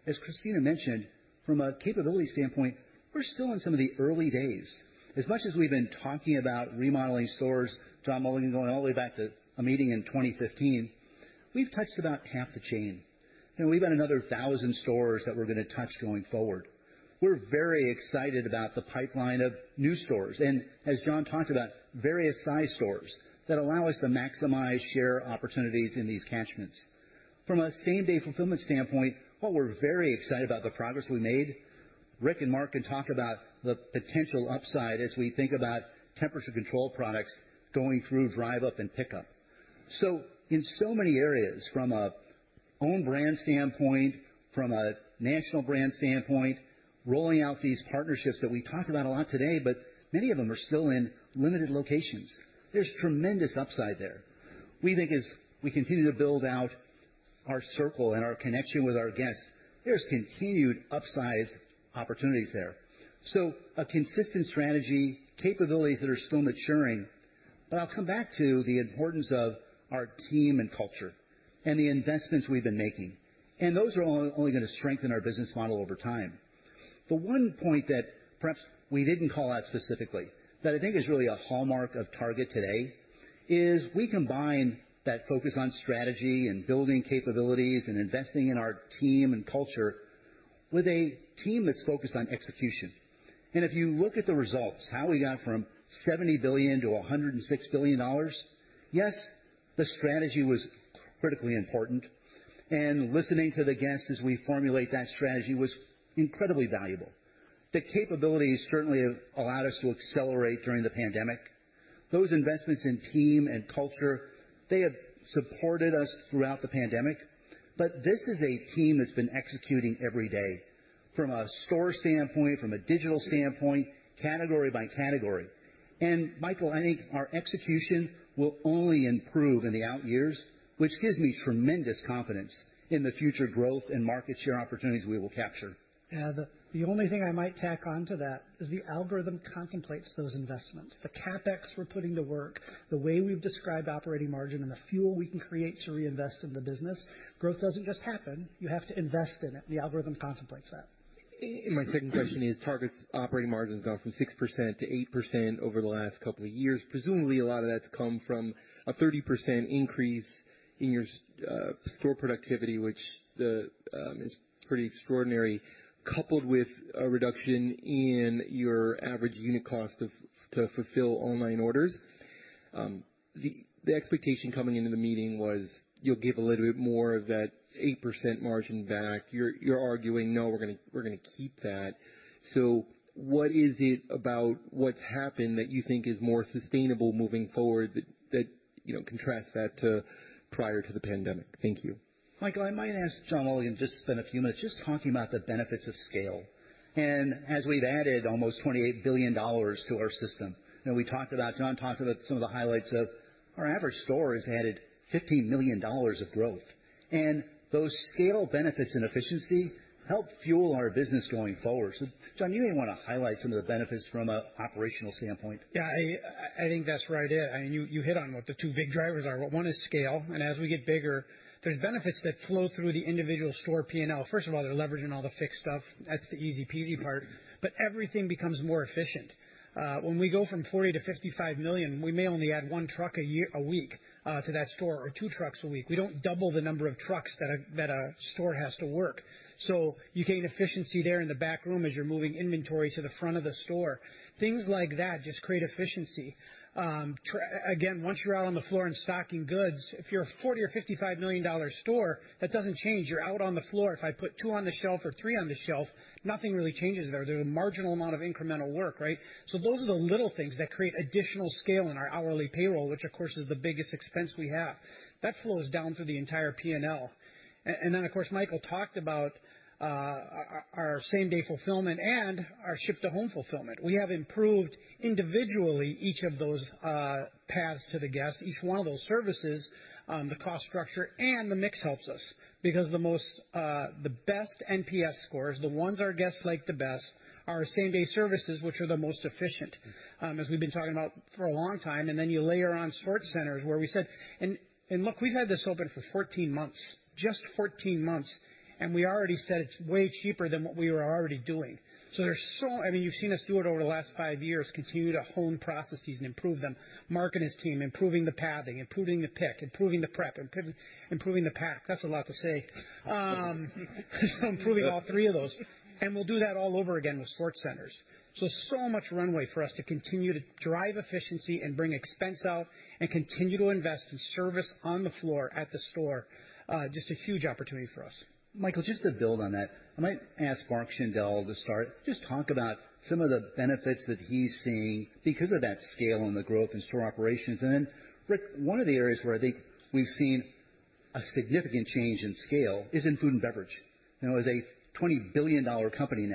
As Christina mentioned, from a capability standpoint, we're still in some of the early days. As much as we've been talking about remodeling stores, John Mulligan going all the way back to a meeting in 2015, we've touched about half the chain, and we've got another 1,000 stores that we're gonna touch going forward. We're very excited about the pipeline of new stores, and as John talked about, various size stores that allow us to maximize share opportunities in these catchments. From a same-day fulfillment standpoint, while we're very excited about the progress we made, Rick and Mark can talk about the potential upside as we think about temperature control products going through Drive Up and pickup. In so many areas, from an owned brand standpoint, from a national brand standpoint, rolling out these partnerships that we've talked about a lot today, but many of them are still in limited locations. There's tremendous upside there. We think as we continue to build out our Circle and our connection with our guests, there's continued upside opportunities there. A consistent strategy, capabilities that are still maturing. I'll come back to the importance of our team and culture and the investments we've been making, and those are only gonna strengthen our business model over time. The one point that perhaps we didn't call out specifically, that I think is really a hallmark of Target today, is we combine that focus on strategy and building capabilities and investing in our team and culture with a team that's focused on execution. If you look at the results, how we got from $70 billion-$106 billion, yes, the strategy was critically important. Listening to the guests as we formulate that strategy was incredibly valuable. The capabilities certainly have allowed us to accelerate during the pandemic. Those investments in team and culture, they have supported us throughout the pandemic. This is a team that's been executing every day from a store standpoint, from a digital standpoint, category by category. Michael, I think our execution will only improve in the out years, which gives me tremendous confidence in the future growth and market share opportunities we will capture. Yeah. The only thing I might tack on to that is the algorithm contemplates those investments. The CapEx we're putting to work, the way we've described operating margin, and the fuel we can create to reinvest in the business. Growth doesn't just happen. You have to invest in it. The algorithm contemplates that. My second question is, Target's operating margin's gone from 6%-8% over the last couple of years. Presumably, a lot of that's come from a 30% increase in your store productivity, which is pretty extraordinary, coupled with a reduction in your average unit cost to fulfill online orders. The expectation coming into the meeting was you'll give a little bit more of that 8% margin back. You're arguing, "No, we're gonna keep that." What is it about what's happened that you think is more sustainable moving forward that you know contrasts that to prior to the pandemic? Thank you. Michael, I might ask John Mulligan just to spend a few minutes just talking about the benefits of scale. As we've added almost $28 billion to our system, you know, we talked about, John talked about some of the highlights of our average store has added $15 million of growth. Those scale benefits and efficiency help fuel our business going forward. John, you may wanna highlight some of the benefits from an operational standpoint. Yeah. I think that's right, yeah. I mean, you hit on what the two big drivers are. One is scale, and as we get bigger, there's benefits that flow through the individual store P&L. First of all, they're leveraging all the fixed stuff. That's the easy-peasy part. Everything becomes more efficient. When we go from $40 million-$55 million, we may only add one truck a week to that store or two trucks a week. We don't double the number of trucks that a store has to work. You gain efficiency there in the back room as you're moving inventory to the front of the store. Things like that just create efficiency. Again, once you're out on the floor and stocking goods, if you're a $40 million or $55 million store, that doesn't change. You're out on the floor. If I put two on the shelf or three on the shelf, nothing really changes there. There's a marginal amount of incremental work, right? Those are the little things that create additional scale in our hourly payroll, which of course is the biggest expense we have. That flows down through the entire P&L. Of course, Michael talked about our same-day fulfillment and our ship-to-home fulfillment. We have improved individually each of those paths to the guest, each one of those services, the cost structure and the mix helps us because the most, the best NPS scores, the ones our guests like the best are same-day services, which are the most efficient, as we've been talking about for a long time. You layer on sort centers where we said. Look, we've had this open for 14 months, just 14 months, and we already said it's way cheaper than what we were already doing. I mean, you've seen us do it over the last five years, continue to hone processes and improve them. Mark and his team, improving the pathing, improving the pick, improving the prep, improving the pack. That's a lot to say. Improving all three of those. We'll do that all over again with sort centers. So much runway for us to continue to drive efficiency and bring expense out and continue to invest in service on the floor at the store. Just a huge opportunity for us. Michael, just to build on that, I might ask Mark Schindele to start. Just talk about some of the benefits that he's seeing because of that scale and the growth in store operations. Then Rick, one of the areas where I think we've seen A significant change in scale is in Food and Beverage. Now as a $20 billion company,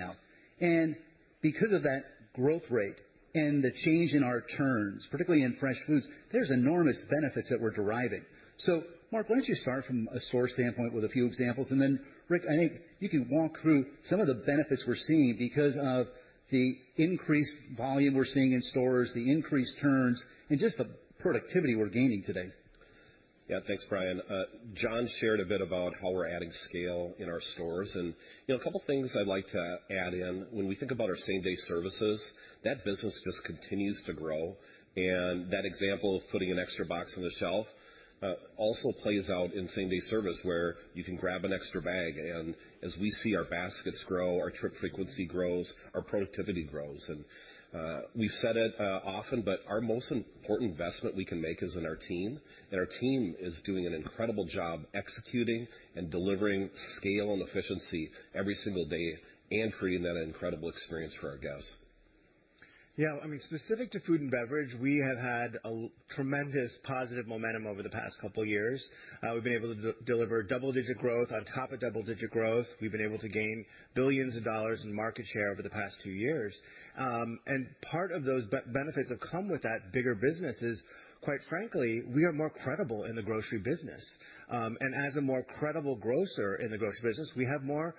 and because of that growth rate and the change in our turns, particularly in fresh foods, there's enormous benefits that we're deriving. Mark, why don't you start from a store standpoint with a few examples, and then Rick, I think you can walk through some of the benefits we're seeing because of the increased volume we're seeing in stores, the increased turns, and just the productivity we're gaining today. Yeah, thanks, Brian. John shared a bit about how we're adding scale in our stores. You know, a couple of things I'd like to add in. When we think about our same-day services, that business just continues to grow. That example of putting an extra box on the shelf also plays out in same-day service, where you can grab an extra bag. As we see our baskets grow, our trip frequency grows, our productivity grows. We've said it often, but our most important investment we can make is in our team. Our team is doing an incredible job executing and delivering scale and efficiency every single day and creating that incredible experience for our guests. Yeah, I mean, specific to food and beverage, we have had a tremendous positive momentum over the past couple of years. We've been able to deliver double-digit growth on top of double-digit growth. We've been able to gain billions of dollars in market share over the past few years. Part of those benefits have come with that bigger business is, quite frankly, we are more credible in the grocery business. As a more credible grocer in the grocery business, we have more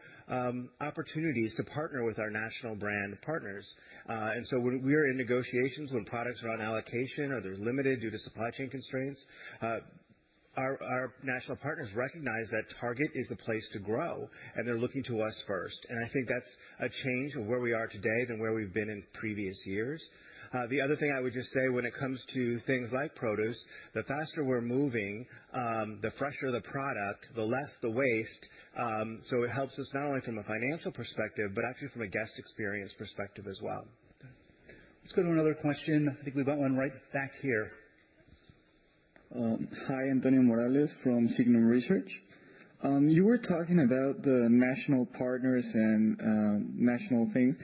opportunities to partner with our national brand partners. When we're in negotiations when products are on allocation or they're limited due to supply chain constraints, our national partners recognize that Target is the place to grow, and they're looking to us first. I think that's a change of where we are today than where we've been in previous years. The other thing I would just say when it comes to things like produce, the faster we're moving, the fresher the product, the less the waste. It helps us not only from a financial perspective, but actually from a guest experience perspective as well. Let's go to another question. I think we've got one right back here. Hi, Cristina Morales from Signum Research. You were talking about the national partners and national things.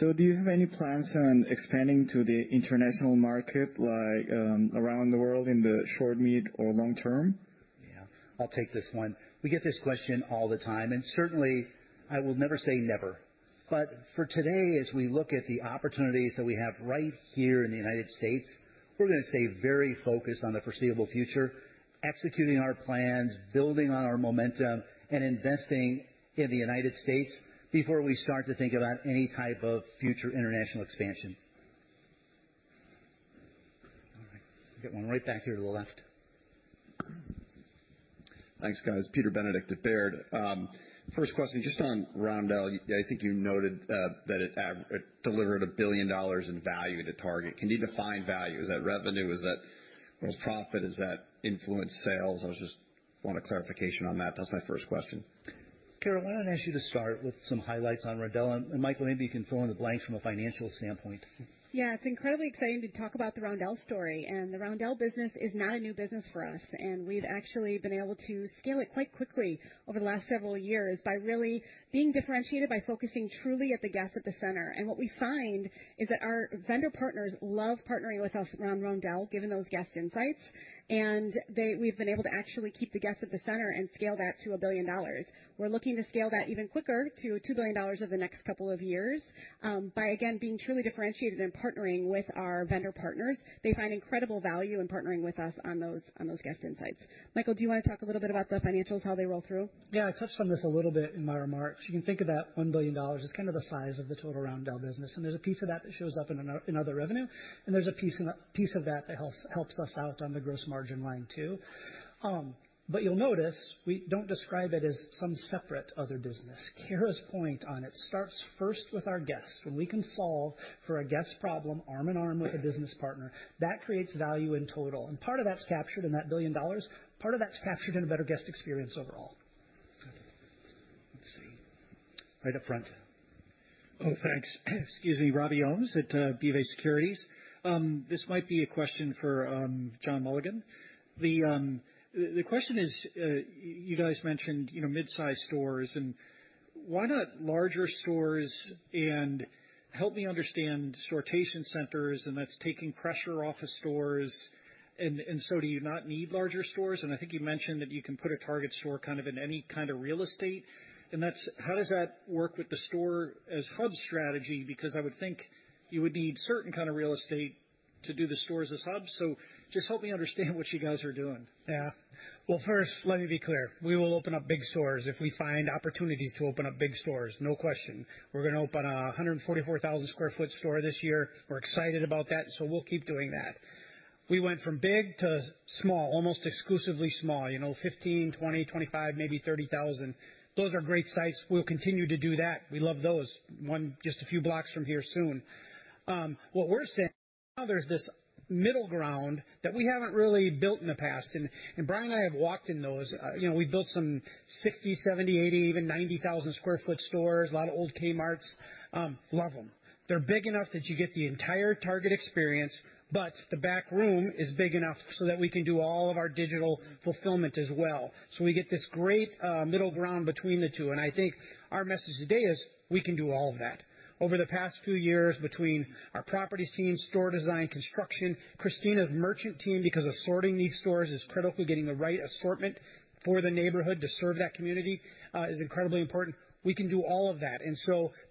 Do you have any plans on expanding to the international market like around the world in the short, mid, or long term? Yeah. I'll take this one. We get this question all the time, and certainly, I will never say never. But for today, as we look at the opportunities that we have right here in the United States, we're gonna stay very focused on the foreseeable future, executing our plans, building on our momentum, and investing in the United States before we start to think about any type of future international expansion. All right. We've got one right back here to the left. Thanks, guys. Peter Benedict at Baird. First question, just on Roundel. I think you noted that it delivered $1 billion in value to Target. Can you define value? Is that revenue? Is that gross profit? Does that influence sales? I just want a clarification on that. That's my first question. Cara, why don't I ask you to start with some highlights on Roundel? Michael, maybe you can fill in the blank from a financial standpoint. Yeah. It's incredibly exciting to talk about the Roundel story, and the Roundel business is not a new business for us, and we've actually been able to scale it quite quickly over the last several years by really being differentiated, by focusing truly at the guest at the center. What we find is that our vendor partners love partnering with us around Roundel, given those guest insights. We've been able to actually keep the guest at the center and scale that to $1 billion. We're looking to scale that even quicker to $2 billion over the next couple of years, by again, being truly differentiated and partnering with our vendor partners. They find incredible value in partnering with us on those guest insights. Michael, do you wanna talk a little bit about the financials, how they roll through? Yeah, I touched on this a little bit in my remarks. You can think of that $1 billion as kind of the size of the total Roundel business, and there's a piece of that that shows up in other revenue, and there's a piece of that that helps us out on the gross margin line, too. But you'll notice, we don't describe it as some separate other business. Cara's point on it starts first with our guests. When we can solve for a guest problem arm in arm with a business partner, that creates value in total. Part of that's captured in that $1 billion. Part of that's captured in a better guest experience overall. Let's see. Right up front. Oh, thanks. Excuse me, Robert Ohmes at BofA Securities. This might be a question for John Mulligan. The question is, you guys mentioned, you know, midsize stores, and why not larger stores? Help me understand sortation centers, and that's taking pressure off of stores. Do you not need larger stores? I think you mentioned that you can put a Target store kind of in any kind of real estate. That's. How does that work with the store as hub strategy? Because I would think you would need certain kind of real estate to do the stores as hubs. Just help me understand what you guys are doing. Yeah. Well, first, let me be clear. We will open up big stores if we find opportunities to open up big stores, no question. We're gonna open a 144,000 sq ft store this year. We're excited about that, so we'll keep doing that. We went from big to small, almost exclusively small, you know, 15, 20, 25, maybe 30,000. Those are great sites. We'll continue to do that. We love those. One just a few blocks from here soon. What we're saying, now there's this middle ground that we haven't really built in the past. And Brian and I have walked in those. You know, we've built some 60,000, 70,000, 80,000, even 90,000 sq ft stores, a lot of old Kmart. Love them. They're big enough that you get the entire Target experience, but the back room is big enough so that we can do all of our digital fulfillment as well. We get this great middle ground between the two, and I think our message today is we can do all of that. Over the past few years between our properties team, store design, construction, Christina's merchant team, because assorting these stores is critical, getting the right assortment for the neighborhood to serve that community is incredibly important. We can do all of that.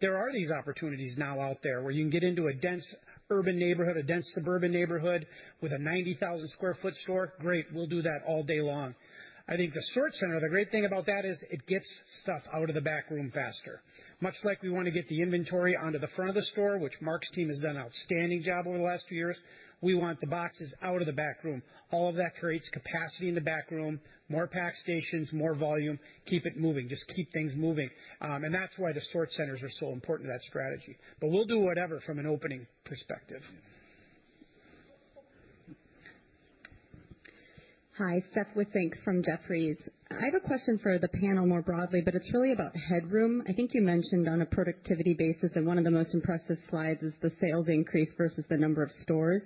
There are these opportunities now out there where you can get into a dense urban neighborhood, a dense suburban neighborhood with a 90,000 sq ft store. Great. We'll do that all day long. I think the sortation center, the great thing about that is it gets stuff out of the back room faster. Much like we wanna get the inventory onto the front of the store, which Mark's team has done an outstanding job over the last few years. We want the boxes out of the back room. All of that creates capacity in the back room, more pack stations, more volume, keep it moving, just keep things moving. That's why the sortation centers are so important to that strategy. We'll do whatever from an opening perspective. Hi, Stephanie Wissink from Jefferies. I have a question for the panel more broadly, but it's really about headroom. I think you mentioned on a productivity basis and one of the most impressive slides is the sales increase versus the number of stores.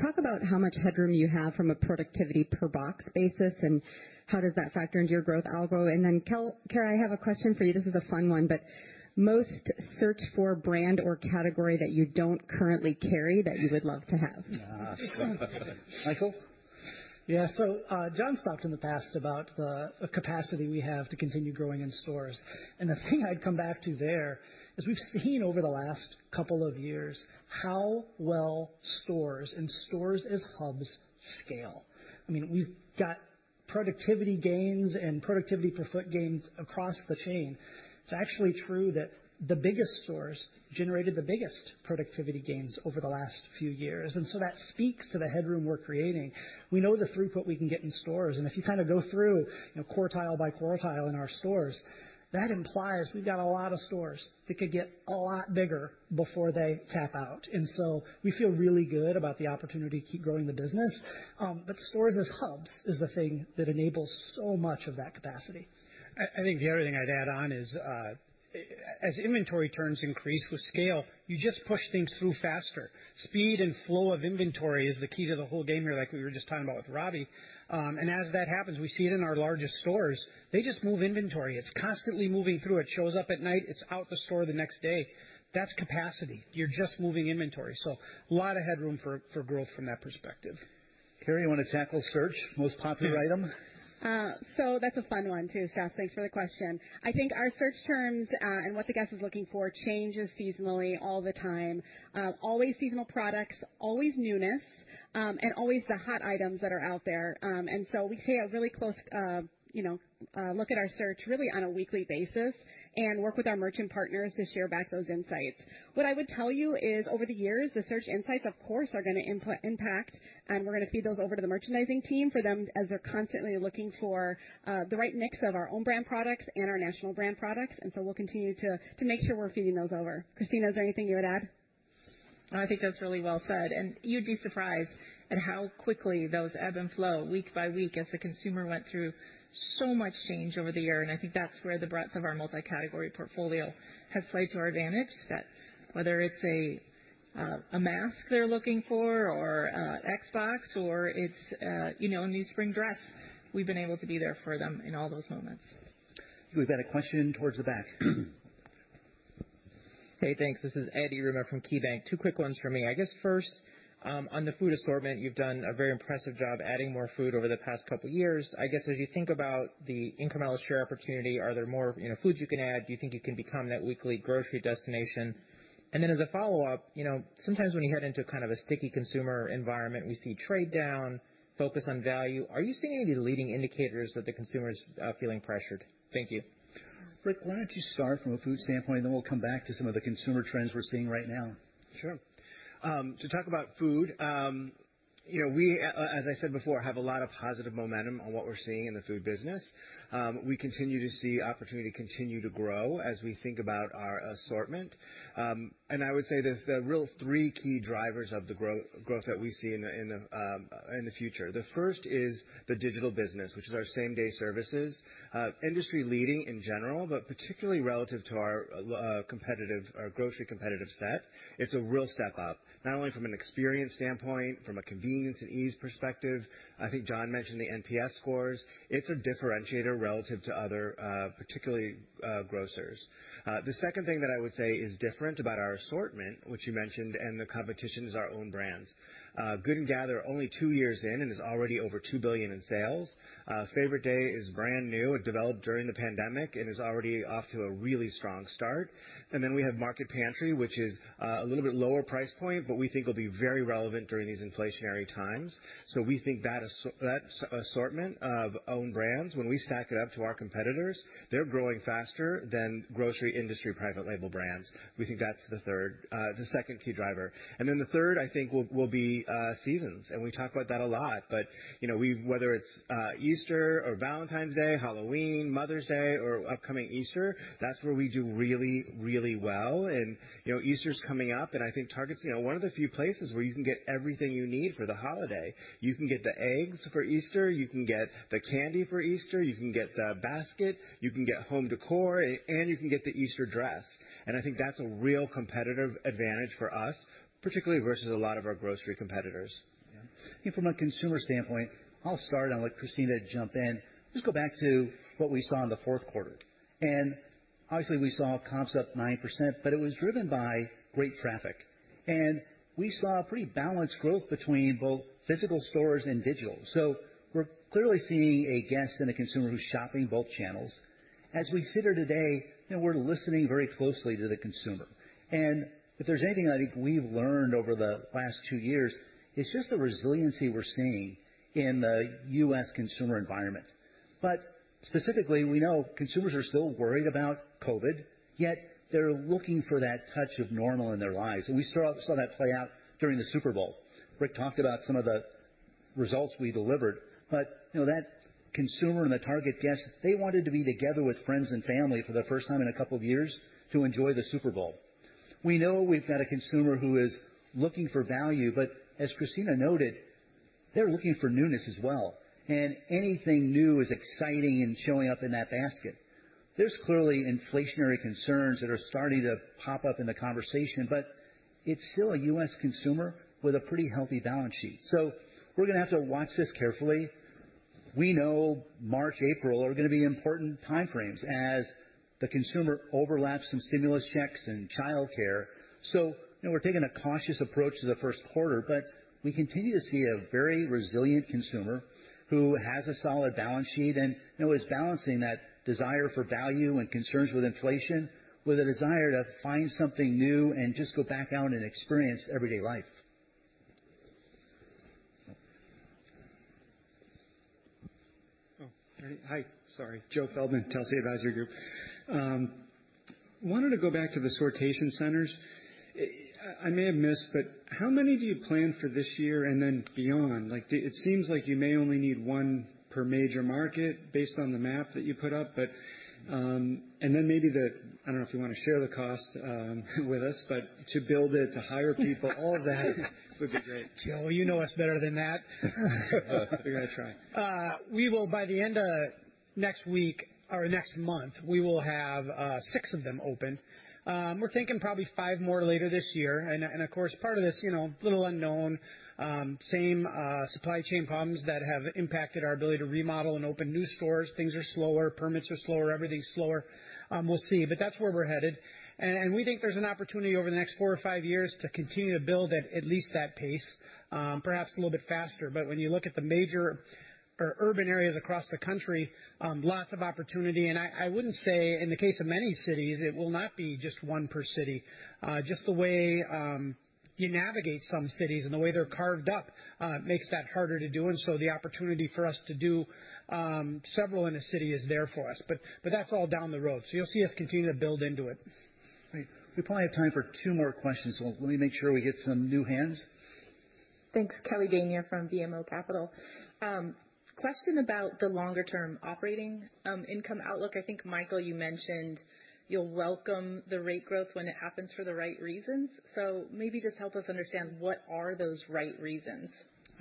Talk about how much headroom you have from a productivity per box basis, and how does that factor into your growth algo? Cara, I have a question for you. This is a fun one, but most searched for brand or category that you don't currently carry that you would love to have. Michael? Yeah. So, John's talked in the past about the capacity we have to continue growing in stores. The thing I'd come back to there is we've seen over the last couple of years how well stores and stores as hubs scale. I mean, we've got productivity gains and productivity per foot gains across the chain. It's actually true that the biggest stores generated the biggest productivity gains over the last few years, and so that speaks to the headroom we're creating. We know the throughput we can get in stores, and if you kinda go through, you know, quartile by quartile in our stores, that implies we've got a lot of stores that could get a lot bigger before they tap out. We feel really good about the opportunity to keep growing the business. Stores as hubs is the thing that enables so much of that capacity. I think the only thing I'd add on is, as inventory turns increase with scale, you just push things through faster. Speed and flow of inventory is the key to the whole game here, like we were just talking about with Robbie. As that happens, we see it in our largest stores. They just move inventory. It's constantly moving through. It shows up at night, it's out the store the next day. That's capacity. You're just moving inventory. A lot of headroom for growth from that perspective. Cara, you wanna tackle search, most popular item? That's a fun one too, Steph. Thanks for the question. I think our search terms and what the guest is looking for changes seasonally all the time. Always seasonal products, always newness, and always the hot items that are out there. We take a really close, you know, look at our search really on a weekly basis and work with our merchant partners to share back those insights. What I would tell you is, over the years, the search insights, of course, are gonna impact, and we're gonna feed those over to the merchandising team for them as they're constantly looking for the right mix of our own brand products and our national brand products. We'll continue to make sure we're feeding those over. Christina, is there anything you would add? I think that's really well said. You'd be surprised at how quickly those ebb and flow week by week as the consumer went through so much change over the year. I think that's where the breadth of our multi-category portfolio has played to our advantage, that whether it's a mask they're looking for or a Xbox or it's you know a new spring dress, we've been able to be there for them in all those moments. We've got a question towards the back. Hey, thanks. This is Eddy Yruma from KeyBank. Two quick ones for me. I guess first, on the food assortment, you've done a very impressive job adding more food over the past couple years. I guess, as you think about the incremental share opportunity, are there more, you know, foods you can add? Do you think you can become that weekly grocery destination? And then as a follow-up, you know, sometimes when you head into kind of a sticky consumer environment, we see trade down, focus on value. Are you seeing any leading indicators that the consumer is feeling pressured? Thank you. Rick, why don't you start from a food standpoint, and then we'll come back to some of the consumer trends we're seeing right now. Sure. To talk about food, you know, we, as I said before, have a lot of positive momentum on what we're seeing in the food business. We continue to see opportunity continue to grow as we think about our assortment. I would say the real three key drivers of the growth that we see in the future. The first is the digital business, which is our same-day services. Industry-leading in general, but particularly relative to our competitive or grocery competitive set. It's a real step up, not only from an experience standpoint, from a convenience and ease perspective. I think John mentioned the NPS scores. It's a differentiator relative to other, particularly, grocers. The second thing that I would say is different about our assortment, which you mentioned, and the competition is our own brands. Good & Gather, only two years in and is already over $2 billion in sales. Favorite Day is brand new. It developed during the pandemic and is already off to a really strong start. We have Market Pantry, which is a little bit lower price point, but we think will be very relevant during these inflationary times. We think that assortment of own brands, when we stack it up to our competitors, they're growing faster than grocery industry private label brands. We think that's the second key driver. The third, I think, will be seasons. We talk about that a lot. You know, whether it's Easter or Valentine's Day, Halloween, Mother's Day, or upcoming Easter, that's where we do really, really well. You know, Easter's coming up, and I think Target's, you know, one of the few places where you can get everything you need for the holiday. You can get the eggs for Easter, you can get the candy for Easter, you can get the basket, you can get home decor, and you can get the Easter dress. I think that's a real competitive advantage for us, particularly versus a lot of our grocery competitors. I think from a consumer standpoint, I'll start and let Christina jump in. Just go back to what we saw in the fourth quarter. Obviously, we saw comps up 9%, but it was driven by great traffic. We saw a pretty balanced growth between both physical stores and digital. We're clearly seeing a guest and a consumer who's shopping both channels. As we sit here today, you know, we're listening very closely to the consumer. If there's anything I think we've learned over the last two years, it's just the resiliency we're seeing in the U.S. consumer environment. Specifically, we know consumers are still worried about COVID, yet they're looking for that touch of normal in their lives. We saw that play out during the Super Bowl. Rick talked about some of the results we delivered. You know, that consumer and the Target guest, they wanted to be together with friends and family for the first time in a couple of years to enjoy the Super Bowl. We know we've got a consumer who is looking for value, but as Christina noted, they're looking for newness as well. Anything new is exciting and showing up in that basket. There's clearly inflationary concerns that are starting to pop up in the conversation, but it's still a U.S. consumer with a pretty healthy balance sheet. We're gonna have to watch this carefully. We know March, April are gonna be important time frames as the consumer overlaps some stimulus checks and childcare. You know, we're taking a cautious approach to the first quarter, but we continue to see a very resilient consumer who has a solid balance sheet, and who is balancing that desire for value and concerns with inflation, with a desire to find something new and just go back out and experience everyday life. Oh, hi. Sorry. Joe Feldman, Telsey Advisory Group. I wanted to go back to the sortation centers. I may have missed, but how many do you plan for this year and then beyond? Like, it seems like you may only need one per major market based on the map that you put up. Maybe I don't know if you wanna share the cost with us, but to build it, to hire people, all of that would be great. Joe, you know us better than that. Thought we gotta try. We will by the end of next week or next month, we will have six of them open. We're thinking probably five more later this year. Of course, part of this, you know, little unknown, same supply chain problems that have impacted our ability to remodel and open new stores. Things are slower, permits are slower, everything's slower. We'll see. That's where we're headed. We think there's an opportunity over the next four or five years to continue to build at least that pace, perhaps a little bit faster. When you look at the major or urban areas across the country, lots of opportunity. I wouldn't say in the case of many cities, it will not be just one per city. Just the way you navigate some cities and the way they're carved up makes that harder to do. The opportunity for us to do several in a city is there for us. That's all down the road. You'll see us continue to build into it. We probably have time for two more questions. Let me make sure we get some new hands. Thanks. Kelly Bania from BMO Capital. Question about the longer term operating income outlook. I think, Michael, you mentioned you'll welcome the rate growth when it happens for the right reasons. Maybe just help us understand what are those right reasons?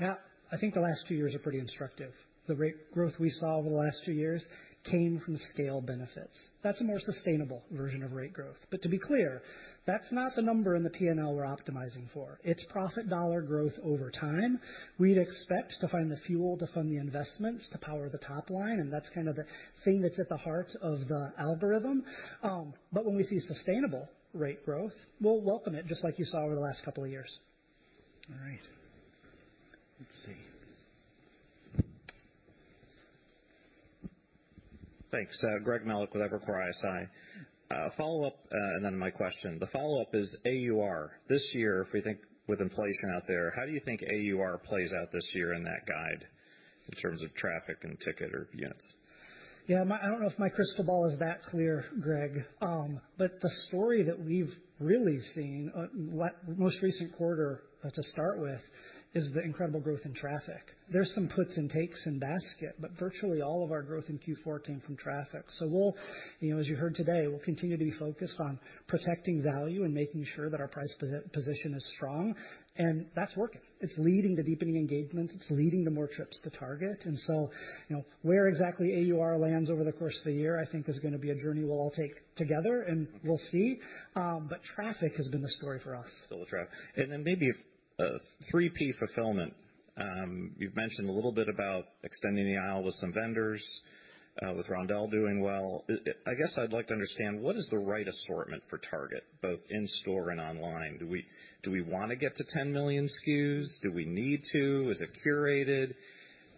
Yeah. I think the last few years are pretty instructive. The rate growth we saw over the last few years came from scale benefits. That's a more sustainable version of rate growth. To be clear, that's not the number in the P&L we're optimizing for. It's profit dollar growth over time. We'd expect to find the fuel to fund the investments to power the top line, and that's kind of the thing that's at the heart of the algorithm. When we see sustainable rate growth, we'll welcome it, just like you saw over the last couple of years. All right. Let's see. Thanks. Greg Melich with Evercore ISI. Follow-up, and then my question. The follow-up is AUR. This year, if we think with inflation out there, how do you think AUR plays out this year in that guide in terms of traffic and ticket or units? Yeah, I don't know if my crystal ball is that clear, Greg, but the story that we've really seen, most recent quarter, to start with, is the incredible growth in traffic. There's some puts and takes in basket, but virtually all of our growth in Q4 came from traffic. We'll, you know, as you heard today, we'll continue to be focused on protecting value and making sure that our price position is strong, and that's working. It's leading to deepening engagement. It's leading to more trips to Target. You know, where exactly AUR lands over the course of the year, I think is gonna be a journey we'll all take together, and we'll see. Traffic has been the story for us. The traffic. Then maybe 3P fulfillment. You've mentioned a little bit about extending the aisle with some vendors, with Roundel doing well. I guess I'd like to understand what is the right assortment for Target, both in store and online? Do we wanna get to 10 million SKUs? Do we need to? Is it curated?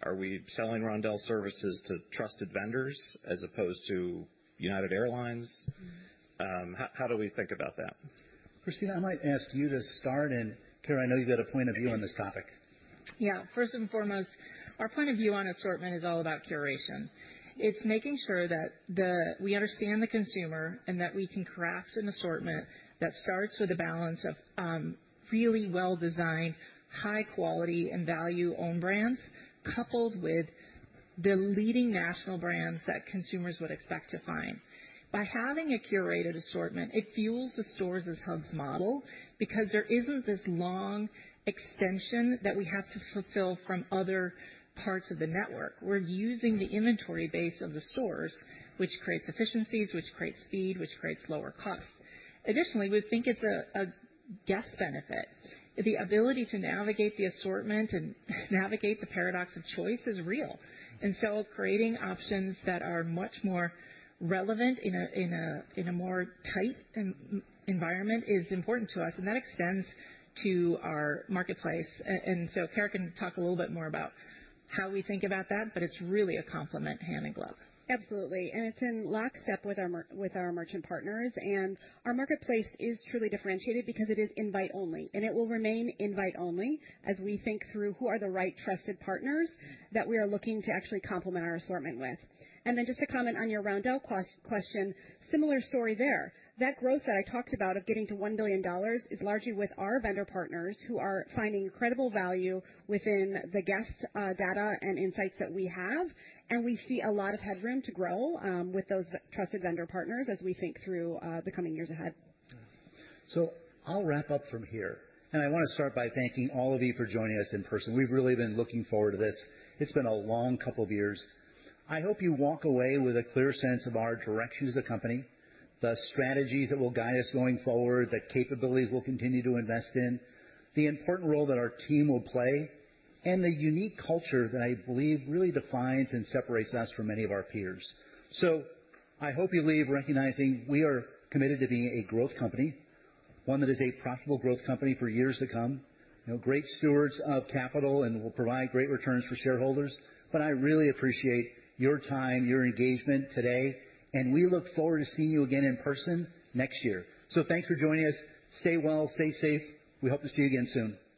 Are we selling Roundel services to trusted vendors as opposed to United Airlines? How do we think about that? Christina, I might ask you to start, and Cara, I know you've got a point of view on this topic. Yeah. First and foremost, our point of view on assortment is all about curation. It's making sure that we understand the consumer and that we can craft an assortment that starts with a balance of really well-designed, high quality and value own brands, coupled with the leading national brands that consumers would expect to find. By having a curated assortment, it fuels the stores as hubs model because there isn't this long extension that we have to fulfill from other parts of the network. We're using the inventory base of the stores, which creates efficiencies, which creates speed, which creates lower costs. Additionally, we think it's a guest benefit. The ability to navigate the assortment and navigate the paradox of choice is real. Creating options that are much more relevant in a more tightened environment is important to us, and that extends to our marketplace. Cara can talk a little bit more about how we think about that, but it's really a complement, hand in glove. Absolutely. It's in lockstep with our merchant partners. Our marketplace is truly differentiated because it is invite only, and it will remain invite only as we think through who are the right trusted partners that we are looking to actually complement our assortment with. Then just to comment on your Roundel question, similar story there. That growth that I talked about of getting to $1 billion is largely with our vendor partners who are finding incredible value within the guest data and insights that we have. We see a lot of headroom to grow with those trusted vendor partners as we think through the coming years ahead. I'll wrap up from here. I wanna start by thanking all of you for joining us in person. We've really been looking forward to this. It's been a long couple of years. I hope you walk away with a clear sense of our direction as a company, the strategies that will guide us going forward, the capabilities we'll continue to invest in, the important role that our team will play, and the unique culture that I believe really defines and separates us from many of our peers. I hope you leave recognizing we are committed to being a growth company, one that is a profitable growth company for years to come, you know, great stewards of capital and will provide great returns for shareholders. I really appreciate your time, your engagement today, and we look forward to seeing you again in person next year. Thanks for joining us. Stay well, stay safe. We hope to see you again soon.